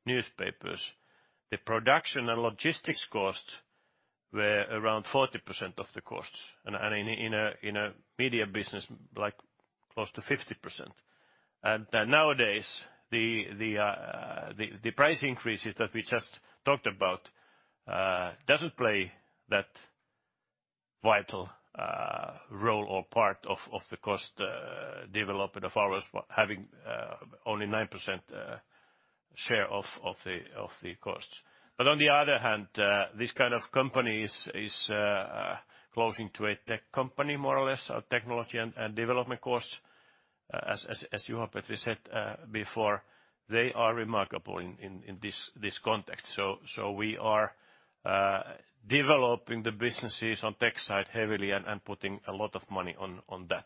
newspapers, the production and logistics costs were around 40% of the costs and in a media business like close to 50%. Nowadays the price increases that we just talked about doesn't play that vital role or part of the cost development of ours having only 9% share of the costs. On the other hand, this kind of company is closing to a tech company more or less. Our technology and development costs, as Juha-Petri said before, they are remarkable in this context. We are developing the businesses on tech side heavily and putting a lot of money on that.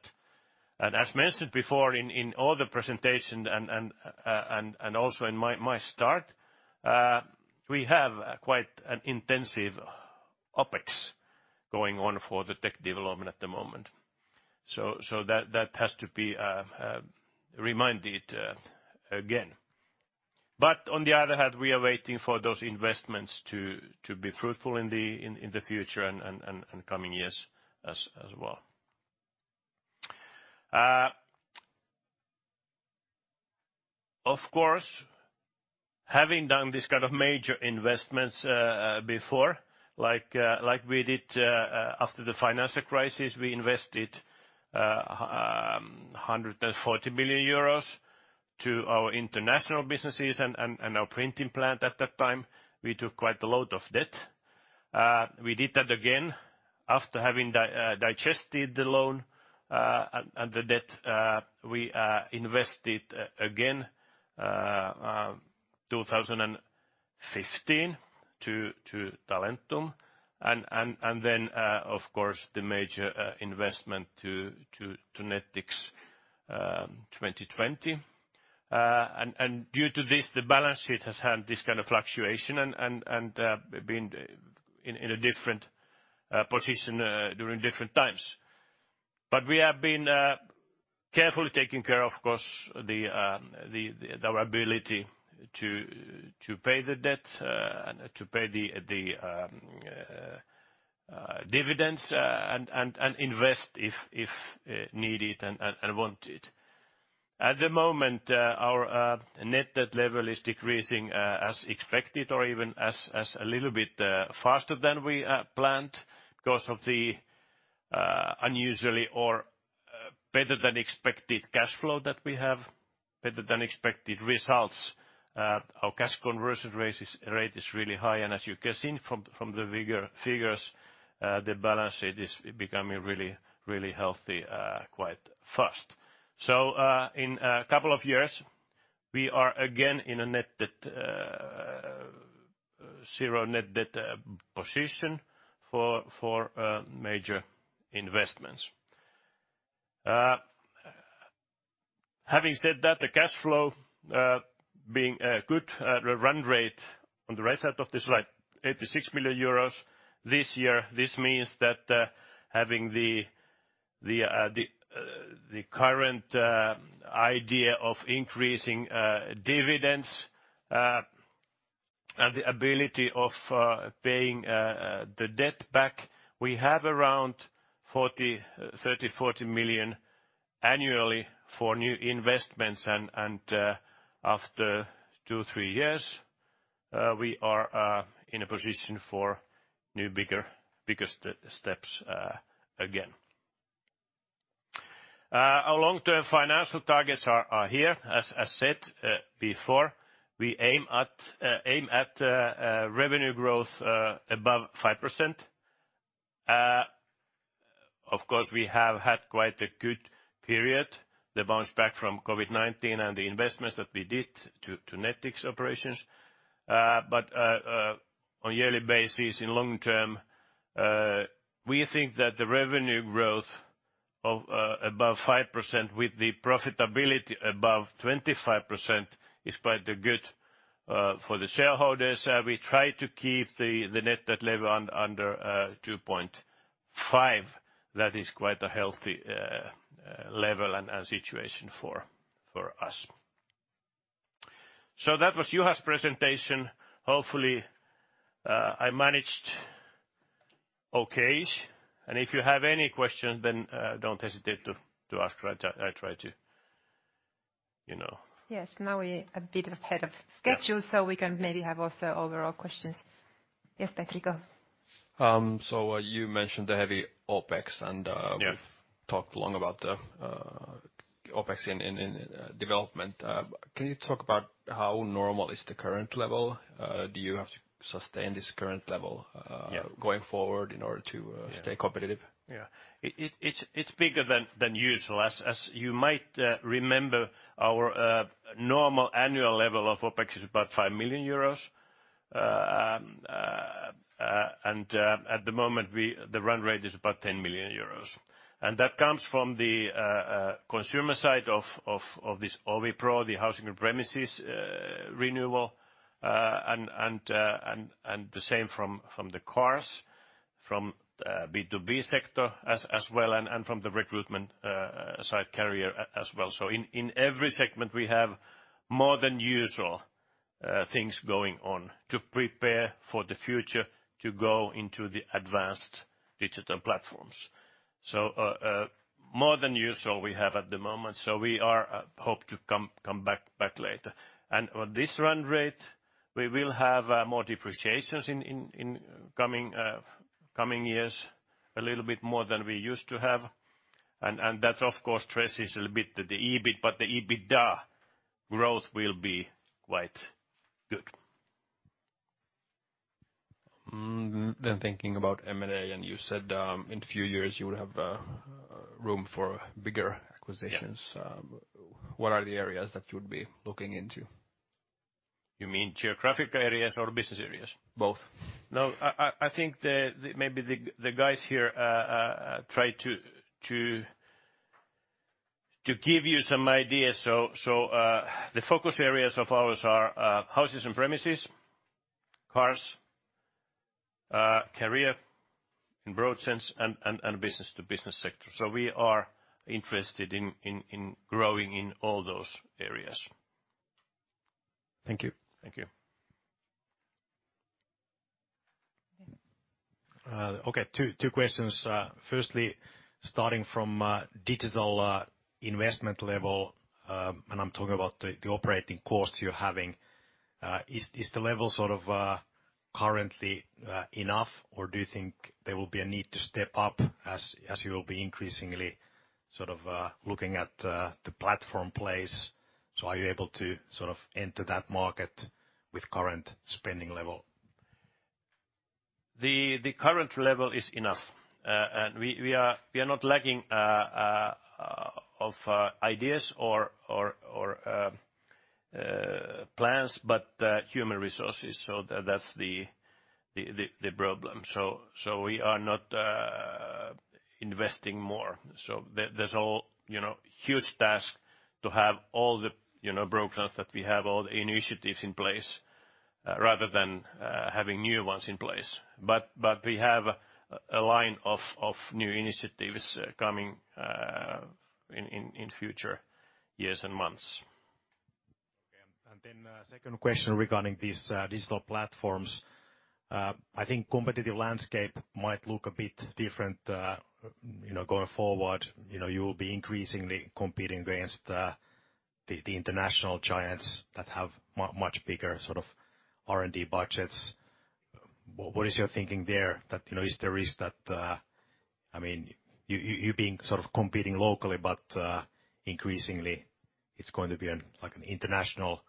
As mentioned before in all the presentation and also in my start, we have quite an intensive OpEx going on for the tech development at the moment. That has to be reminded again. On the other hand, we are waiting for those investments to be fruitful in the future and coming years as well. Having done this kind of major investments before, like we did after the financial crisis, we invested 140 million euros to our international businesses and our printing plant at that time. We took quite a lot of debt. We did that again after having digested the loan and the debt, we invested again 2015 to Talentum and then, of course, the major investment to Nettix 2020. Due to this, the balance sheet has had this kind of fluctuation and been in a different position during different times. We have been carefully taking care, of course, the our ability to pay the debt, to pay the dividends and invest if needed and wanted. At the moment, our net debt level is decreasing as expected or even as a little bit faster than we planned because of the unusually or better than expected cash flow that we have, better than expected results. Our cash conversion rate is really high. As you can see from the figures, the balance sheet is becoming really, really healthy quite fast. In a couple of years, we are again in a zero net debt position for major investments. Having said that, the cash flow being a good run rate on the right side of this slide, 86 million euros this year. This means that, having the current idea of increasing dividends and the ability of paying the debt back, we have around 40, 30, 40 million annually for new investments and after two to three years, we are in a position for new, bigger steps again. Our long-term financial targets are here. As said before, we aim at revenue growth above 5%. Of course, we have had quite a good period, the bounce back from COVID-19 and the investments that we did to Nettix operations. But on a yearly basis, in long term, we think that the revenue growth of above 5% with the profitability above 25% is quite good for the shareholders. We try to keep the net debt level under 2.5. That is quite a healthy level and situation for us. That was Juha's presentation. Hopefully, I managed okay. If you have any question, don't hesitate to ask. I try to, you know. Yes. Now we a bit ahead of schedule so we can maybe have also overall questions. Yes, Patrick, go. You mentioned the heavy OpEx— Yeah. We've talked long about the OpEx in development. Can you talk about how normal is the current level? Do you have to sustain this current level? Yeah. Going forward in order to stay competitive? It's bigger than usual. As you might remember, our normal annual level of OpEx is about EUR 5 million. At the moment, the run rate is about 10 million euros. That comes from the consumer side of this OviPro, the housing and premises renewal, and the same from the cars, from the B2B sector as well, and from the recruitment side Alma Career as well. In every segment, we have more than usual things going on to prepare for the future to go into the advanced digital platforms. More than usual we have at the moment. We are hope to come back later. With this run rate, we will have more depreciations in coming years, a little bit more than we used to have. That, of course, stresses a little bit the EBIT, but the EBITDA growth will be quite good. Thinking about M&A, you said, in a few years you would have room for bigger acquisitions. Yeah. What are the areas that you would be looking into? You mean geographic areas or business areas? Both. No, I think the maybe the guys here, try to give you some ideas. The focus areas of ours are houses and premises, cars, career in broad sense, and business to business sector. We are interested in growing in all those areas. Thank you. Thank you. Okay, two questions. Firstly, starting from digital investment level, I'm talking about the operating costs you're having. Is the level sort of currently enough, or do you think there will be a need to step up as you will be increasingly sort of looking at the platform plays? Are you able to sort of enter that market with current spending level? The current level is enough. And we are not lacking of ideas or plans, but human resources. That's the problem. We are not investing more. There's all, you know, huge task to have all the, you know, brokers that we have, all the initiatives in place, rather than having new ones in place. We have a line of new initiatives coming in future years and months. Okay. Second question regarding these digital platforms. I think competitive landscape might look a bit different, you know, going forward. You know, you will be increasingly competing against the international giants that have much bigger sort of R&D budgets. What is your thinking there that, you know, is there risk that, I mean, you being sort of competing locally, but increasingly it's going to be an international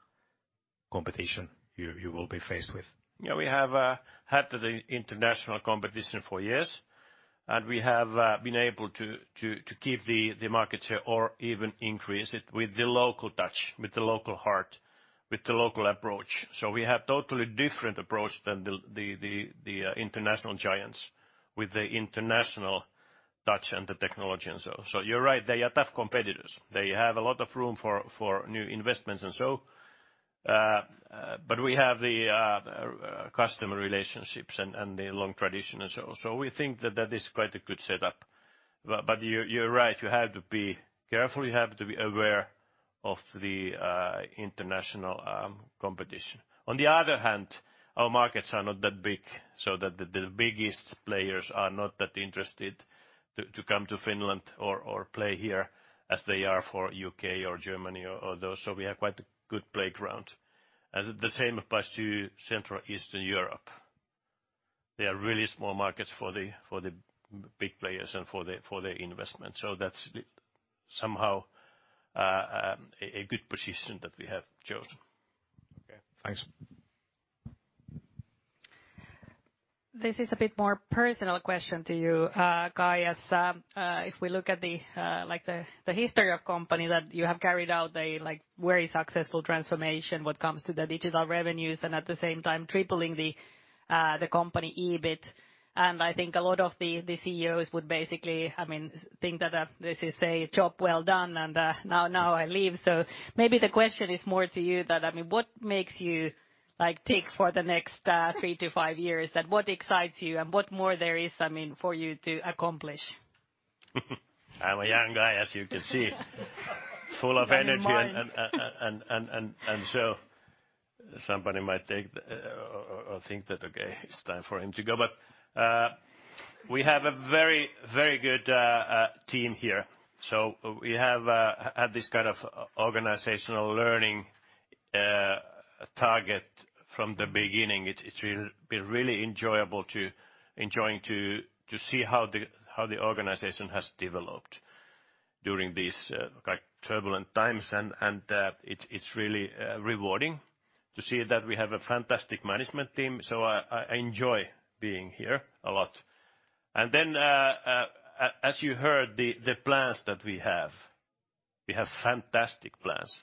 competition you will be faced with? Yeah, we have had the international competition for years. We have been able to keep the market share or even increase it with the local touch, with the local heart, with the local approach. We have totally different approach than the international giants with the international touch and the technology and so. You're right, they are tough competitors. They have a lot of room for new investments and so. We have the customer relationships and the long tradition and so on. We think that that is quite a good setup. But you're right, you have to be careful, you have to be aware of the international competition. On the other hand, our markets are not that big, so that the biggest players are not that interested to come to Finland or play here as they are for U.K. or Germany or those. We have quite a good playground. The same applies to Central and Eastern Europe. They are really small markets for the big players and for their investment. That's somehow a good position that we have chosen. Okay, thanks. This is a bit more personal question to you, Kai, as if we look at the, like, the history of company that you have carried out a, like, very successful transformation when it comes to the digital revenues and at the same time tripling the company EBIT. I think a lot of the CEOs would basically, I mean, think that this is a job well done and now I leave. Maybe the question is more to you that, I mean, what makes you, like, tick for the next three to five years, and what excites you and what more there is, I mean, for you to accomplish? I'm a young guy, as you can see. Full of energy— Mind. Somebody might take or think that, okay, it's time for him to go. We have a very good team here. We have had this kind of organizational learning target from the beginning. It's been really enjoying to see how the organization has developed during these, like, turbulent times. It's really rewarding to see that we have a fantastic management team. I enjoy being here a lot. As you heard, the plans that we have, we have fantastic plans.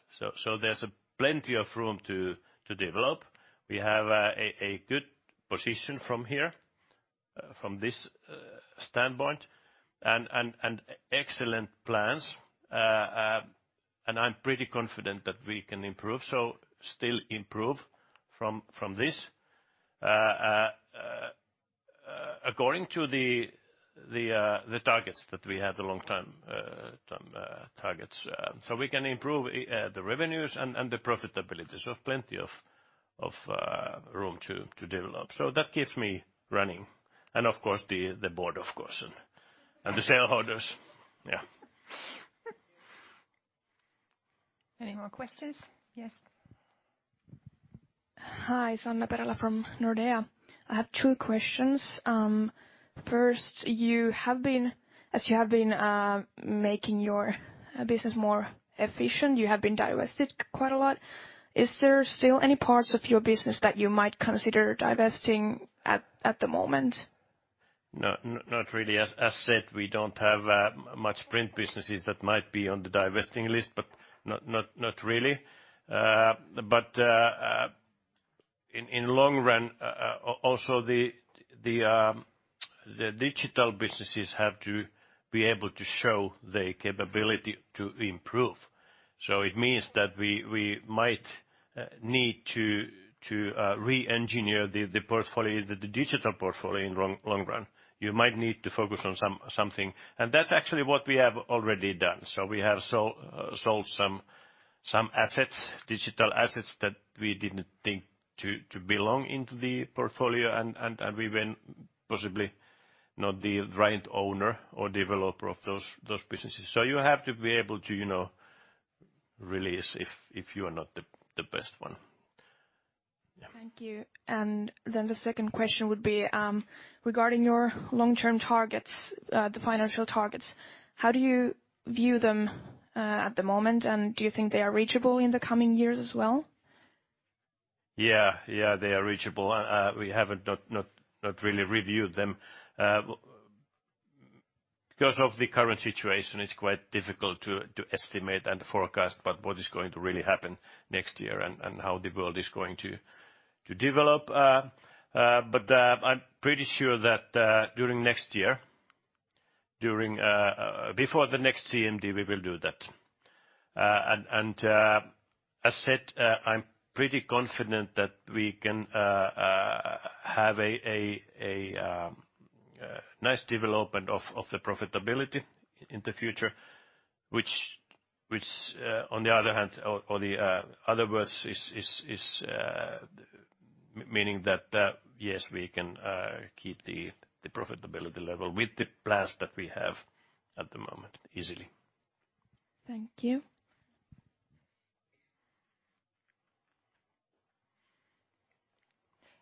There's plenty of room to develop. We have a good position from here, from this standpoint, and excellent plans. I'm pretty confident that we can improve, so still improve from this. According to the targets that we had, the long term targets. We can improve the revenues and the profitability, so plenty of room to develop. That keeps me running. Of course, the board, of course, and the shareholders. Yeah. Any more questions? Yes. Hi, Sanna Pärssinen from Nordea. I have two questions. First, as you have been making your business more efficient, you have been divested quite a lot. Is there still any parts of your business that you might consider divesting at the moment? No, not really. As said, we don't have much print businesses that might be on the divesting list, but not really. In long run, also the digital businesses have to be able to show their capability to improve. It means that we might need to re-engineer the portfolio, the digital portfolio in long run. You might need to focus on something, that's actually what we have already done. We have sold some assets, digital assets that we didn't think to belong into the portfolio, and we weren't possibly not the right owner or developer of those businesses. You have to be able to, you know, release if you are not the best one. Thank you. The second question would be regarding your long-term targets, the financial targets, how do you view them at the moment? Do you think they are reachable in the coming years as well? Yeah, they are reachable. we haven't really reviewed them. Because of the current situation, it's quite difficult to estimate and forecast about what is going to really happen next year and how the world is going to develop. I'm pretty sure that during next year, before the next CMD, we will do that. As said, I'm pretty confident that we can have a nice development of the profitability in the future which on the other hand or the other words is meaning that yes, we can keep the profitability level with the plans that we have at the moment easily. Thank you.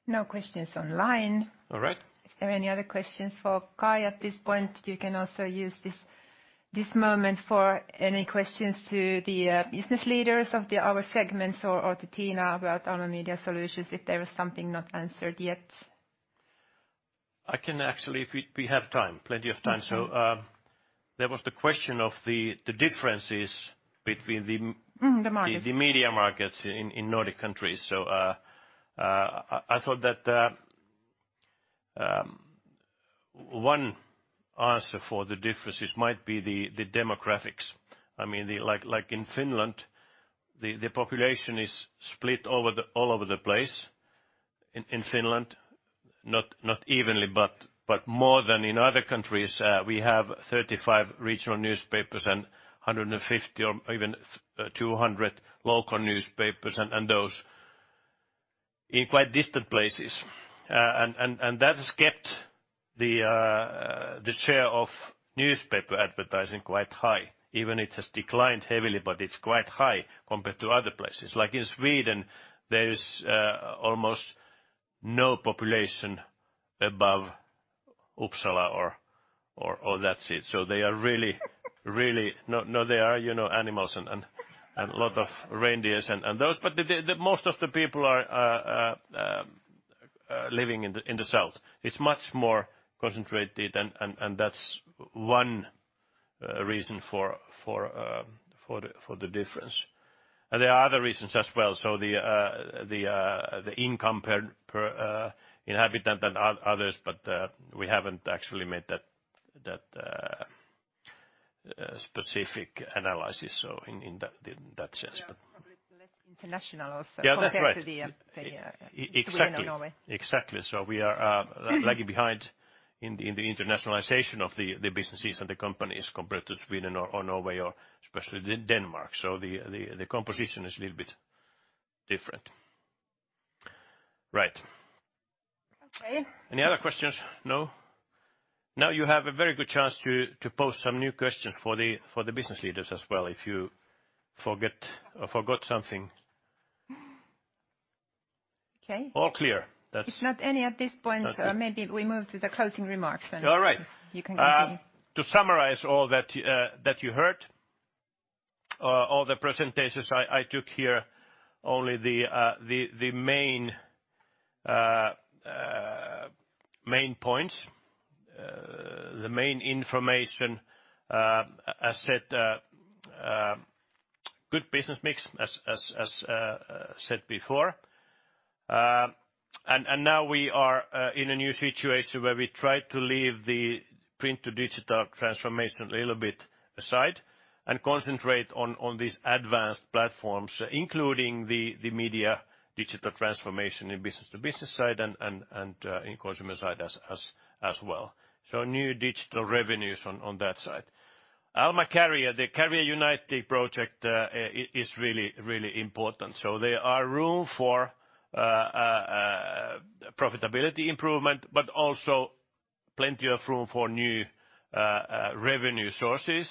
No questions online. All right. Is there any other questions for Kai at this point? You can also use this moment for any questions to the business leaders of our segments or to Tiina about Alma Media Solutions if there is something not answered yet. I can actually if we have time, plenty of time. There was the question of the differences between. The markets. The media markets in Nordic countries. I thought that one answer for the differences might be the demographics. I mean, like in Finland, the population is split over all over the place in Finland, not evenly but more than in other countries. We have 35 regional newspapers and 150 or even 200 local newspapers and those in quite distant places. And that has kept the share of newspaper advertising quite high. Even it has declined heavily, but it's quite high compared to other places. Like in Sweden, there is almost no population above Uppsala or that's it. They are really, no, they are, you know, animals and lot of reindeers and those. But the most of the people are living in the south. It's much more concentrated and that's one reason for the difference. There are other reasons as well. The income per inhabitant than others, but we haven't actually made that specific analysis so in that sense. We are probably less international also. Yeah, that's right. Compared to the— Exactly. Sweden or Norway. Exactly. We are lagging behind in the internationalization of the businesses and the companies compared to Sweden or Norway or especially Denmark. The composition is a little bit different. Right. Okay. Any other questions? No? Now you have a very good chance to pose some new questions for the business leaders as well if you forgot something. Okay. All clear. If not any at this point. Okay. Maybe we move to the closing remarks then. All right. You can continue. To summarize all that you heard, all the presentations, I took here only the main points, the main information. As said, good business mix as said before. Now we are in a new situation where we try to leave the print to digital transformation a little bit aside and concentrate on these advanced platforms, including the media digital transformation in business to business side and in consumer side as well. New digital revenues on that side. Alma Career, the Alma Career project, is really important. There are room for profitability improvement, but also plenty of room for new revenue sources,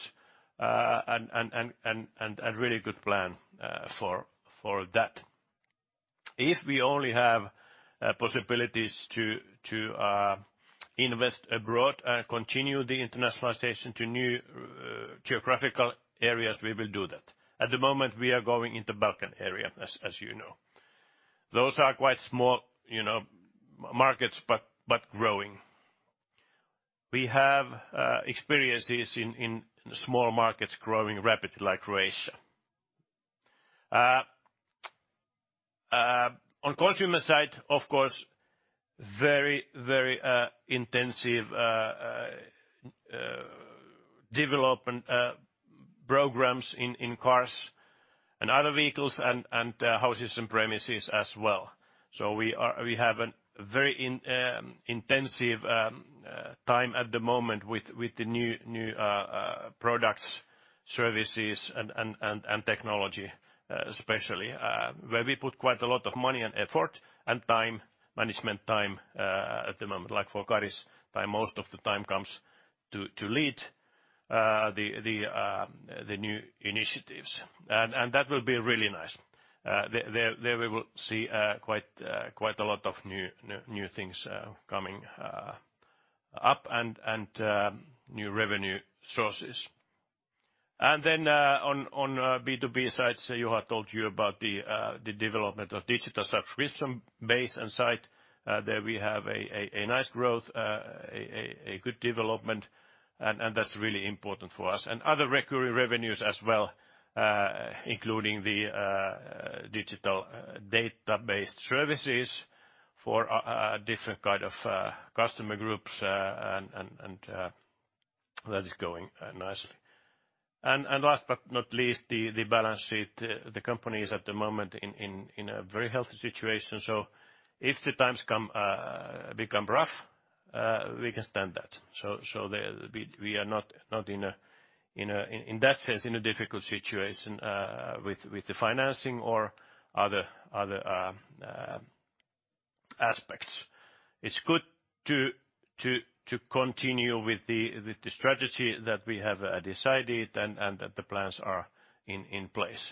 and really good plan for that. If we only have possibilities to invest abroad, continue the internationalization to new geographical areas, we will do that. At the moment, we are going into Balkan area as you know. Those are quite small, you know, markets but growing. We have experiences in small markets growing rapidly like Croatia. On consumer side, of course, very intensive development programs in cars and other vehicles and houses and premises as well. We have a very intensive time at the moment with the new products, services, and technology, especially where we put quite a lot of money and effort and time, management time, at the moment. Like for Kari, by most of the time comes to lead the new initiatives. That will be really nice. There we will see quite a lot of new things coming up and new revenue sources. On B2B side, Juha told you about the development of digital subscription base and site. There we have a nice growth, a good development, and that's really important for us. Other recurring revenues as well, including the digital databased services for different kind of customer groups, and that is going nicely. Last but not least, the balance sheet, the company is at the moment in a very healthy situation. If the times come, become rough, we can stand that. We are not in that sense, in a difficult situation with the financing or other aspects. It's good to continue with the strategy that we have decided and that the plans are in place.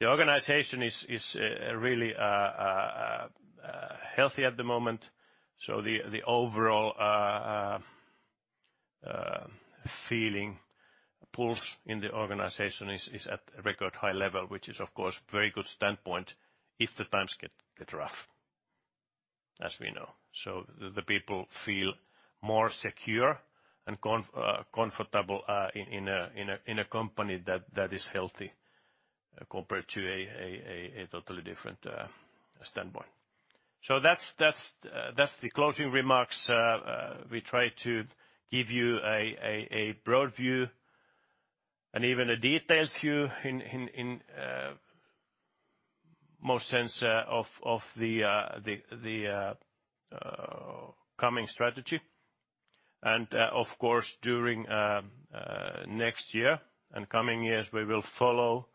The organization is really healthy at the moment. The overall feeling, pulse in the organization is at a record high level, which is, of course, very good standpoint if the times get rough, as we know. The people feel more secure and comfortable in a company that is healthy compared to a totally different standpoint. That's, that's the closing remarks. We try to give you a broad view and even a detailed view in more sense of the coming strategy. Of course, during next year and coming years, we will follow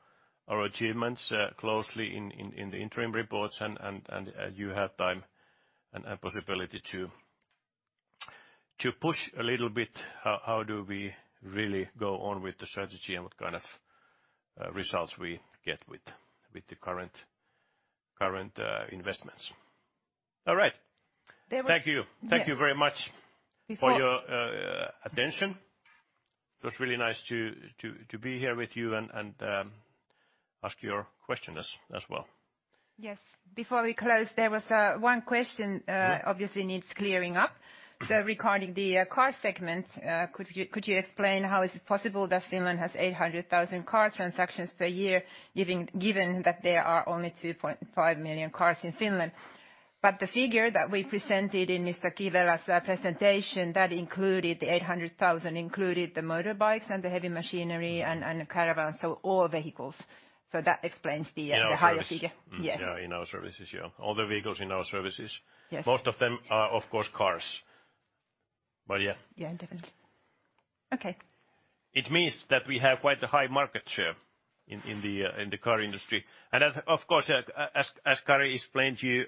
our achievements closely in the interim reports and you have time and possibility to push a little bit how do we really go on with the strategy and what kind of results we get with the current investments. All right. There was— Thank you. Yes. Thank you very much. Before— For your attention. It was really nice to be here with you and ask your questions as well. Yes. Before we close, there was one question. Obviously needs clearing up. regarding the car segment, could you explain how is it possible that Finland has 800,000 car transactions per year, given that there are only 2.5 million cars in Finland? The figure that we presented in Mr. Kivelä's presentation, that included the 800,000, included the motorbikes and the heavy machinery and caravans, so all vehicles. That explains the— In our services. The higher figure. Yes. Yeah, in our services, yeah. All the vehicles in our services. Yes. Most of them are, of course, cars. yeah. Yeah, definitely. Okay. It means that we have quite a high market share in the car industry. Of course, as Kari explained to you,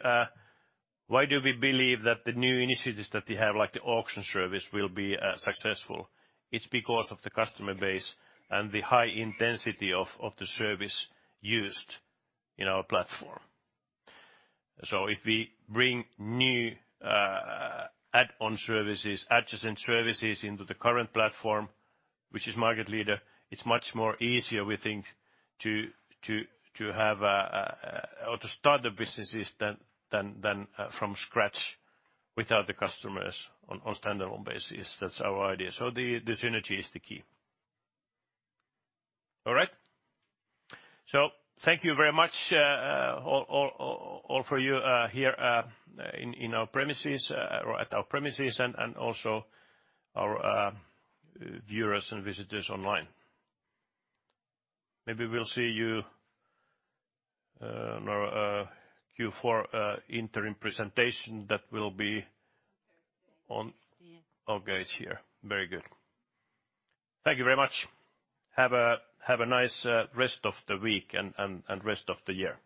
why do we believe that the new initiatives that we have, like the auction service, will be successful? It's because of the customer base and the high intensity of the service used in our platform. If we bring new add-on services, adjacent services into the current platform, which is market leader, it's much more easier, we think, to have or to start the businesses than from scratch without the customers on standalone basis. That's our idea. The synergy is the key. All right? Thank you very much, all for you, here, in our premises, or at our premises and also our viewers and visitors online. Maybe we'll see you on our Q4 interim presentation that will be. 30th. Okay, it's here. Very good. Thank you very much. Have a nice rest of the week and rest of the year.